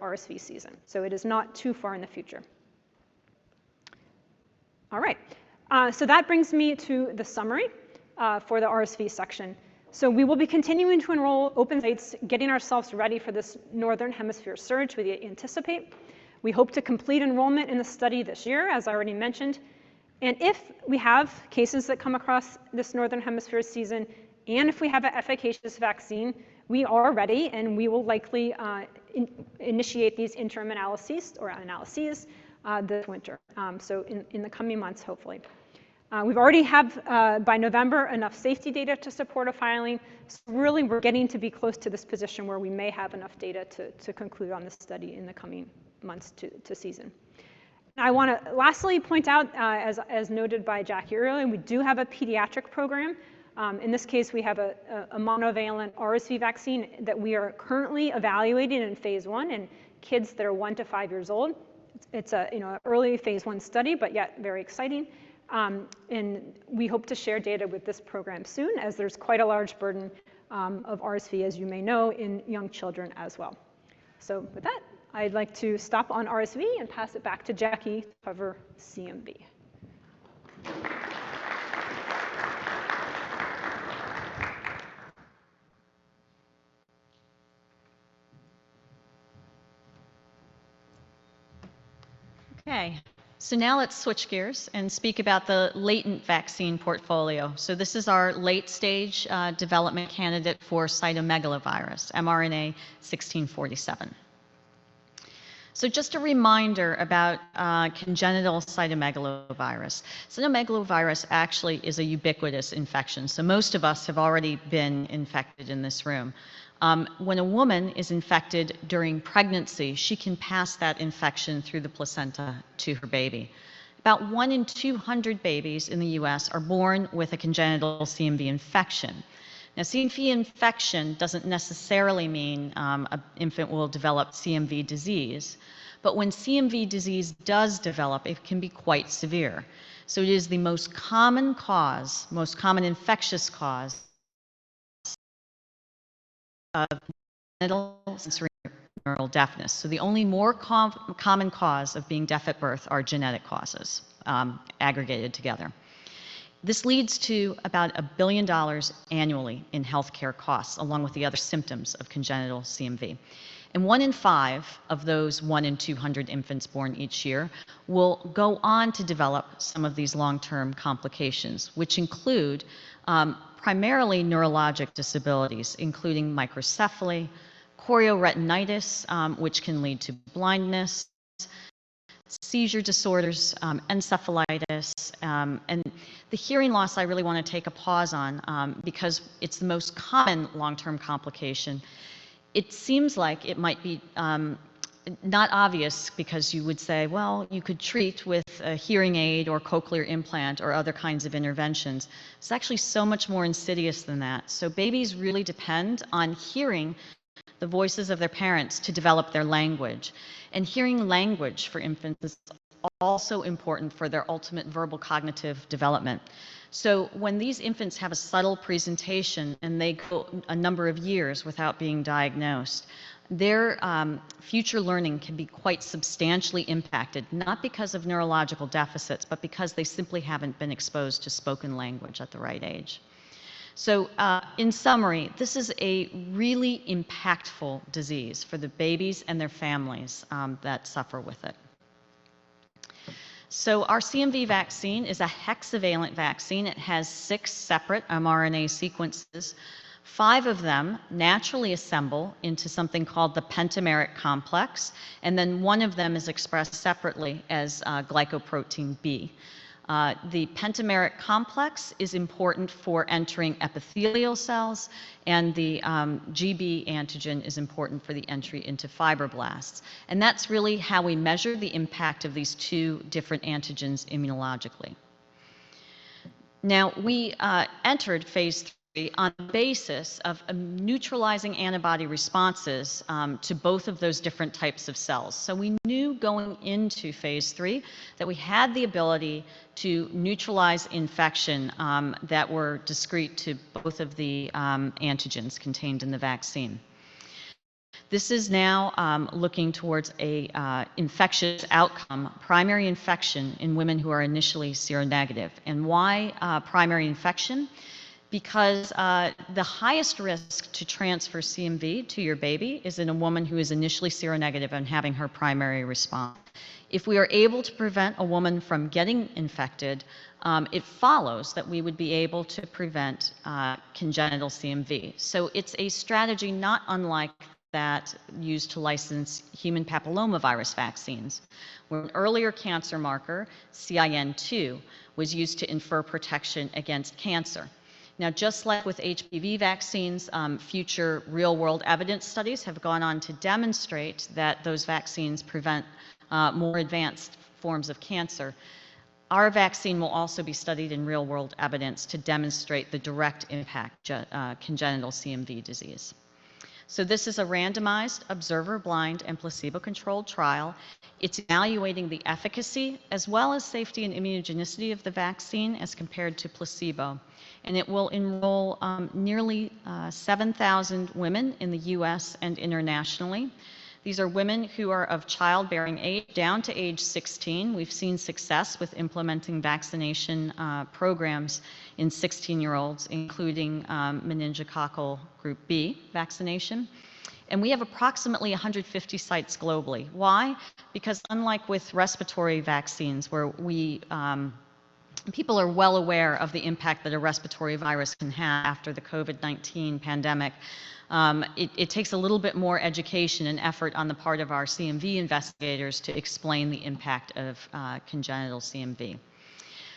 RSV season. It is not too far in the future. All right. That brings me to the summary for the RSV section. We will be continuing to enroll open dates, getting ourselves ready for this Northern Hemisphere surge we anticipate. We hope to complete enrollment in the study this year, as I already mentioned. If we have cases that come across this Northern Hemisphere season, and if we have an efficacious vaccine, we are ready, and we will likely initiate these interim analyses this winter. In the coming months, hopefully. We've already, by November, enough safety data to support a filing. Really, we're getting to be close to this position where we may have enough data to conclude on this study in the coming months to season. I wanna lastly point out, as noted by Jackie earlier, we do have a pediatric program. In this case, we have a monovalent RSV vaccine that we are currently evaluating in phase I in kids that are one to five years old. It's a you know early phase I study, but yet very exciting. We hope to share data with this program soon as there's quite a large burden of RSV, as you may know, in young children as well. With that, I'd like to stop on RSV and pass it back to Jackie to cover CMV. Okay. Now let's switch gears and speak about the latent vaccine portfolio. This is our late-stage development candidate for cytomegalovirus, mRNA-1647. Just a reminder about congenital cytomegalovirus. Cytomegalovirus actually is a ubiquitous infection, so most of us have already been infected in this room. When a woman is infected during pregnancy, she can pass that infection through the placenta to her baby. About 1 in 200 babies in the U.S. are born with a congenital CMV infection. Now, CMV infection doesn't necessarily mean an infant will develop CMV disease, but when CMV disease does develop, it can be quite severe. It is the most common cause, most common infectious cause of congenital sensorineural deafness. The only more common cause of being deaf at birth are genetic causes, aggregated together. This leads to about $1 billion annually in healthcare costs, along with the other symptoms of congenital CMV. One in five of those 1 in 200 infants born each year will go on to develop some of these long-term complications, which include primarily neurologic disabilities, including microcephaly, chorioretinitis, which can lead to blindness, seizure disorders, encephalitis, and the hearing loss I really wanna take a pause on, because it's the most common long-term complication. It seems like it might be not obvious because you would say, well, you could treat with a hearing aid or cochlear implant or other kinds of interventions. It's actually so much more insidious than that. Babies really depend on hearing the voices of their parents to develop their language. Hearing language for infants is also important for their ultimate verbal cognitive development. When these infants have a subtle presentation, and they go a number of years without being diagnosed, their future learning can be quite substantially impacted, not because of neurological deficits, but because they simply haven't been exposed to spoken language at the right age. In summary, this is a really impactful disease for the babies and their families that suffer with it. Our CMV vaccine is a hexavalent vaccine. It has six separate mRNA sequences. Five of them naturally assemble into something called the pentameric complex, and then one of them is expressed separately as glycoprotein B. The pentameric complex is important for entering epithelial cells, and the GB antigen is important for the entry into fibroblasts. That's really how we measure the impact of these two different antigens immunologically. Now, we entered phase III on the basis of a neutralizing antibody responses to both of those different types of cells. We knew going into phase III that we had the ability to neutralize infection that were discrete to both of the antigens contained in the vaccine. This is now looking towards an infectious outcome, primary infection in women who are initially seronegative. Why primary infection? Because the highest risk to transfer CMV to your baby is in a woman who is initially seronegative and having her primary response. If we are able to prevent a woman from getting infected, it follows that we would be able to prevent congenital CMV. It's a strategy not unlike that used to license human papillomavirus vaccines, where an earlier cancer marker, CIN2, was used to infer protection against cancer. Now, just like with HPV vaccines, future real-world evidence studies have gone on to demonstrate that those vaccines prevent more advanced forms of cancer. Our vaccine will also be studied in real-world evidence to demonstrate the direct impact of congenital CMV disease. This is a randomized, observer-blind, and placebo-controlled trial. It's evaluating the efficacy as well as safety and immunogenicity of the vaccine as compared to placebo. It will enroll nearly 7,000 women in the U.S. and internationally. These are women who are of childbearing age down to age 16. We've seen success with implementing vaccination programs in 16-year-olds, including meningococcal group B vaccination. We have approximately 150 sites globally. Why? Because unlike with respiratory vaccines, where people are well aware of the impact that a respiratory virus can have after the COVID-19 pandemic, it takes a little bit more education and effort on the part of our CMV investigators to explain the impact of congenital CMV.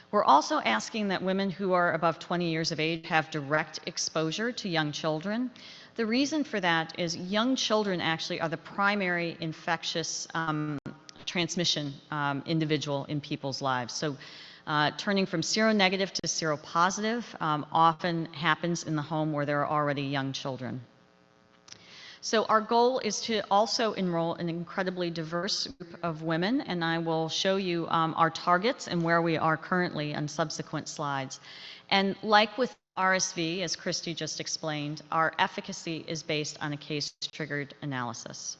We're also asking that women who are above 20 years of age have direct exposure to young children. The reason for that is young children actually are the primary infectious transmission individual in people's lives. Turning from seronegative to seropositive often happens in the home where there are already young children. Our goal is to also enroll an incredibly diverse group of women, and I will show you our targets and where we are currently on subsequent slides. Like with RSV, as Christy just explained, our efficacy is based on a case-triggered analysis.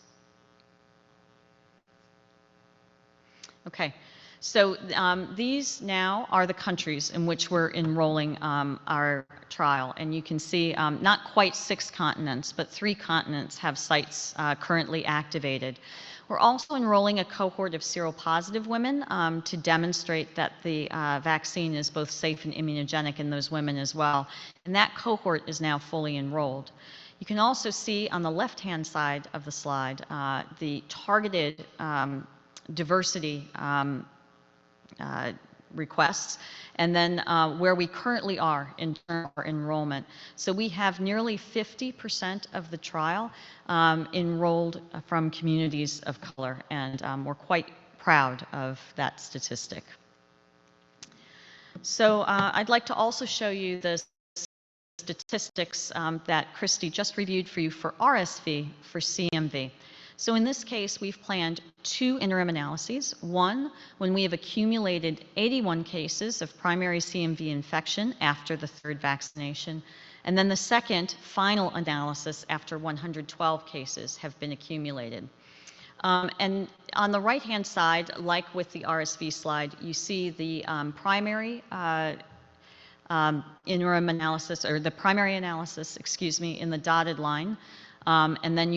Okay. These now are the countries in which we're enrolling our trial. You can see not quite 6 continents, but 3 continents have sites currently activated. We're also enrolling a cohort of seropositive women to demonstrate that the vaccine is both safe and immunogenic in those women as well. That cohort is now fully enrolled. You can also see on the left-hand side of the slide the targeted diversity requests and then where we currently are in terms of our enrollment. We have nearly 50% of the trial enrolled from communities of color, and we're quite proud of that statistic. I'd like to also show you the statistics that Christy just reviewed for you for RSV for CMV. In this case, we've planned two interim analyses. One, when we have accumulated 81 cases of primary CMV infection after the third vaccination. The second final analysis after 112 cases have been accumulated. On the right-hand side, like with the RSV slide, you see the primary interim analysis or the primary analysis, excuse me, in the dotted line.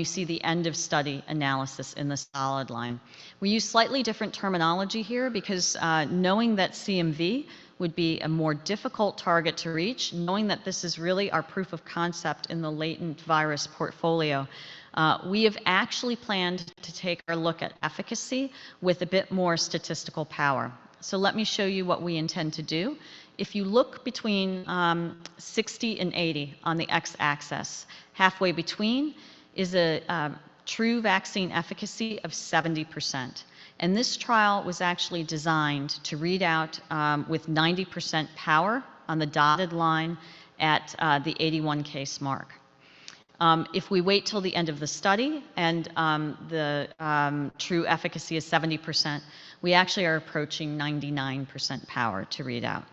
You see the end-of-study analysis in the solid line. We use slightly different terminology here because knowing that CMV would be a more difficult target to reach, knowing that this is really our proof of concept in the latent virus portfolio, we have actually planned to take our look at efficacy with a bit more statistical power. Let me show you what we intend to do. If you look between 60 and 80 on the x-axis, halfway between is a true vaccine efficacy of 70%. This trial was actually designed to read out with 90% power on the dotted line at the 81 case mark. If we wait till the end of the study and the true efficacy is 70%, we actually are approaching 99% power to read out.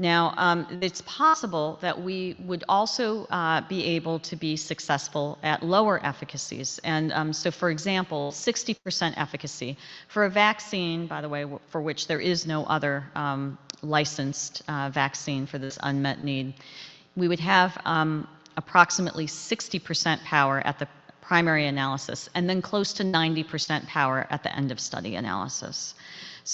Now, it's possible that we would also be able to be successful at lower efficacies. For example, 60% efficacy for a vaccine, by the way, for which there is no other licensed vaccine for this unmet need, we would have approximately 60% power at the primary analysis and then close to 90% power at the end-of-study analysis.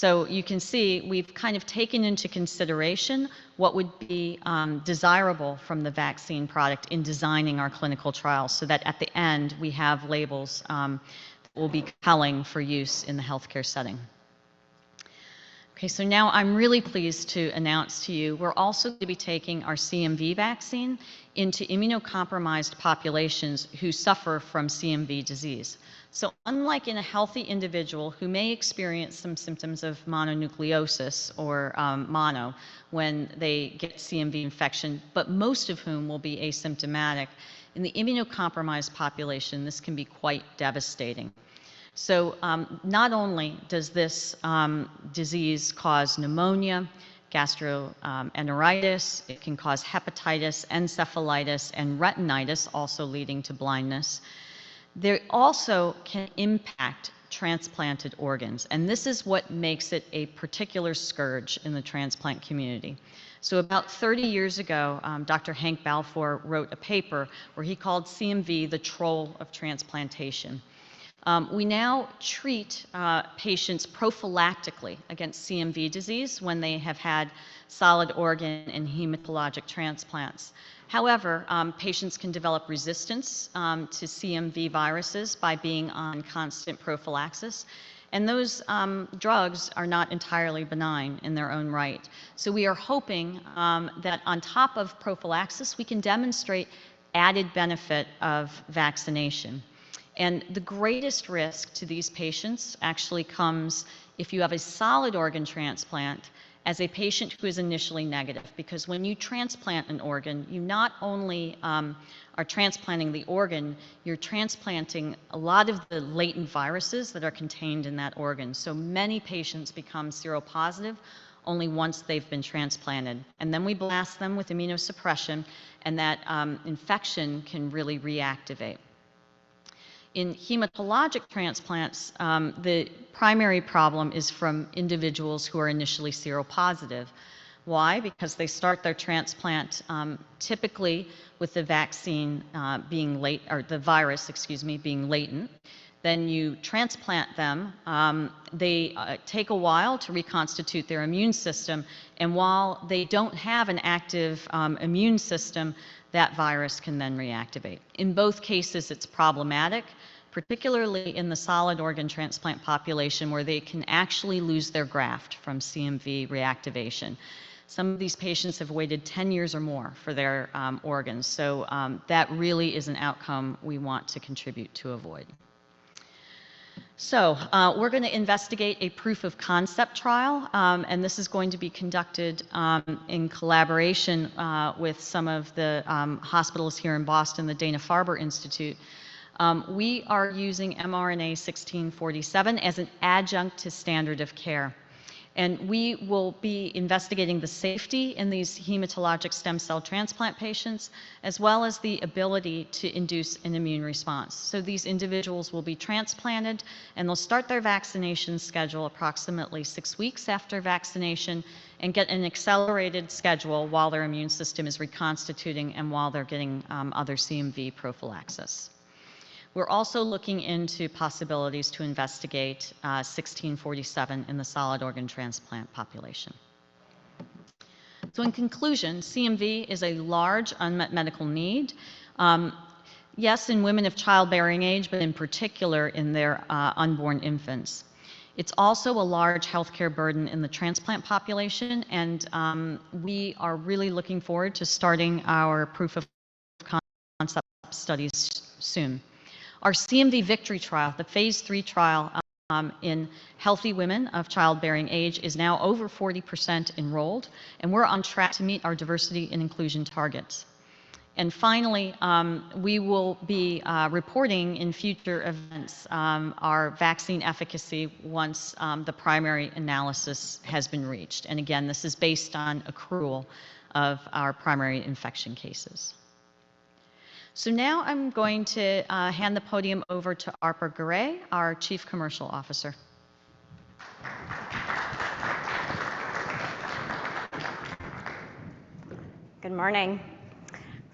You can see we've kind of taken into consideration what would be desirable from the vaccine product in designing our clinical trials so that at the end we have labels that will be compelling for use in the healthcare setting. Okay, now I'm really pleased to announce to you we're also going to be taking our CMV vaccine into immunocompromised populations who suffer from CMV disease. Unlike in a healthy individual who may experience some symptoms of mononucleosis or mono when they get CMV infection, but most of whom will be asymptomatic, in the immunocompromised population, this can be quite devastating. Not only does this disease cause pneumonia, gastroenteritis, it can cause hepatitis, encephalitis, and retinitis, also leading to blindness. They also can impact transplanted organs. This is what makes it a particular scourge in the transplant community. About 30 years ago, Dr. Henry H. Balfour Jr. wrote a paper where he called CMV the troll of transplantation. We now treat patients prophylactically against CMV disease when they have had solid organ and hematologic transplants. However, patients can develop resistance to CMV viruses by being on constant prophylaxis, and those drugs are not entirely benign in their own right. We are hoping that on top of prophylaxis, we can demonstrate added benefit of vaccination. The greatest risk to these patients actually comes if you have a solid organ transplant as a patient who is initially negative. When you transplant an organ, you not only are transplanting the organ, you're transplanting a lot of the latent viruses that are contained in that organ. Many patients become seropositive only once they've been transplanted, and then we blast them with immunosuppression, and that infection can really reactivate. In hematologic transplants, the primary problem is from individuals who are initially seropositive. Why? They start their transplant typically with the vaccine being late. or the virus, excuse me, being latent. You transplant them. They take a while to reconstitute their immune system, and while they don't have an active immune system, that virus can then reactivate. In both cases, it's problematic, particularly in the solid organ transplant population, where they can actually lose their graft from CMV reactivation. Some of these patients have waited 10 years or more for their organs, so that really is an outcome we want to contribute to avoid. We're gonna investigate a proof of concept trial, and this is going to be conducted in collaboration with some of the hospitals here in Boston, the Dana-Farber Cancer Institute. We are using mRNA-1647 as an adjunct to standard of care, and we will be investigating the safety in these hematologic stem cell transplant patients, as well as the ability to induce an immune response. These individuals will be transplanted, and they'll start their vaccination schedule approximately 6 weeks after vaccination and get an accelerated schedule while their immune system is reconstituting and while they're getting other CMV prophylaxis. We're also looking into possibilities to investigate mRNA-1647 in the solid organ transplant population. In conclusion, CMV is a large unmet medical need, yes, in women of childbearing age, but in particular in their unborn infants. It's also a large healthcare burden in the transplant population, and we are really looking forward to starting our proof of concept studies soon. Our CMVictory trial, the phase III trial, in healthy women of childbearing age, is now over 40% enrolled, and we're on track to meet our diversity and inclusion targets. Finally, we will be reporting in future events our vaccine efficacy once the primary analysis has been reached. Again, this is based on accrual of our primary infection cases. Now I'm going to hand the podium over to Arpa Garay, our Chief Commercial Officer. Good morning.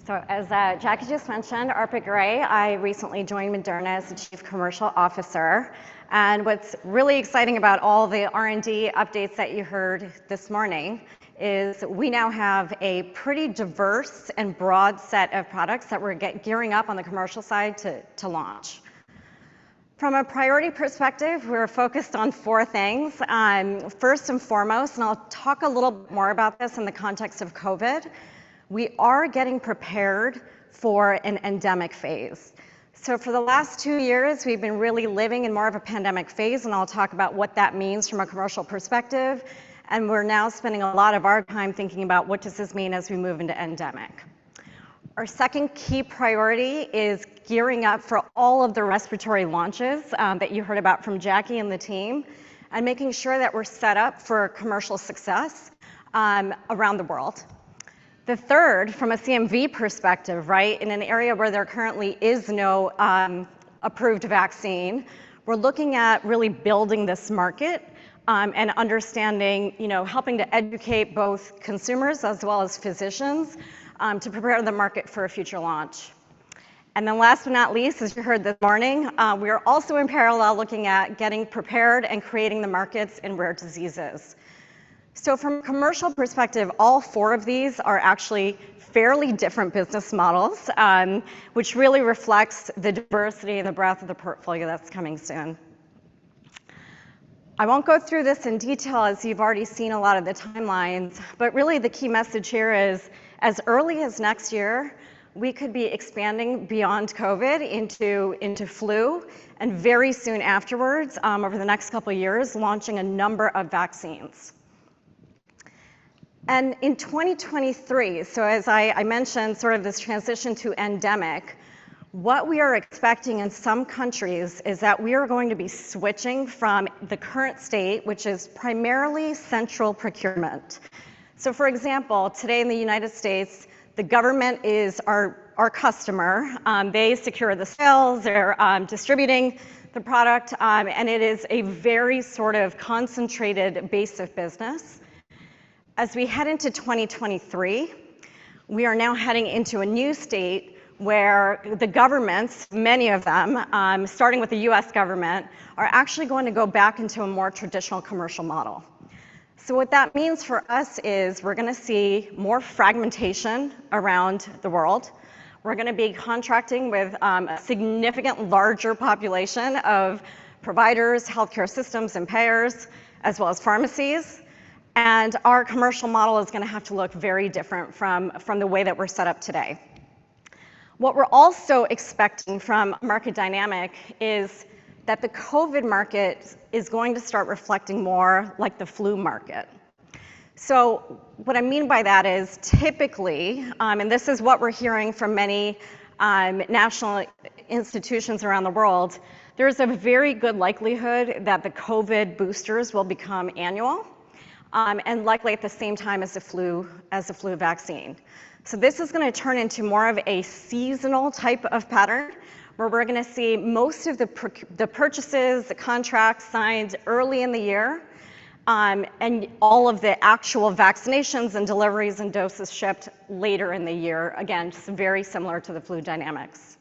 As Jackie just mentioned, Arpa Garay, I recently joined Moderna as the Chief Commercial Officer, and what's really exciting about all the R&D updates that you heard this morning is we now have a pretty diverse and broad set of products that we're gearing up on the commercial side to launch. From a priority perspective, we're focused on four things. First and foremost, I'll talk a little more about this in the context of COVID. We are getting prepared for an endemic phase. For the last two years, we've been really living in more of a pandemic phase, and I'll talk about what that means from a commercial perspective, and we're now spending a lot of our time thinking about what does this mean as we move into endemic. Our second key priority is gearing up for all of the respiratory launches, that you heard about from Jackie and the team, and making sure that we're set up for commercial success, around the world. The third, from a CMV perspective, right, in an area where there currently is no, approved vaccine, we're looking at really building this market, and understanding, you know, helping to educate both consumers as well as physicians, to prepare the market for a future launch. Last but not least, as you heard this morning, we are also in parallel looking at getting prepared and creating the markets in rare diseases. From a commercial perspective, all four of these are actually fairly different business models, which really reflects the diversity and the breadth of the portfolio that's coming soon. I won't go through this in detail, as you've already seen a lot of the timelines, but really the key message here is, as early as next year, we could be expanding beyond COVID into flu, and very soon afterwards, over the next couple of years, launching a number of vaccines. In 2023, so as I mentioned sort of this transition to endemic, what we are expecting in some countries is that we are going to be switching from the current state, which is primarily central procurement. For example, today in the United States, the government is our customer. They secure the sales. They're distributing the product, and it is a very sort of concentrated base of business. As we head into 2023, we are now heading into a new state where the governments, many of them, starting with the U.S. government, are actually going to go back into a more traditional commercial model. What that means for us is we're gonna see more fragmentation around the world, we're gonna be contracting with a significantly larger population of providers, healthcare systems, and payers, as well as pharmacies, and our commercial model is gonna have to look very different from the way that we're set up today. What we're also expecting from market dynamics is that the COVID market is going to start reflecting more like the flu market. What I mean by that is typically, and this is what we're hearing from many national institutions around the world, there is a very good likelihood that the COVID boosters will become annual, and likely at the same time as the flu, as the flu vaccine. This is gonna turn into more of a seasonal type of pattern where we're gonna see most of the purchases, the contracts signed early in the year, and all of the actual vaccinations and deliveries and doses shipped later in the year, again, just very similar to the flu dynamics.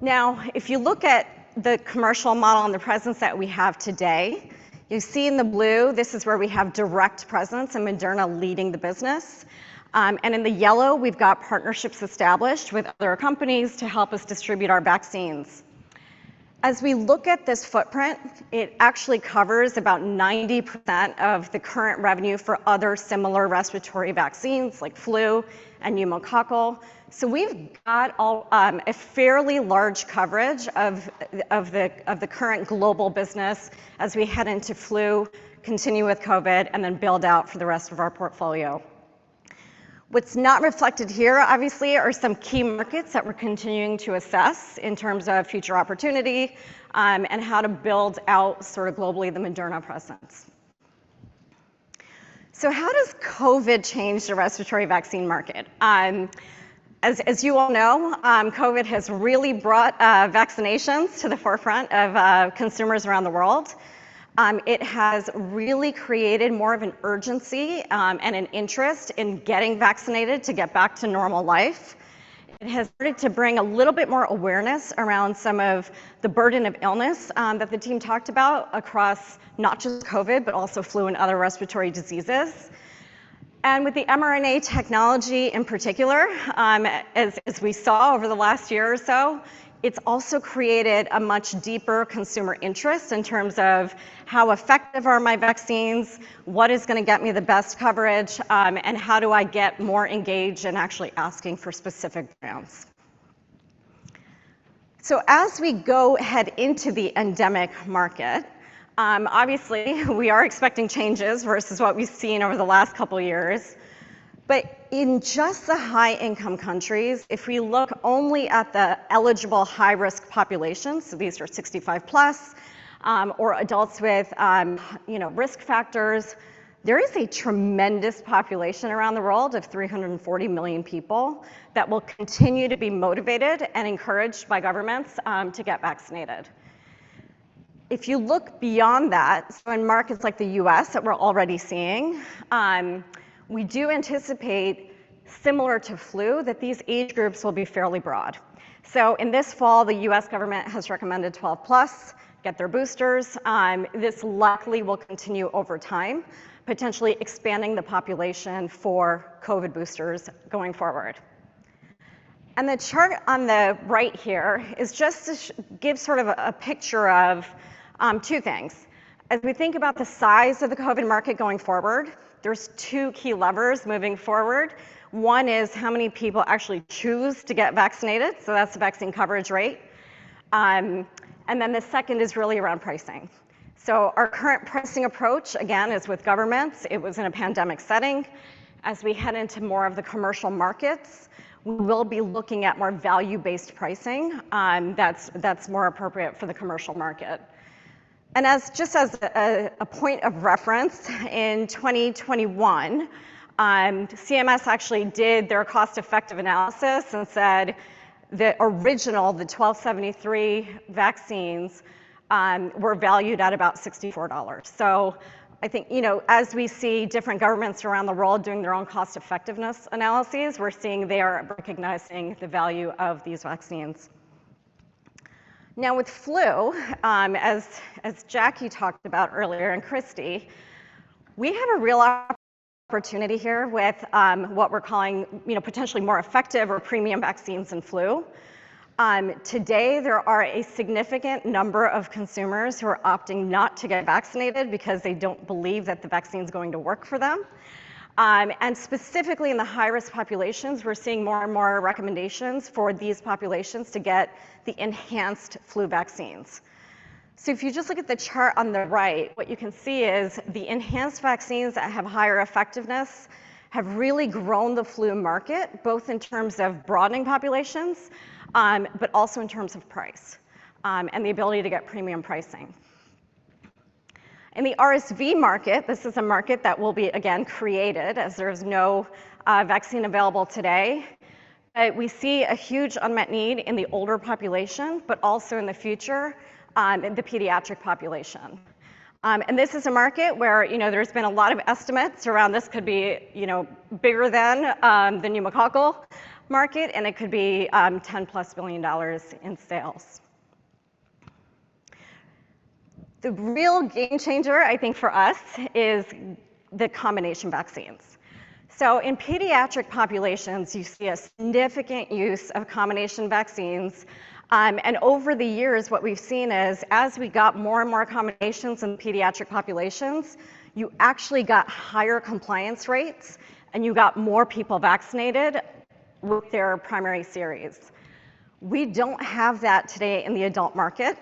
Now, if you look at the commercial model and the presence that we have today, you see in the blue this is where we have direct presence and Moderna leading the business, and in the yellow, we've got partnerships established with other companies to help us distribute our vaccines. As we look at this footprint, it actually covers about 90% of the current revenue for other similar respiratory vaccines like flu and pneumococcal. We've got a fairly large coverage of the current global business as we head into flu, continue with COVID, and then build out for the rest of our portfolio. What's not reflected here obviously are some key markets that we're continuing to assess in terms of future opportunity, and how to build out sort of globally the Moderna presence. How does COVID change the respiratory vaccine market? As you all know, COVID has really brought vaccinations to the forefront of consumers around the world. It has really created more of an urgency and an interest in getting vaccinated to get back to normal life. It has started to bring a little bit more awareness around some of the burden of illness that the team talked about across not just COVID, but also flu and other respiratory diseases. With the mRNA technology in particular, as we saw over the last year or so, it's also created a much deeper consumer interest in terms of how effective are my vaccines, what is gonna get me the best coverage, and how do I get more engaged in actually asking for specific brands. As we go ahead into the endemic market, obviously we are expecting changes versus what we've seen over the last couple years. In just the high-income countries, if we look only at the eligible high-risk populations, so these are 65+, or adults with, you know, risk factors, there is a tremendous population around the world of 340 million people that will continue to be motivated and encouraged by governments, to get vaccinated. If you look beyond that in markets like the U.S. that we're already seeing, we do anticipate similar to flu, that these age groups will be fairly broad. In this fall, the U.S. government has recommended 12+ get their boosters. This likely will continue over time, potentially expanding the population for COVID boosters going forward. The chart on the right here is just to give sort of a picture of two things. As we think about the size of the COVID market going forward, there's two key levers moving forward. One is how many people actually choose to get vaccinated, so that's the vaccine coverage rate, and then the second is really around pricing. Our current pricing approach, again, is with governments. It was in a pandemic setting. As we head into more of the commercial markets, we will be looking at more value-based pricing, that's more appropriate for the commercial market. Just as a point of reference, in 2021, CMS actually did their cost-effective analysis and said the original, the 1273 vaccines, were valued at about $64. I think, you know, as we see different governments around the world doing their own cost-effectiveness analyses, we're seeing they are recognizing the value of these vaccines. Now, with flu, as Jackie talked about earlier and Christy, we have a real opportunity here with, you know, potentially more effective or premium vaccines in flu. Today there are a significant number of consumers who are opting not to get vaccinated because they don't believe that the vaccine's going to work for them. Specifically in the high-risk populations, we're seeing more and more recommendations for these populations to get the enhanced flu vaccines. If you just look at the chart on the right, what you can see is the enhanced vaccines that have higher effectiveness have really grown the flu market, both in terms of broadening populations, but also in terms of price, and the ability to get premium pricing. In the RSV market, this is a market that will be again created as there is no vaccine available today. We see a huge unmet need in the older population, but also in the future, in the pediatric population. This is a market where, you know, there's been a lot of estimates around this could be, you know, bigger than the pneumococcal market, and it could be $10+ billion in sales. The real game changer, I think, for us is the combination vaccines. In pediatric populations, you see a significant use of combination vaccines. Over the years, what we've seen is, as we got more and more combinations in pediatric populations, you actually got higher compliance rates, and you got more people vaccinated with their primary series. We don't have that today in the adult market.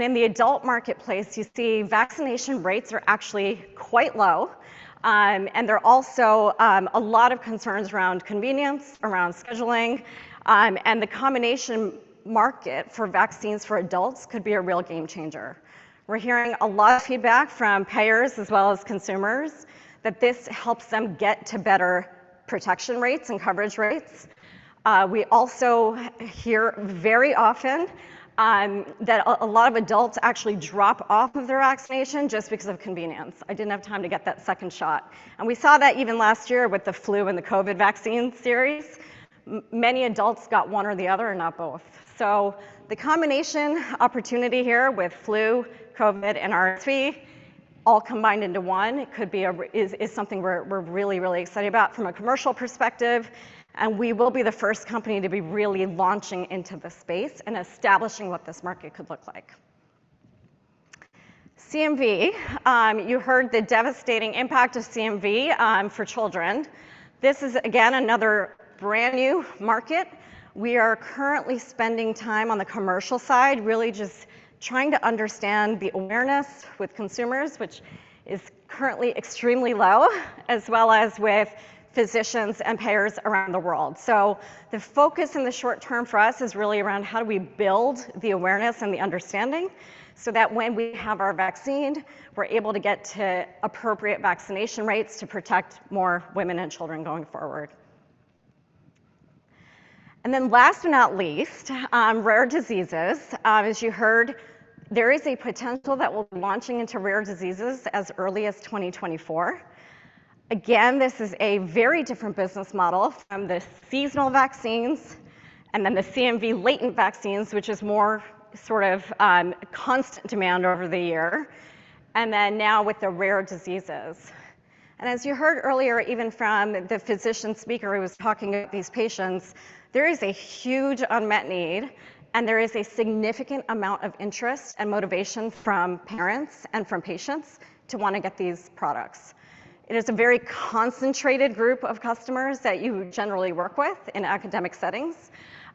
In the adult marketplace, you see vaccination rates are actually quite low, and there are also, a lot of concerns around convenience, around scheduling, and the combination market for vaccines for adults could be a real game changer. We're hearing a lot of feedback from payers as well as consumers that this helps them get to better protection rates and coverage rates. We also hear very often, that a lot of adults actually drop off of their vaccination just because of convenience. I didn't have time to get that second shot." We saw that even last year with the flu and the COVID vaccine series. Many adults got one or the other and not both. The combination opportunity here with flu, COVID, and RSV all combined into one is something we're really excited about from a commercial perspective, and we will be the first company to be really launching into this space and establishing what this market could look like. CMV, you heard the devastating impact of CMV for children. This is again another brand-new market. We are currently spending time on the commercial side, really just trying to understand the awareness with consumers, which is currently extremely low, as well as with physicians and payers around the world. The focus in the short term for us is really around how do we build the awareness and the understanding so that when we have our vaccine, we're able to get to appropriate vaccination rates to protect more women and children going forward. Then last but not least, rare diseases. As you heard, there is a potential that we'll be launching into rare diseases as early as 2024. Again, this is a very different business model from the seasonal vaccines and then the CMV latent vaccines, which is more sort of constant demand over the year, and then now with the rare diseases. As you heard earlier, even from the physician speaker who was talking about these patients, there is a huge unmet need, and there is a significant amount of interest and motivation from parents and from patients to want to get these products. It is a very concentrated group of customers that you generally work with in academic settings,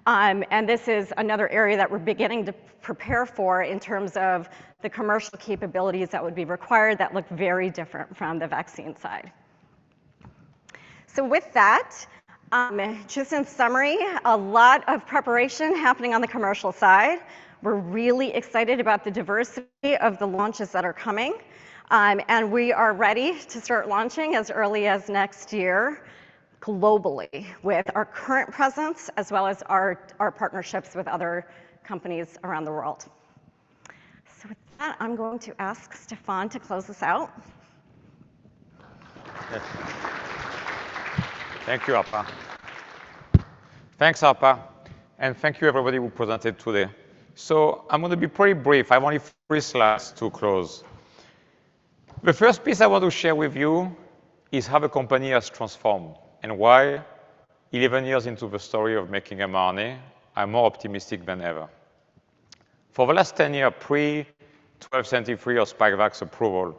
and this is another area that we're beginning to prepare for in terms of the commercial capabilities that would be required that look very different from the vaccine side. With that, just in summary, a lot of preparation happening on the commercial side. We're really excited about the diversity of the launches that are coming, and we are ready to start launching as early as next year globally with our current presence as well as our partnerships with other companies around the world. With that, I'm going to ask Stéphane to close us out. Thank you, Arpa. Thanks, Arpa, and thank you everybody who presented today. I'm gonna be pretty brief. I have only 3 slides to close. The first piece I want to share with you is how the company has transformed and why 11 years into the story of making mRNA, I'm more optimistic than ever. For the last 10 years, pre-1273 or Spikevax approval,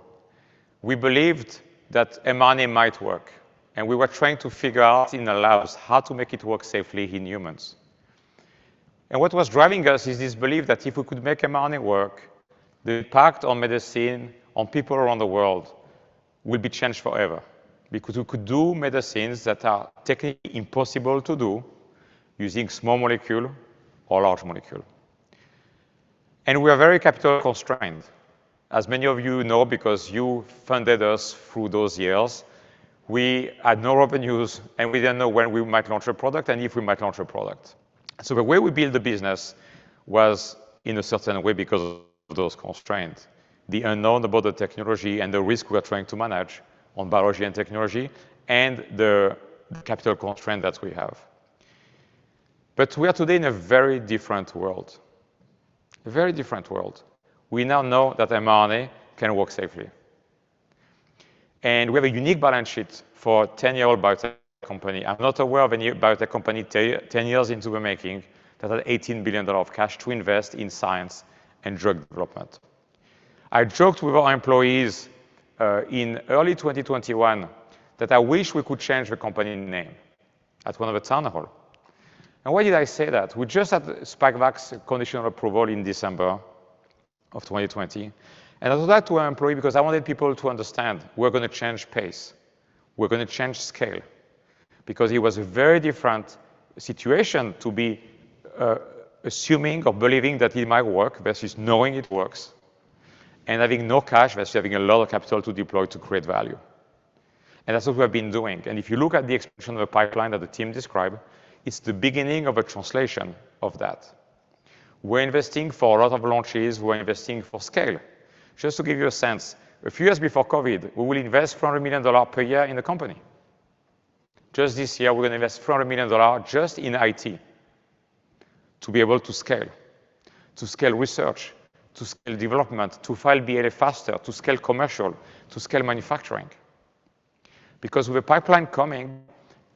we believed that mRNA might work, and we were trying to figure out in the labs how to make it work safely in humans. What was driving us is this belief that if we could make mRNA work, the impact on medicine, on people around the world will be changed forever because we could do medicines that are technically impossible to do using small molecule or large molecule. We are very capital constrained. As many of you know because you funded us through those years, we had no revenues, and we didn't know when we might launch a product and if we might launch a product. The way we built the business was in a certain way because of those constraints, the unknown about the technology and the risk we're trying to manage on biology and technology and the capital constraint that we have. We are today in a very different world. A very different world. We now know that mRNA can work safely. We have a unique balance sheet for a ten-year-old biotech company. I'm not aware of any biotech company ten years into the making that has $18 billion of cash to invest in science and drug development. I joked with our employees, in early 2021 that I wish we could change the company name at one of the town hall. Why did I say that? We just had the Spikevax conditional approval in December of 2020, and I said that to our employee because I wanted people to understand we're gonna change pace, we're gonna change scale, because it was a very different situation to be, assuming or believing that it might work versus knowing it works and having no cash versus having a lot of capital to deploy to create value. That's what we have been doing. If you look at the expansion of the pipeline that the team described, it's the beginning of a translation of that. We're investing for a lot of launches. We're investing for scale. Just to give you a sense, a few years before COVID, we will invest $400 million per year in the company. Just this year, we're gonna invest $400 million just in IT to be able to scale, to scale research, to scale development, to file BLA faster, to scale commercial, to scale manufacturing. Because with the pipeline coming,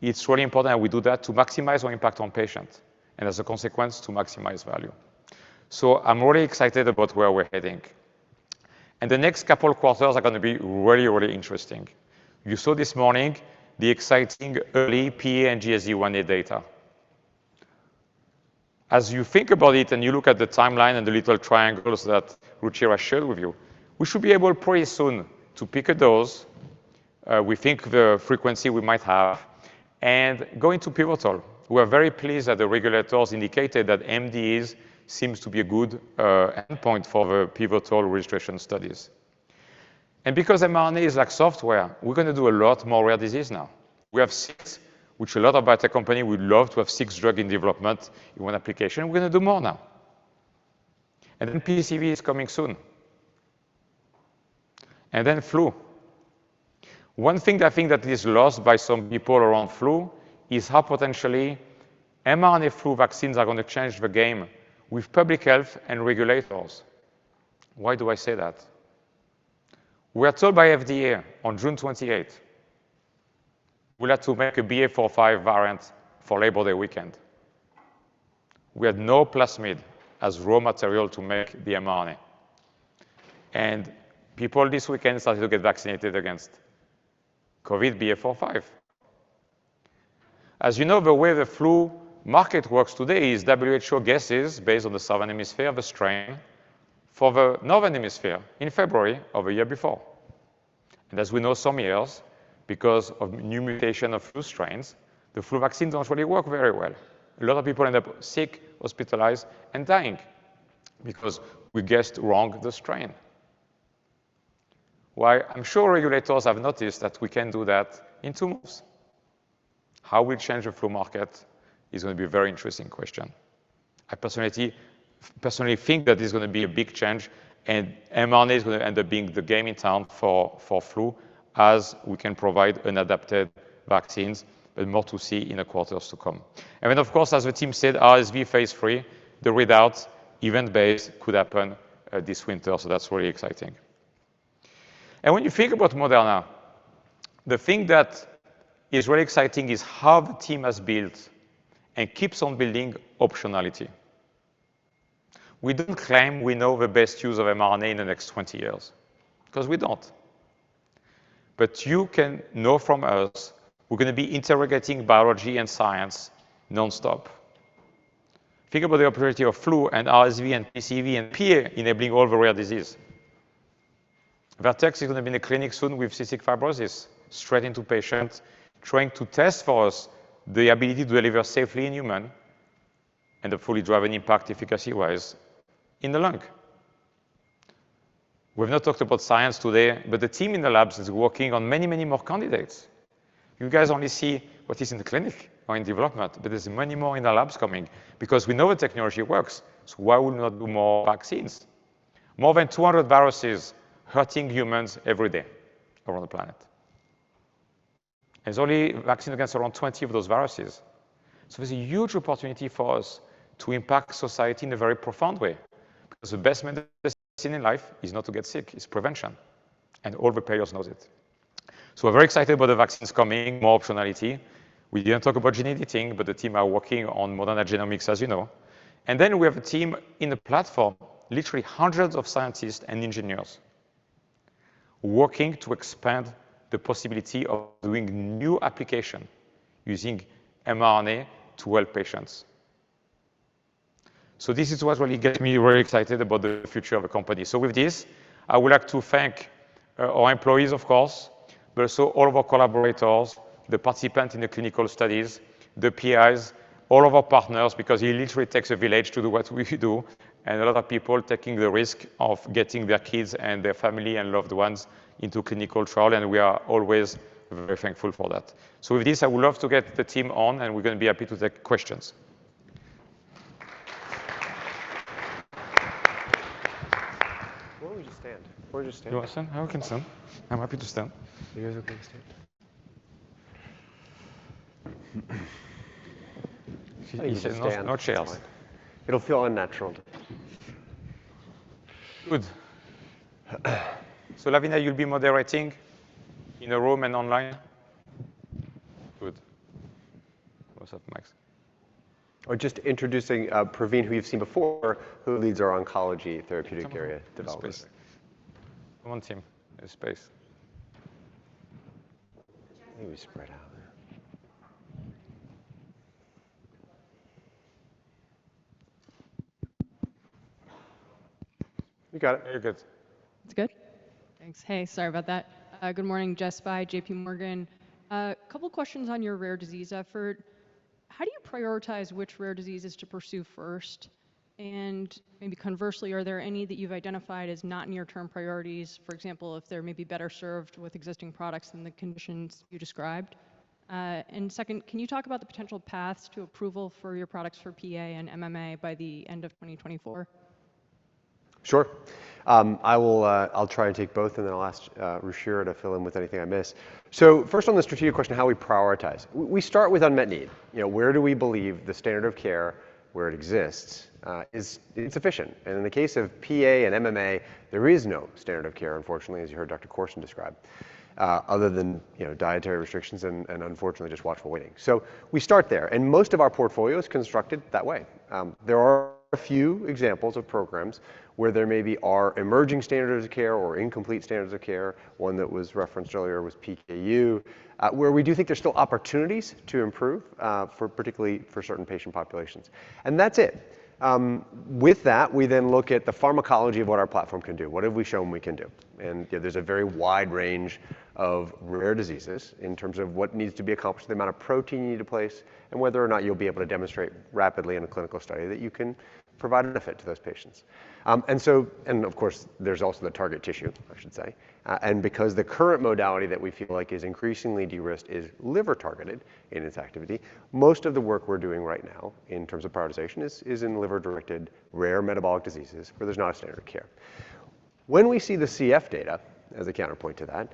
it's really important that we do that to maximize our impact on patients and as a consequence, to maximize value. I'm really excited about where we're heading. The next couple of quarters are gonna be really, really interesting. You saw this morning the exciting early PA and GSD1a data. As you think about it and you look at the timeline and the little triangles that Ruchira shared with you, we should be able pretty soon to pick a dose. We think the frequency we might have and going to pivotal. We are very pleased that the regulators indicated that MDEs seem to be a good endpoint for the pivotal registration studies. Because mRNA is like software, we're gonna do a lot more rare disease now. We have six, which a lot of biotech company would love to have six drug in development in one application. We're gonna do more now. Then PCV is coming soon. Then flu. One thing that I think that is lost by some people around flu is how potentially mRNA flu vaccines are gonna change the game with public health and regulators. Why do I say that? We are told by FDA on June 28 we'll have to make a BA.4/BA.5 variant for Labor Day weekend. We had no plasmid as raw material to make the mRNA. People this weekend started to get vaccinated against COVID BA.4/5. As you know, the way the flu market works today is WHO guesses based on the southern hemisphere the strain for the northern hemisphere in February of the year before. As we know some years, because of new mutation of flu strains, the flu vaccine don't really work very well. A lot of people end up sick, hospitalized, and dying because we guessed wrong the strain. Well, I'm sure regulators have noticed that we can do that in two moves. How we change the flu market is gonna be a very interesting question. I personally think that it's gonna be a big change, and mRNA is gonna end up being the game in town for flu as we can provide an adapted vaccines, but more to see in the quarters to come. Of course, as the team said, RSV phase III, the readouts, event-based, could happen this winter, so that's very exciting. When you think about Moderna, the thing that is really exciting is how the team has built and keeps on building optionality. We didn't claim we know the best use of mRNA in the next 20 years, 'cause we don't. But you can know from us we're gonna be interrogating biology and science nonstop. Think about the opportunity of flu and RSV and PCV and PA enabling all the rare disease. Vertex is gonna be in the clinic soon with cystic fibrosis, straight into patients, trying to test for us the ability to deliver safely in human and to fully drive an impact efficacy-wise in the lung. We've not talked about science today, but the team in the labs is working on many, many more candidates. You guys only see what is in the clinic or in development, but there's many more in the labs coming because we know the technology works, so why would we not do more vaccines? More than 200 viruses hurting humans every day around the planet. There's only vaccine against around 20 of those viruses. There's a huge opportunity for us to impact society in a very profound way, because the best medicine in life is not to get sick, it's prevention, and all the payers knows it. We're very excited about the vaccines coming, more optionality. We didn't talk about gene editing, but the team are working on Moderna Genomics, as you know. Then we have a team in the platform, literally hundreds of scientists and engineers, working to expand the possibility of doing new application using mRNA to help patients. This is what really gets me very excited about the future of the company. With this, I would like to thank our employees, of course, but also all of our collaborators, the participants in the clinical studies, the PIs, all of our partners, because it literally takes a village to do what we do, and a lot of people taking the risk of getting their kids and their family and loved ones into clinical trial, and we are always very thankful for that. With this, I would love to get the team on, and we're gonna be happy to take questions. Why don't we just stand? We'll just stand. You want to stand? I can stand. I'm happy to stand. You guys okay to stand? No, no chairs. It'll feel unnatural. Good. Lavina, you'll be moderating in the room and online? Good. What's up, Max? We're just introducing Praveen, who you've seen before, who leads our oncology therapeutic area development. Come on, Tim. There's space. Maybe we spread out a bit. You got it. You're good. It's good? Thanks. Hey, sorry about that. Good morning, Jessica Fye, J.P. Morgan. A couple questions on your rare disease effort. How do you prioritize which rare diseases to pursue first? Maybe conversely, are there any that you've identified as not near-term priorities, for example, if they may be better served with existing products than the conditions you described? Second, can you talk about the potential paths to approval for your products for PA and MMA by the end of 2024? Sure. I'll try and take both, and then I'll ask Ruchira to fill in with anything I miss. First on the strategic question, how we prioritize. We start with unmet need. You know, where do we believe the standard of care, where it exists, is insufficient? In the case of PA and MMA, there is no standard of care, unfortunately, as you heard Dr. Korson describe, other than, you know, dietary restrictions and unfortunately just watchful waiting. We start there, and most of our portfolio is constructed that way. There are a few examples of programs where there maybe are emerging standards of care or incomplete standards of care, one that was referenced earlier was PKU, where we do think there's still opportunities to improve, particularly for certain patient populations. That's it. With that, we then look at the pharmacology of what our platform can do. What have we shown we can do? You know, there's a very wide range of rare diseases in terms of what needs to be accomplished, the amount of protein you need to place, and whether or not you'll be able to demonstrate rapidly in a clinical study that you can provide a benefit to those patients. Of course, there's also the target tissue, I should say. Because the current modality that we feel like is increasingly de-risked is liver-targeted in its activity, most of the work we're doing right now in terms of prioritization is in liver-directed rare metabolic diseases where there's not a standard of care. When we see the CF data as a counterpoint to that,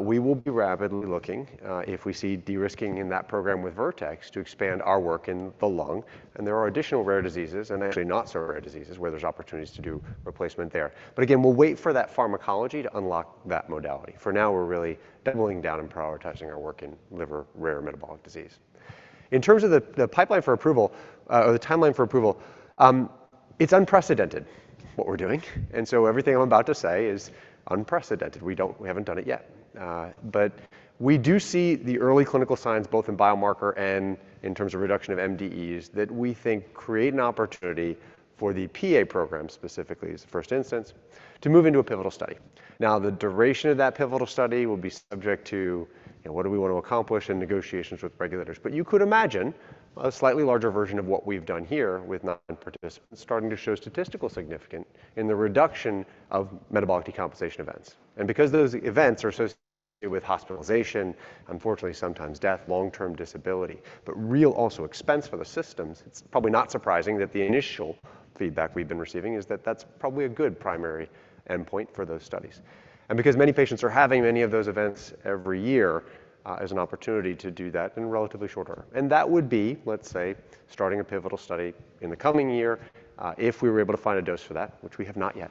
we will be rapidly looking if we see de-risking in that program with Vertex to expand our work in the lung. There are additional rare diseases, and actually not so rare diseases, where there's opportunities to do replacement there. But again, we'll wait for that pharmacology to unlock that modality. For now, we're really doubling down and prioritizing our work in liver rare metabolic disease. In terms of the pipeline for approval, or the timeline for approval, it's unprecedented what we're doing, and so everything I'm about to say is unprecedented. We haven't done it yet. We do see the early clinical signs, both in biomarker and in terms of reduction of MDEs, that we think create an opportunity for the PA program specifically as a first instance to move into a pivotal study. Now, the duration of that pivotal study will be subject to, you know, what do we want to accomplish in negotiations with regulators. You could imagine a slightly larger version of what we've done here with nine participants starting to show statistically significant in the reduction of metabolic decompensation events. Because those events are associated with hospitalization, unfortunately sometimes death, long-term disability, but really also expense for the systems, it's probably not surprising that the initial feedback we've been receiving is that that's probably a good primary endpoint for those studies. Because many patients are having many of those events every year, as an opportunity to do that in relatively short order. That would be, let's say, starting a pivotal study in the coming year, if we were able to find a dose for that, which we have not yet,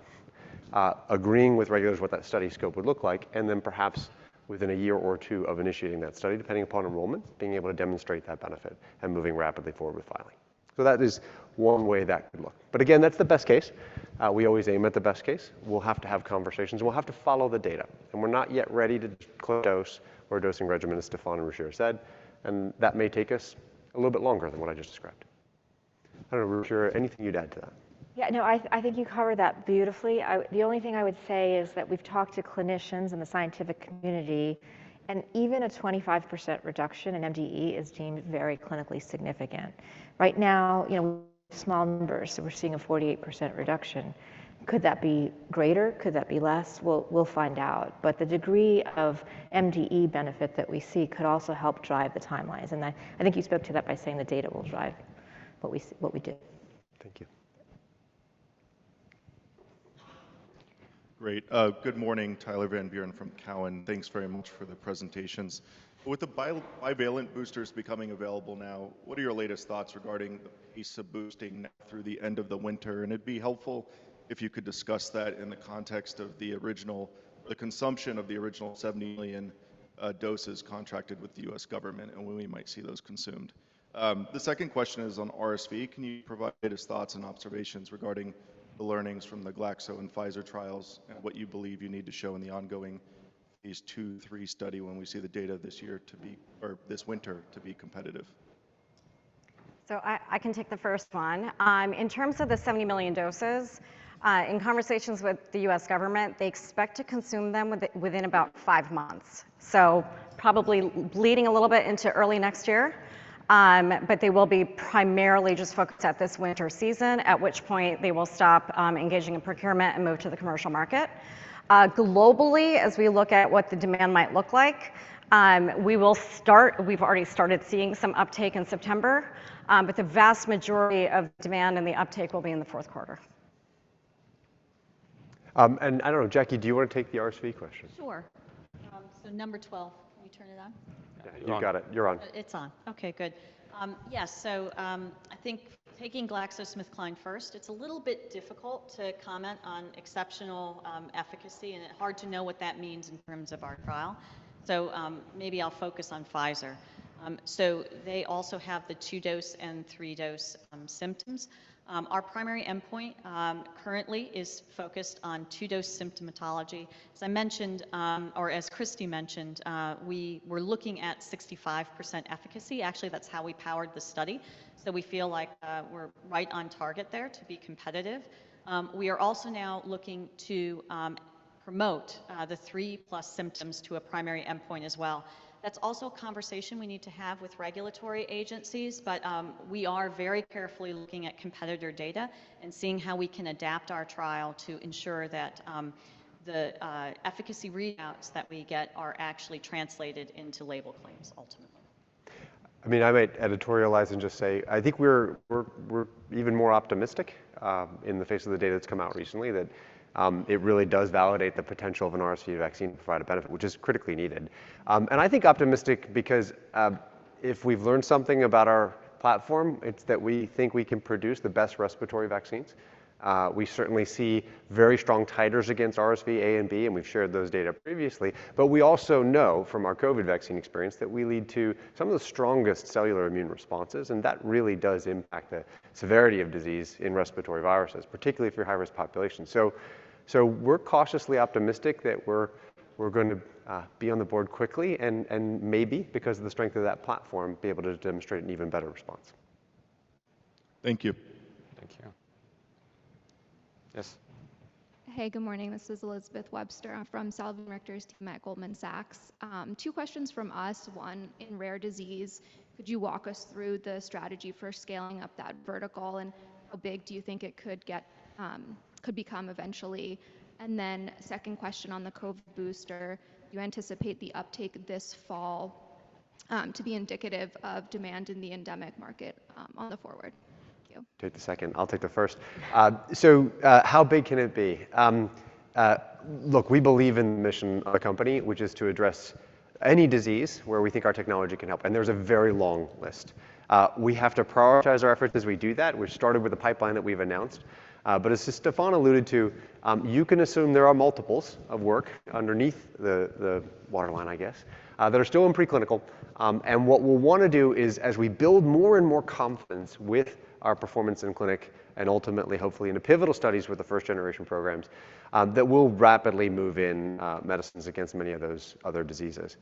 agreeing with regulators what that study scope would look like, and then perhaps within a year or two of initiating that study, depending upon enrollment, being able to demonstrate that benefit and moving rapidly forward with filing. That is one way that could look. Again, that's the best case. We always aim at the best case. We'll have to have conversations, and we'll have to follow the data, and we're not yet ready to declare dose or dosing regimens, Stéphane and Ruchira said, and that may take us a little bit longer than what I just described. I don't know, Ruchira, anything you'd add to that? Yeah, no, I think you covered that beautifully. The only thing I would say is that we've talked to clinicians in the scientific community, and even a 25% reduction in MDE is deemed very clinically significant. Right now, you know, small numbers, so we're seeing a 48% reduction. Could that be greater? Could that be less? We'll find out. But the degree of MDE benefit that we see could also help drive the timelines, and I think you spoke to that by saying the data will drive what we do. Thank you. Great. Good morning, Tyler Van Buren from Cowen. Thanks very much for the presentations. With the bivalent boosters becoming available now, what are your latest thoughts regarding the pace of boosting now through the end of the winter? It'd be helpful if you could discuss that in the context of the consumption of the original 70 million doses contracted with the US government and when we might see those consumed. The second question is on RSV. Can you provide us thoughts and observations regarding the learnings from the GSK and Pfizer trials and what you believe you need to show in the ongoing phase II/III study when we see the data this year to be, or this winter to be competitive? I can take the first one. In terms of the 70 million doses, in conversations with the US government, they expect to consume them within about five months. Probably bleeding a little bit into early next year, but they will be primarily just focused at this winter season, at which point they will stop engaging in procurement and move to the commercial market. Globally, as we look at what the demand might look like, we've already started seeing some uptake in September, but the vast majority of demand and the uptake will be in the fourth quarter. I don't know, Jackie, do you wanna take the RSV question? Sure. Number 12. Can you turn it on? You got it. You're on. I think taking GSK first, it's a little bit difficult to comment on exceptional efficacy, and hard to know what that means in terms of our trial. Maybe I'll focus on Pfizer. They also have the two-dose and three-dose symptoms. Our primary endpoint currently is focused on two-dose symptomatology. As I mentioned, or as Christy mentioned, we were looking at 65% efficacy. Actually, that's how we powered the study. We feel like we're right on target there to be competitive. We are also now looking to. Promote the three-plus symptoms to a primary endpoint as well. That's also a conversation we need to have with regulatory agencies, but we are very carefully looking at competitor data and seeing how we can adapt our trial to ensure that the efficacy readouts that we get are actually translated into label claims ultimately. I mean, I might editorialize and just say I think we're even more optimistic in the face of the data that's come out recently, that it really does validate the potential of an RSV vaccine to provide a benefit, which is critically needed. I think optimistic because if we've learned something about our platform, it's that we think we can produce the best respiratory vaccines. We certainly see very strong titers against RSV A and B, and we've shared those data previously. We also know from our COVID vaccine experience that we lead to some of the strongest cellular immune responses, and that really does impact the severity of disease in respiratory viruses, particularly if you're a high-risk population. We're cautiously optimistic that we're going to be on the board quickly and maybe, because of the strength of that platform, be able to demonstrate an even better response. Thank you. Thank you. Yes. Hey, good morning. This is Elizabeth Webster from Salveen Richter's team at Goldman Sachs. Two questions from us. One, in rare disease, could you walk us through the strategy for scaling up that vertical and how big do you think it could get, could become eventually? Second question on the COVID booster, do you anticipate the uptake this fall, to be indicative of demand in the endemic market, on the forward? Thank you. Take the second. I'll take the first. So, how big can it be? Look, we believe in the mission of the company, which is to address any disease where we think our technology can help, and there's a very long list. We have to prioritize our efforts as we do that, which started with the pipeline that we've announced. But as Stéphane alluded to, you can assume there are multiples of work underneath the waterline, I guess, that are still in preclinical. And what we'll want to do is as we build more and more confidence with our performance in clinic and ultimately, hopefully, into pivotal studies with the first-generation programs, that we'll rapidly move in medicines against many of those other diseases.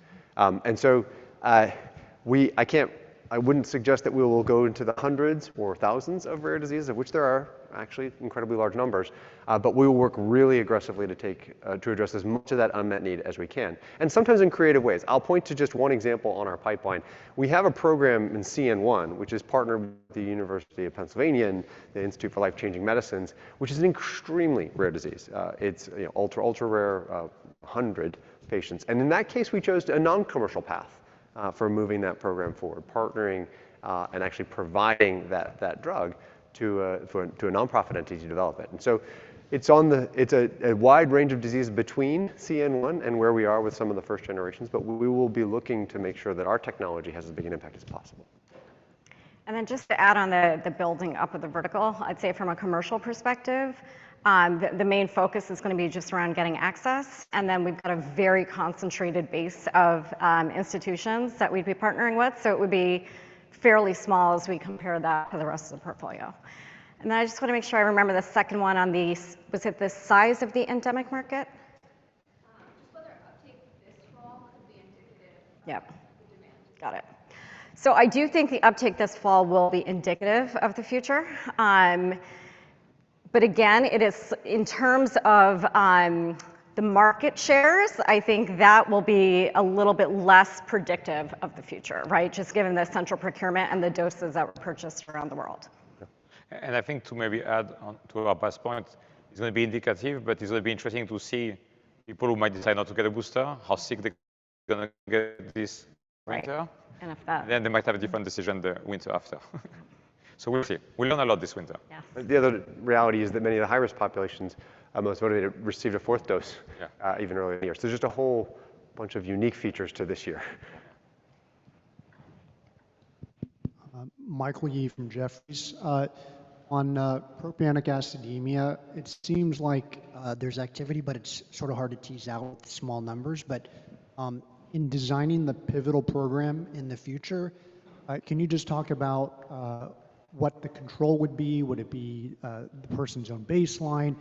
I wouldn't suggest that we will go into the hundreds or thousands of rare diseases, of which there are actually incredibly large numbers, but we will work really aggressively to take, to address as much of that unmet need as we can, and sometimes in creative ways. I'll point to just one example on our pipeline. We have a program in CN1, which is partnered with the University of Pennsylvania and the Institute for Life Changing Medicines, which is an extremely rare disease. It's, you know, ultra rare, 100 patients. In that case, we chose a non-commercial path for moving that program forward, partnering and actually providing that drug to a nonprofit entity to develop it. It's a wide range of disease between CN1 and where we are with some of the first generations, but we will be looking to make sure that our technology has as big an impact as possible. Just to add on the building up of the vertical, I'd say from a commercial perspective, the main focus is gonna be just around getting access, and then we've got a very concentrated base of institutions that we'd be partnering with. It would be fairly small as we compare that to the rest of the portfolio. I just wanna make sure I remember the second one on these. Was it the size of the endemic market? Just whether uptake this fall could be indicative of the demand. Got it. I do think the uptake this fall will be indicative of the future. Again, it is in terms of the market shares, I think that will be a little bit less predictive of the future, right? Just given the central procurement and the doses that were purchased around the world. I think to maybe add on to Arpa's point, it's gonna be indicative, but it's gonna be interesting to see people who might decide not to get a booster, how sick they're gonna get this winter. They might have a different decision the winter after. We'll see. We learned a lot this winter. The other reality is that many of the high-risk populations are most motivated to receive a fourth dose. Even earlier in the year. There's just a whole bunch of unique features to this year. Michael Yee from Jefferies. On propionic acidemia, it seems like there's activity, but it's sort of hard to tease out the small numbers. In designing the pivotal program in the future, can you just talk about what the control would be? Would it be the person's own baseline?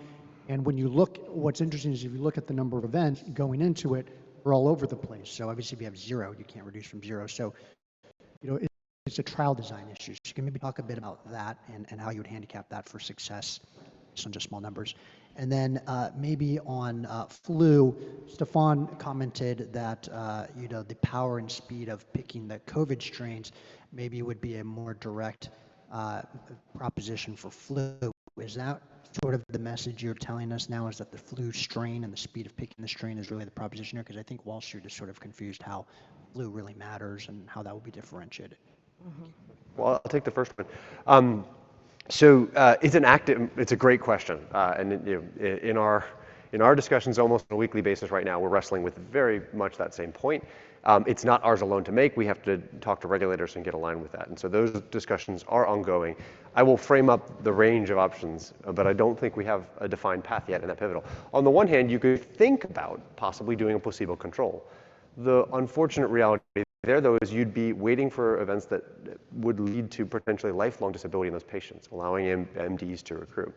When you look, what's interesting is if you look at the number of events going into it, we're all over the place. Obviously, if you have zero, you can't reduce from zero. You know, it's a trial design issue. Can you maybe talk a bit about that and how you would handicap that for success based on just small numbers? Maybe on flu, Stéphane commented that, you know, the power and speed of picking the COVID strains maybe would be a more direct proposition for flu. Is that sort of the message you're telling us now, is that the flu strain and the speed of picking the strain is really the proposition here? 'Cause I think Wall Street is sort of confused how flu really matters and how that will be differentiated. Well, I'll take the first one. It's a great question. You know, in our discussions almost on a weekly basis right now, we're wrestling with very much that same point. It's not ours alone to make. We have to talk to regulators and get aligned with that. Those discussions are ongoing. I will frame up the range of options, but I don't think we have a defined path yet in that pivotal. On the one hand, you could think about possibly doing a placebo control. The unfortunate reality there, though, is you'd be waiting for events that would lead to potentially lifelong disability in those patients, allowing MDEs to recruit.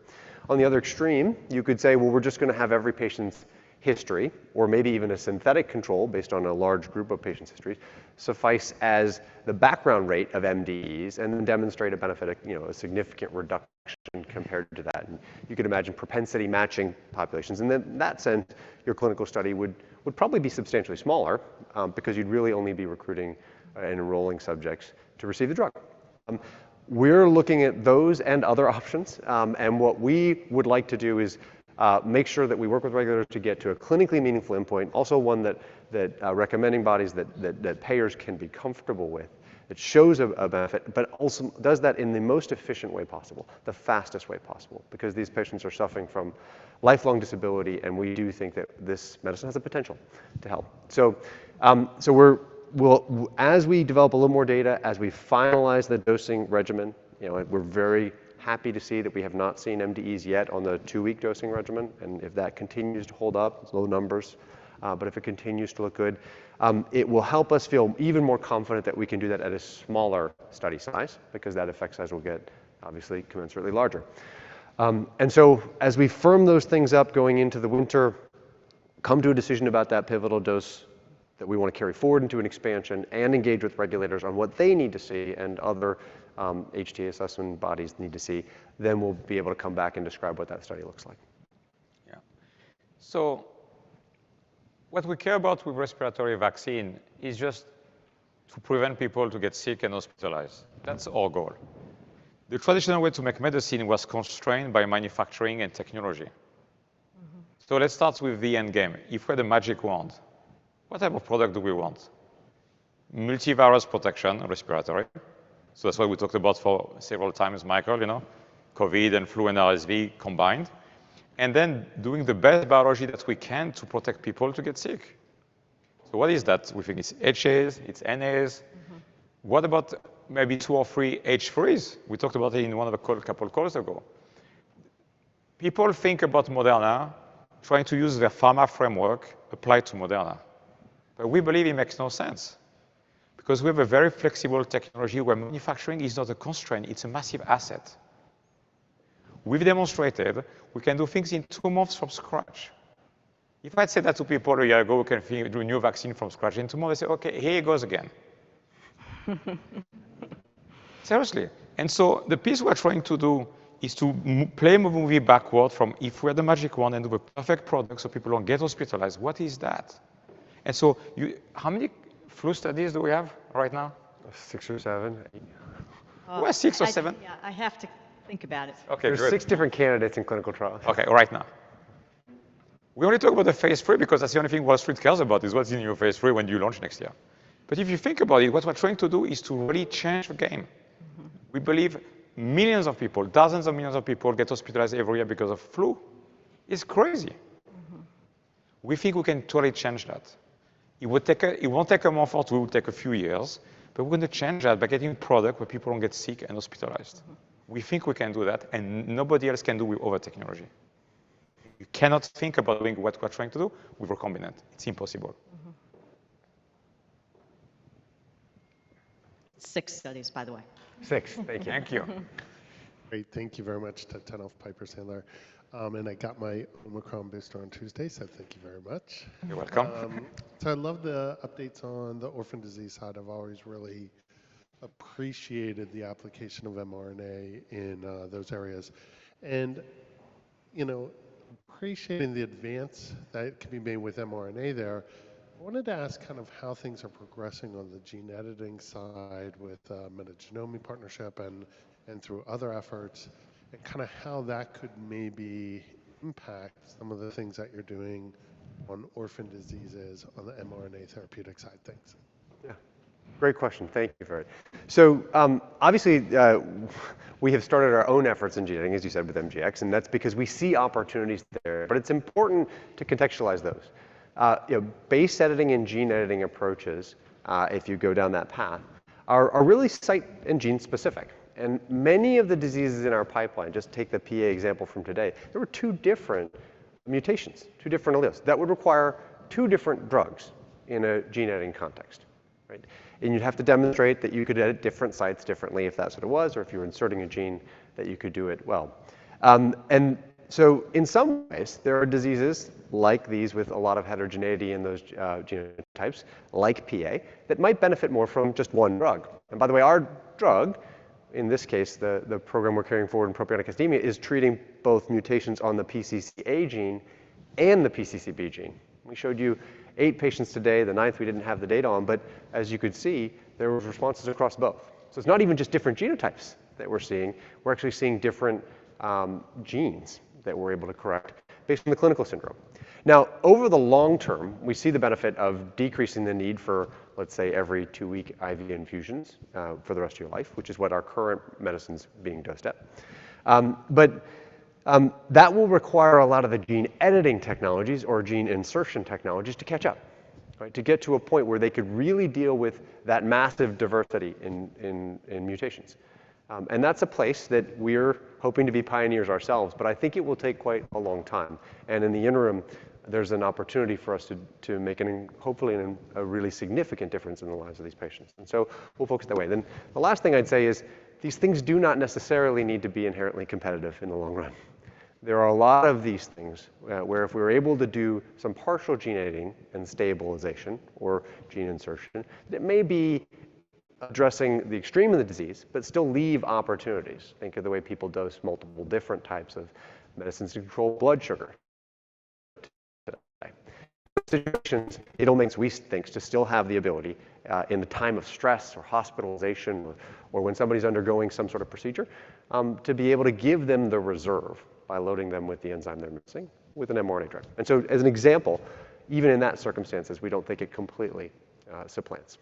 On the other extreme, you could say, well, we're just gonna have every patient's history or maybe even a synthetic control based on a large group of patients' histories suffice as the background rate of MDEs and then demonstrate a benefit of, you know, a significant reduction compared to that. You could imagine propensity matching populations. In that sense, your clinical study would probably be substantially smaller, because you'd really only be recruiting and enrolling subjects to receive the drug. We're looking at those and other options. What we would like to do is make sure that we work with regulators to get to a clinically meaningful endpoint. Also one that recommending bodies that payers can be comfortable with that shows a benefit, but also does that in the most efficient way possible, the fastest way possible, because these patients are suffering from lifelong disability, and we do think that this medicine has the potential to help. As we develop a little more data, as we finalize the dosing regimen, you know, we're very happy to see that we have not seen MDEs yet on the two-week dosing regimen, and if that continues to hold up, it's low numbers, but if it continues to look good, it will help us feel even more confident that we can do that at a smaller study size because that effect size will get obviously commensurately larger. As we firm those things up going into the winter, come to a decision about that pivotal dose that we wanna carry forward into an expansion, and engage with regulators on what they need to see and other HTA assessment bodies need to see, then we'll be able to come back and describe what that study looks like. Yeah. What we care about with respiratory vaccine is just to prevent people to get sick and hospitalized. That's our goal. The traditional way to make medicine was constrained by manufacturing and technology. Let's start with the end game. If we had a magic wand, what type of product do we want? Multivirus protection, respiratory. That's why we talked about for several times, Michael, you know, COVID and flu and RSV combined, and then doing the best biology that we can to protect people to get sick. What is that? We think it's HAs, it's NAs. What about maybe two or three H3s? We talked about it in one of the couple calls ago. People think about Moderna trying to use their pharma framework applied to Moderna. We believe it makes no sense because we have a very flexible technology where manufacturing is not a constraint, it's a massive asset. We've demonstrated we can do things in two months from scratch. If I'd said that to people a year ago, we can do a new vaccine from scratch in two months, they'd say, "Okay, here he goes again." Seriously. The piece we're trying to do is to play a movie backward from if we had a magic wand and do a perfect product so people don't get hospitalized, what is that? How many flu studies do we have right now? Six or 7seven. Eight. We have six or seven. Yeah, I have to think about it. Okay. Great. There's six different candidates in clinical trials. Okay. Right now. We only talk about the phase III because that's the only thing Wall Street cares about, is what's in your phase III when you launch next year. If you think about it, what we're trying to do is to really change the game. We believe millions of people, dozens of millions of people, get hospitalized every year because of flu. It's crazy. We think we can totally change that. It won't take more effort, it will take a few years, but we're gonna change that by getting product where people don't get sick and hospitalized. We think we can do that, and nobody else can do with our technology. You cannot think about doing what we're trying to do with recombinant. It's impossible. Six studies, by the way. Six. Thank you. Thank you. Great. Thank you very much. Ted Tenthoff, Piper Sandler. I got my Omicron booster on Tuesday, so thank you very much. You're welcome. I love the updates on the orphan disease side. I've always really appreciated the application of mRNA in those areas. You know, appreciating the advance that can be made with mRNA there, I wanted to ask kind of how things are progressing on the gene editing side with Metagenomi partnership and through other efforts, and kinda how that could maybe impact some of the things that you're doing on orphan diseases on the mRNA therapeutic side. Thanks. Yeah. Great question. Thank you for it. obviously, we have started our own efforts in gene editing, as you said, with mGx, and that's because we see opportunities there, but it's important to contextualize those. You know, base editing and gene editing approaches, if you go down that path are really site and gene-specific. Many of the diseases in our pipeline, just take the PA example from today, there were two different mutations, two different alleles that would require two different drugs in a gene editing context, right? You'd have to demonstrate that you could edit different sites differently if that's what it was, or if you were inserting a gene that you could do it well. In some ways, there are diseases like these with a lot of heterogeneity in those genotypes like PA that might benefit more from just one drug. By the way, our drug, in this case, the program we're carrying forward in propionic acidemia is treating both mutations on the PCCA gene and the PCCB gene. We showed you patients today. The 9th we didn't have the data on. As you could see, there were responses across both. It's not even just different genotypes that we're seeing, we're actually seeing different genes that we're able to correct based on the clinical syndrome. Now, over the long term, we see the benefit of decreasing the need for, let's say, every 2-week IV infusions for the rest of your life, which is what our current medicine's being dosed at. That will require a lot of the gene editing technologies or gene insertion technologies to catch up, right? To get to a point where they could really deal with that massive diversity in mutations. That's a place that we're hoping to be pioneers ourselves, but I think it will take quite a long time. In the interim, there's an opportunity for us to make a really significant difference in the lives of these patients, and so we'll focus that way. The last thing I'd say is these things do not necessarily need to be inherently competitive in the long run. There are a lot of these things where if we're able to do some partial gene editing and stabilization or gene insertion that may be addressing the extreme of the disease, but still leave opportunities. Think of the way people dose multiple different types of medicines to control blood sugar. It allows, we think, to still have the ability in the time of stress or hospitalization, or when somebody's undergoing some sort of procedure to be able to give them the reserve by loading them with the enzyme they're missing with an mRNA drug. As an example, even in those circumstances, we don't think it completely supplants.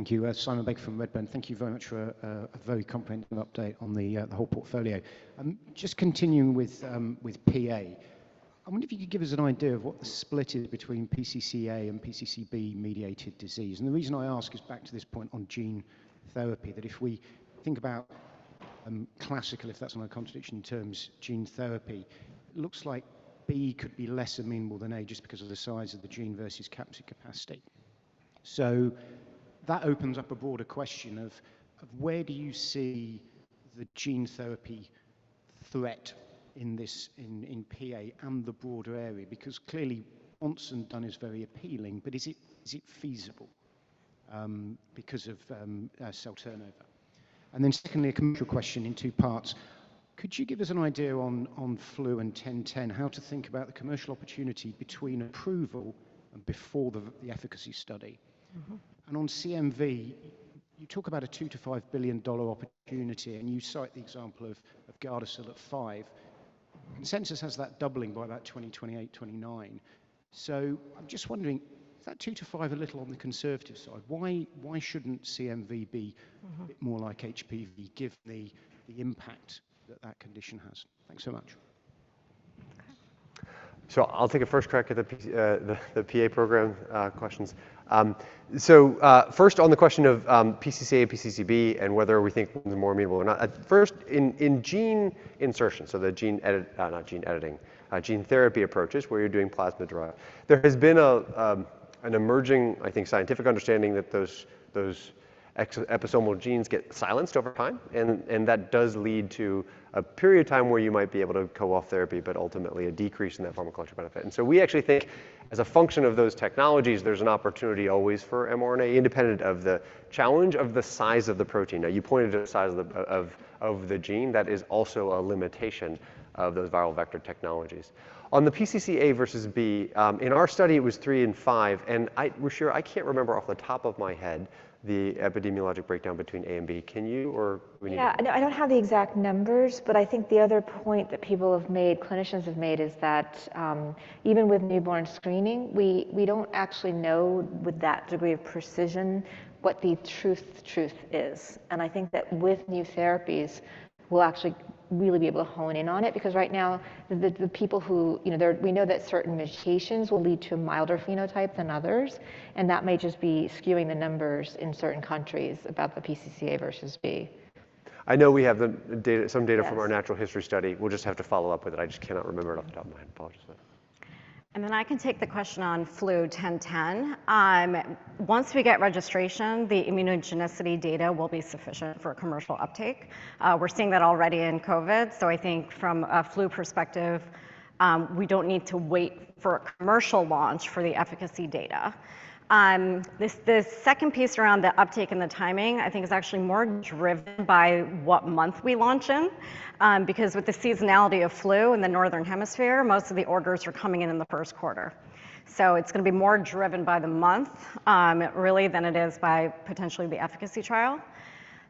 Thank you. Simon Baker from Redburn. Thank you very much for a very comprehensive update on the whole portfolio. Just continuing with PA, I wonder if you could give us an idea of what the split is between PCCA and PCCB-mediated disease, and the reason I ask is back to this point on gene therapy, that if we think about classical, if that's not a contradiction in terms, gene therapy, looks like B could be less amenable than A just because of the size of the gene versus capsid capacity. So that opens up a broader question of where do you see the gene therapy threat in this, in PA and the broader area? Because clearly, one and done is very appealing, but is it feasible because of cell turnover? Then secondly, a commercial question in two parts. Could you give us an idea on flu and 1010 how to think about the commercial opportunity between approval and before the efficacy study? On CMV, you talk about a $2 billion-$5 billion opportunity, and you cite the example of GARDASIL at $5 billion. Consensus has that doubling by about 2028, 2029. I'm just wondering, is that $2 billion-$5 billion a little on the conservative side? Why shouldn't CMV be a bit more like HPV, given the impact that that condition has? Thanks so much. I'll take a first crack at the PC, the PA program questions. First on the question of PCCA, PCCB, and whether we think one is more amenable or not. At first, in gene insertion, the gene therapy approaches where you're doing plasma draw, there has been an emerging, I think, scientific understanding that those episomal genes get silenced over time and that does lead to a period of time where you might be able to go off therapy, but ultimately a decrease in that pharmacological benefit. We actually think as a function of those technologies, there's an opportunity always for mRNA independent of the challenge of the size of the protein. Now, you pointed to the size of the gene. That is also a limitation of those viral vector technologies. On the PCCA versus B, in our study, it was 3 and 5, and Ruchira, I can't remember off the top of my head the epidemiologic breakdown between A and B. Can you, or we need. Yeah. No, I don't have the exact numbers, but I think the other point that people have made, clinicians have made is that, even with newborn screening, we don't actually know with that degree of precision what the truth is. I think that with new therapies, we'll actually really be able to hone in on it because right now the people who, you know, we know that certain mutations will lead to a milder phenotype than others, and that may just be skewing the numbers in certain countries about the PCCA versus B. I know we have the data, some data from our natural history study. We'll just have to follow up with it. I just cannot remember it off the top of my head. Apologize for that. I can take the question on flu 10/10. Once we get registration, the immunogenicity data will be sufficient for commercial uptake. We're seeing that already in COVID, so I think from a flu perspective, we don't need to wait for a commercial launch for the efficacy data. This second piece around the uptake and the timing I think is actually more driven by what month we launch in, because with the seasonality of flu in the Northern Hemisphere, most of the orders are coming in in the first quarter. It's gonna be more driven by the month, really than it is by potentially the efficacy trial.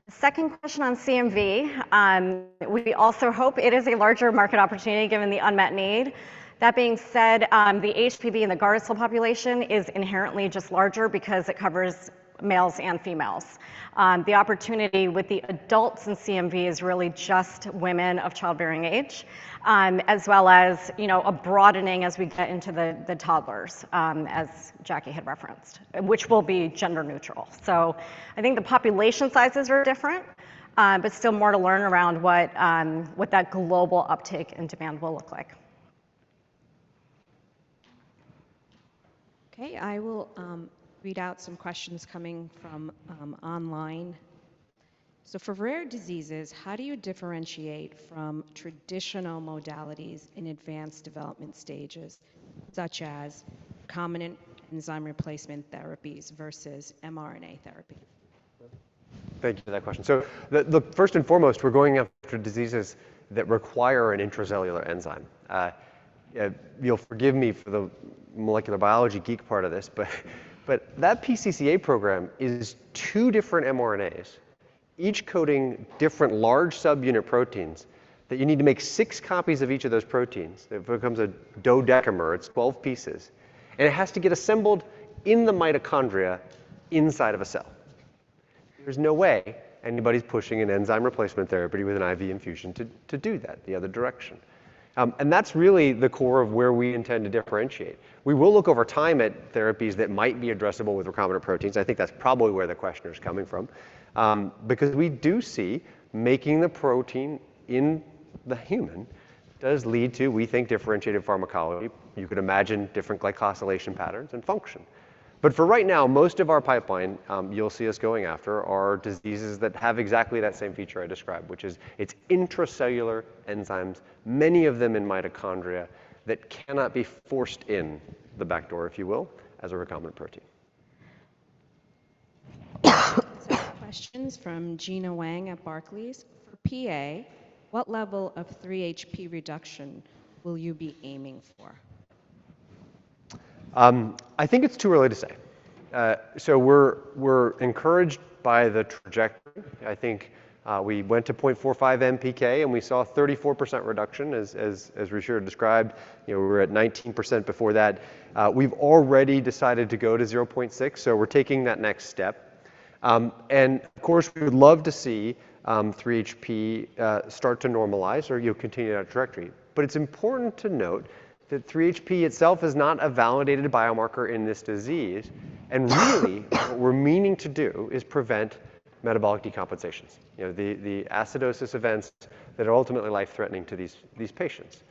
Second question on CMV, we also hope it is a larger market opportunity given the unmet need. That being said, the HPV and the GARDASIL population is inherently just larger because it covers males and females. The opportunity with the adults in CMV is really just women of childbearing age, as well as, you know, a broadening as we get into the toddlers, as Jackie had referenced, which will be gender-neutral. I think the population sizes are different, but still more to learn around what that global uptake and demand will look like. Okay, I will read out some questions coming from online. For rare diseases, how do you differentiate from traditional modalities in advanced development stages, such as recombinant enzyme replacement therapies versus mRNA therapy? Thank you for that question. First and foremost, we're going after diseases that require an intracellular enzyme. You'll forgive me for the molecular biology geek part of this, but that PCCA program is two different mRNAs, each coding different large subunit proteins that you need to make six copies of each of those proteins. It becomes a dodecamer. It's 12 pieces, and it has to get assembled in the mitochondria inside of a cell. There's no way anybody's pushing an enzyme replacement therapy with an IV infusion to do that the other direction. That's really the core of where we intend to differentiate. We will look over time at therapies that might be addressable with recombinant proteins. I think that's probably where the questioner's coming from, because we do see making the protein in the human does lead to, we think, differentiated pharmacology. You could imagine different glycosylation patterns and function. For right now, most of our pipeline, you'll see us going after are diseases that have exactly that same feature I described, which is it's intracellular enzymes, many of them in mitochondria, that cannot be forced in the back door, if you will, as a recombinant protein. Questions from Gina Wang at Barclays. For PA, what level of 3HP reduction will you be aiming for? I think it's too early to say. We're encouraged by the trajectory. I think we went to 0.45 MPK, and we saw 34% reduction as Ruchira described. You know, we were at 19% before that. We've already decided to go to 0.6, so we're taking that next step. And of course, we would love to see 3HP start to normalize or, you know, continue that trajectory. But it's important to note that 3HP itself is not a validated biomarker in this disease, and what we're meaning to do is prevent metabolic decompensations. You know, the acidosis events that are ultimately life-threatening to these patients.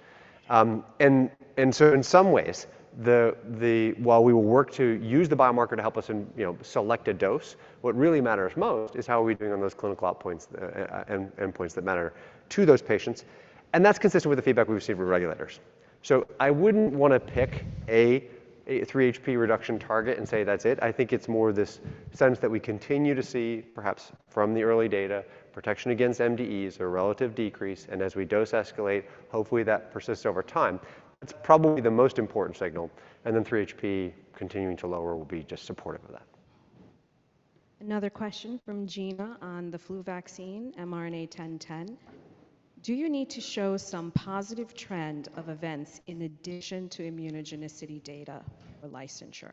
in some ways, while we will work to use the biomarker to help us and, you know, select a dose, what really matters most is how are we doing on those clinical outcomes and endpoints that matter to those patients, and that's consistent with the feedback we've received with regulators. I wouldn't wanna pick a 3HP reduction target and say that's it. I think it's more this sense that we continue to see, perhaps from the early data, protection against MDEs or relative decrease, and as we dose escalate, hopefully that persists over time. That's probably the most important signal, and then 3HP continuing to lower will be just supportive of that. Another question from Gina Wang on the flu vaccine, mRNA-1010. Do you need to show some positive trend of events in addition to immunogenicity data for licensure?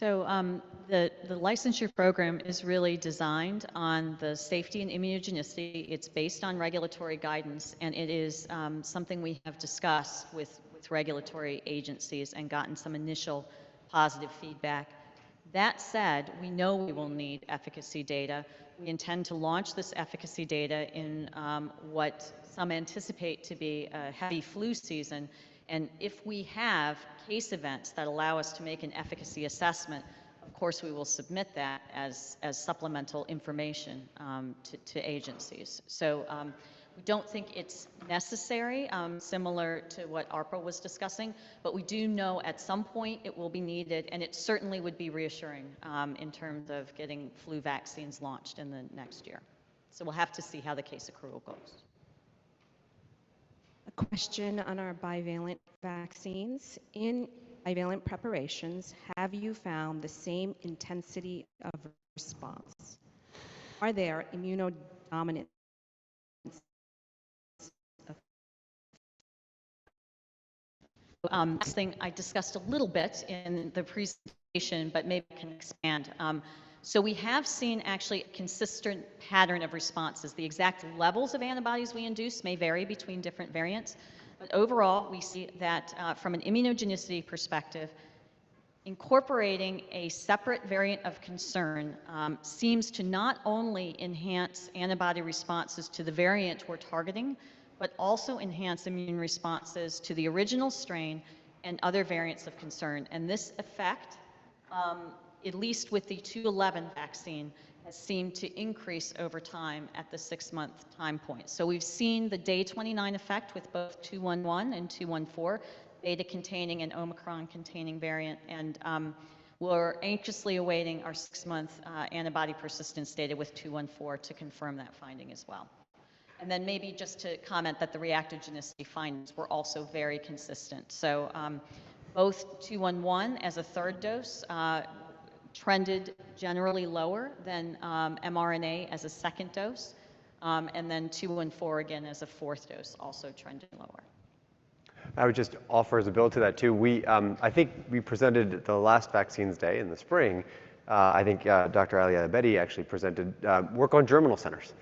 The licensure program is really designed on the safety and immunogenicity. It's based on regulatory guidance, and it is something we have discussed with regulatory agencies and gotten some initial positive feedback. That said, we know we will need efficacy data. We intend to launch this efficacy data in what some anticipate to be a bad flu season, and if we have case events that allow us to make an efficacy assessment, of course we will submit that as supplemental information to agencies. We don't think it's necessary, similar to what Arpa was discussing, but we do know at some point it will be needed, and it certainly would be reassuring in terms of getting flu vaccines launched in the next year. We'll have to see how the case accrual goes. A question on our bivalent vaccines. In bivalent preparations, have you found the same intensity of response? Are there immunodominant I discussed a little bit in the presentation, but maybe I can expand. We have seen actually a consistent pattern of responses. The exact levels of antibodies we induce may vary between different variants, but overall, we see that, from an immunogenicity perspective, incorporating a separate variant of concern, seems to not only enhance antibody responses to the variant we're targeting, but also enhance immune responses to the original strain and other variants of concern. This effect, at least with the mRNA-1273.211 vaccine, has seemed to increase over time at the six-month time point. We've seen the day 29 effect with both mRNA-1273.211 and mRNA-1273.214, Beta containing an Omicron-containing variant, and, we're anxiously awaiting our six-month, antibody persistence data with mRNA-1273.214 to confirm that finding as well. Maybe just to comment that the reactogenicity findings were also very consistent. Both mRNA-1273.211 as a third dose trended generally lower than mRNA-1273 as a second dose. mRNA-1273.214 again as a fourth dose also trended lower. I would just offer as well to that too. I think we presented the last vaccines day in the spring. I think Dr. Ali Ellebedy actually presented work on germinal centers.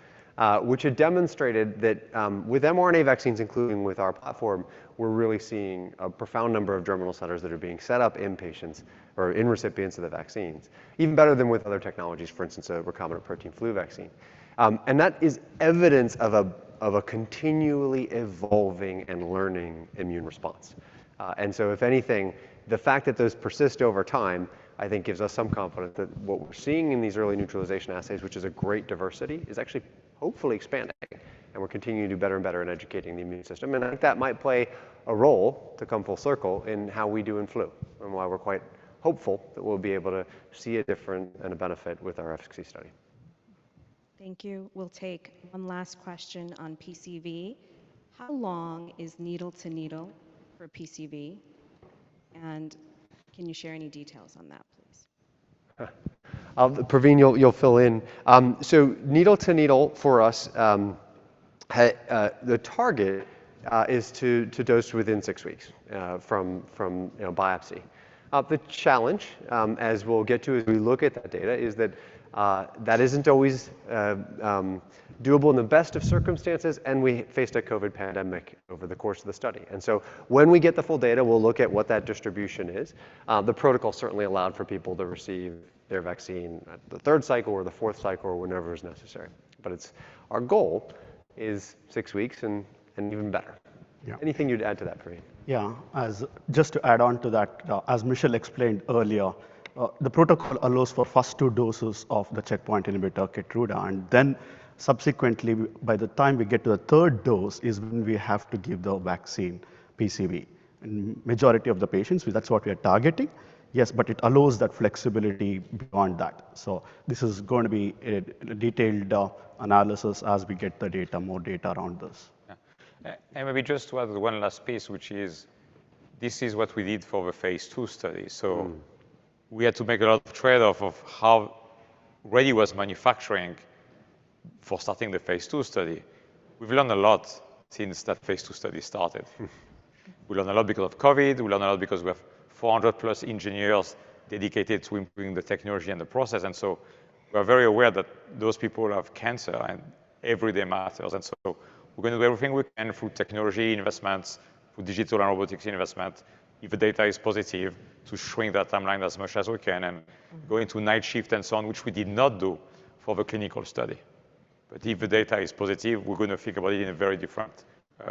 Which had demonstrated that with mRNA vaccines, including with our platform, we're really seeing a profound number of germinal centers that are being set up in patients or in recipients of the vaccines, even better than with other technologies, for instance, a recombinant protein flu vaccine. That is evidence of a continually evolving and learning immune response. If anything, the fact that those persist over time, I think gives us some confidence that what we're seeing in these early neutralization assays, which is a great diversity, is actually hopefully expanding, and we're continuing to do better and better at educating the immune system. I think that might play a role to come full circle in how we do in flu and why we're quite hopeful that we'll be able to see a different and a benefit with our efficacy study. Thank you. We'll take one last question on PCV. How long is needle to needle for PCV, and can you share any details on that, please? Praveen, you'll fill in. So needle to needle for us, the target is to dose within six weeks from you know, biopsy. The challenge, as we'll get to as we look at that data is that that isn't always doable in the best of circumstances, and we faced a COVID pandemic over the course of the study. When we get the full data, we'll look at what that distribution is. The protocol certainly allowed for people to receive their vaccine at the third cycle or the fourth cycle or whenever is necessary. It's our goal is six weeks and even better. Anything you'd add to that, Praveen? Just to add on to that, as Michelle explained earlier, the protocol allows for first two doses of the checkpoint inhibitor KEYTRUDA, and then subsequently by the time we get to the third dose is when we have to give the vaccine PCV. Majority of the patients, that's what we are targeting. Yes, but it allows that flexibility beyond that. This is going to be a detailed analysis as we get the data, more data around this. Maybe just to add one last piece, which is this is what we need for the phase II study. We had to make a lot of trade-off of how ready was manufacturing for starting the phase II study. We've learned a lot since that phase II study started. We learned a lot because of COVID. We learned a lot because we have 400+ engineers dedicated to improving the technology and the process. We're very aware that those people have cancer and every day matters. We're gonna do everything we can through technology investments, through digital and robotics investment, if the data is positive, to shrink that timeline as much as we can, and going to night shift and so on, which we did not do for the clinical study. If the data is positive, we're gonna think about it in a very different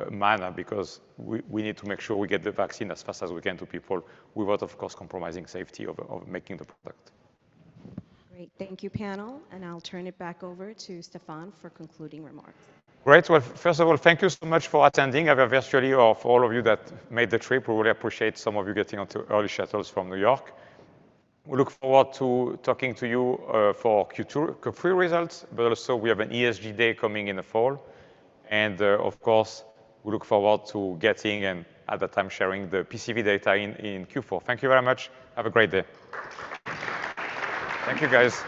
manner because we need to make sure we get the vaccine as fast as we can to people without, of course, compromising safety of making the product. Great. Thank you, panel, and I'll turn it back over to Stéphane for concluding remarks. Great. Well, first of all, thank you so much for attending. I have a virtual view of all of you that made the trip. We really appreciate some of you getting onto early shuttles from New York. We look forward to talking to you for Q2, Q3 results, but also we have an ESG Day coming in the fall. Of course, we look forward to getting and at that time sharing the PCV data in Q4. Thank you very much. Have a great day. Thank you, guys.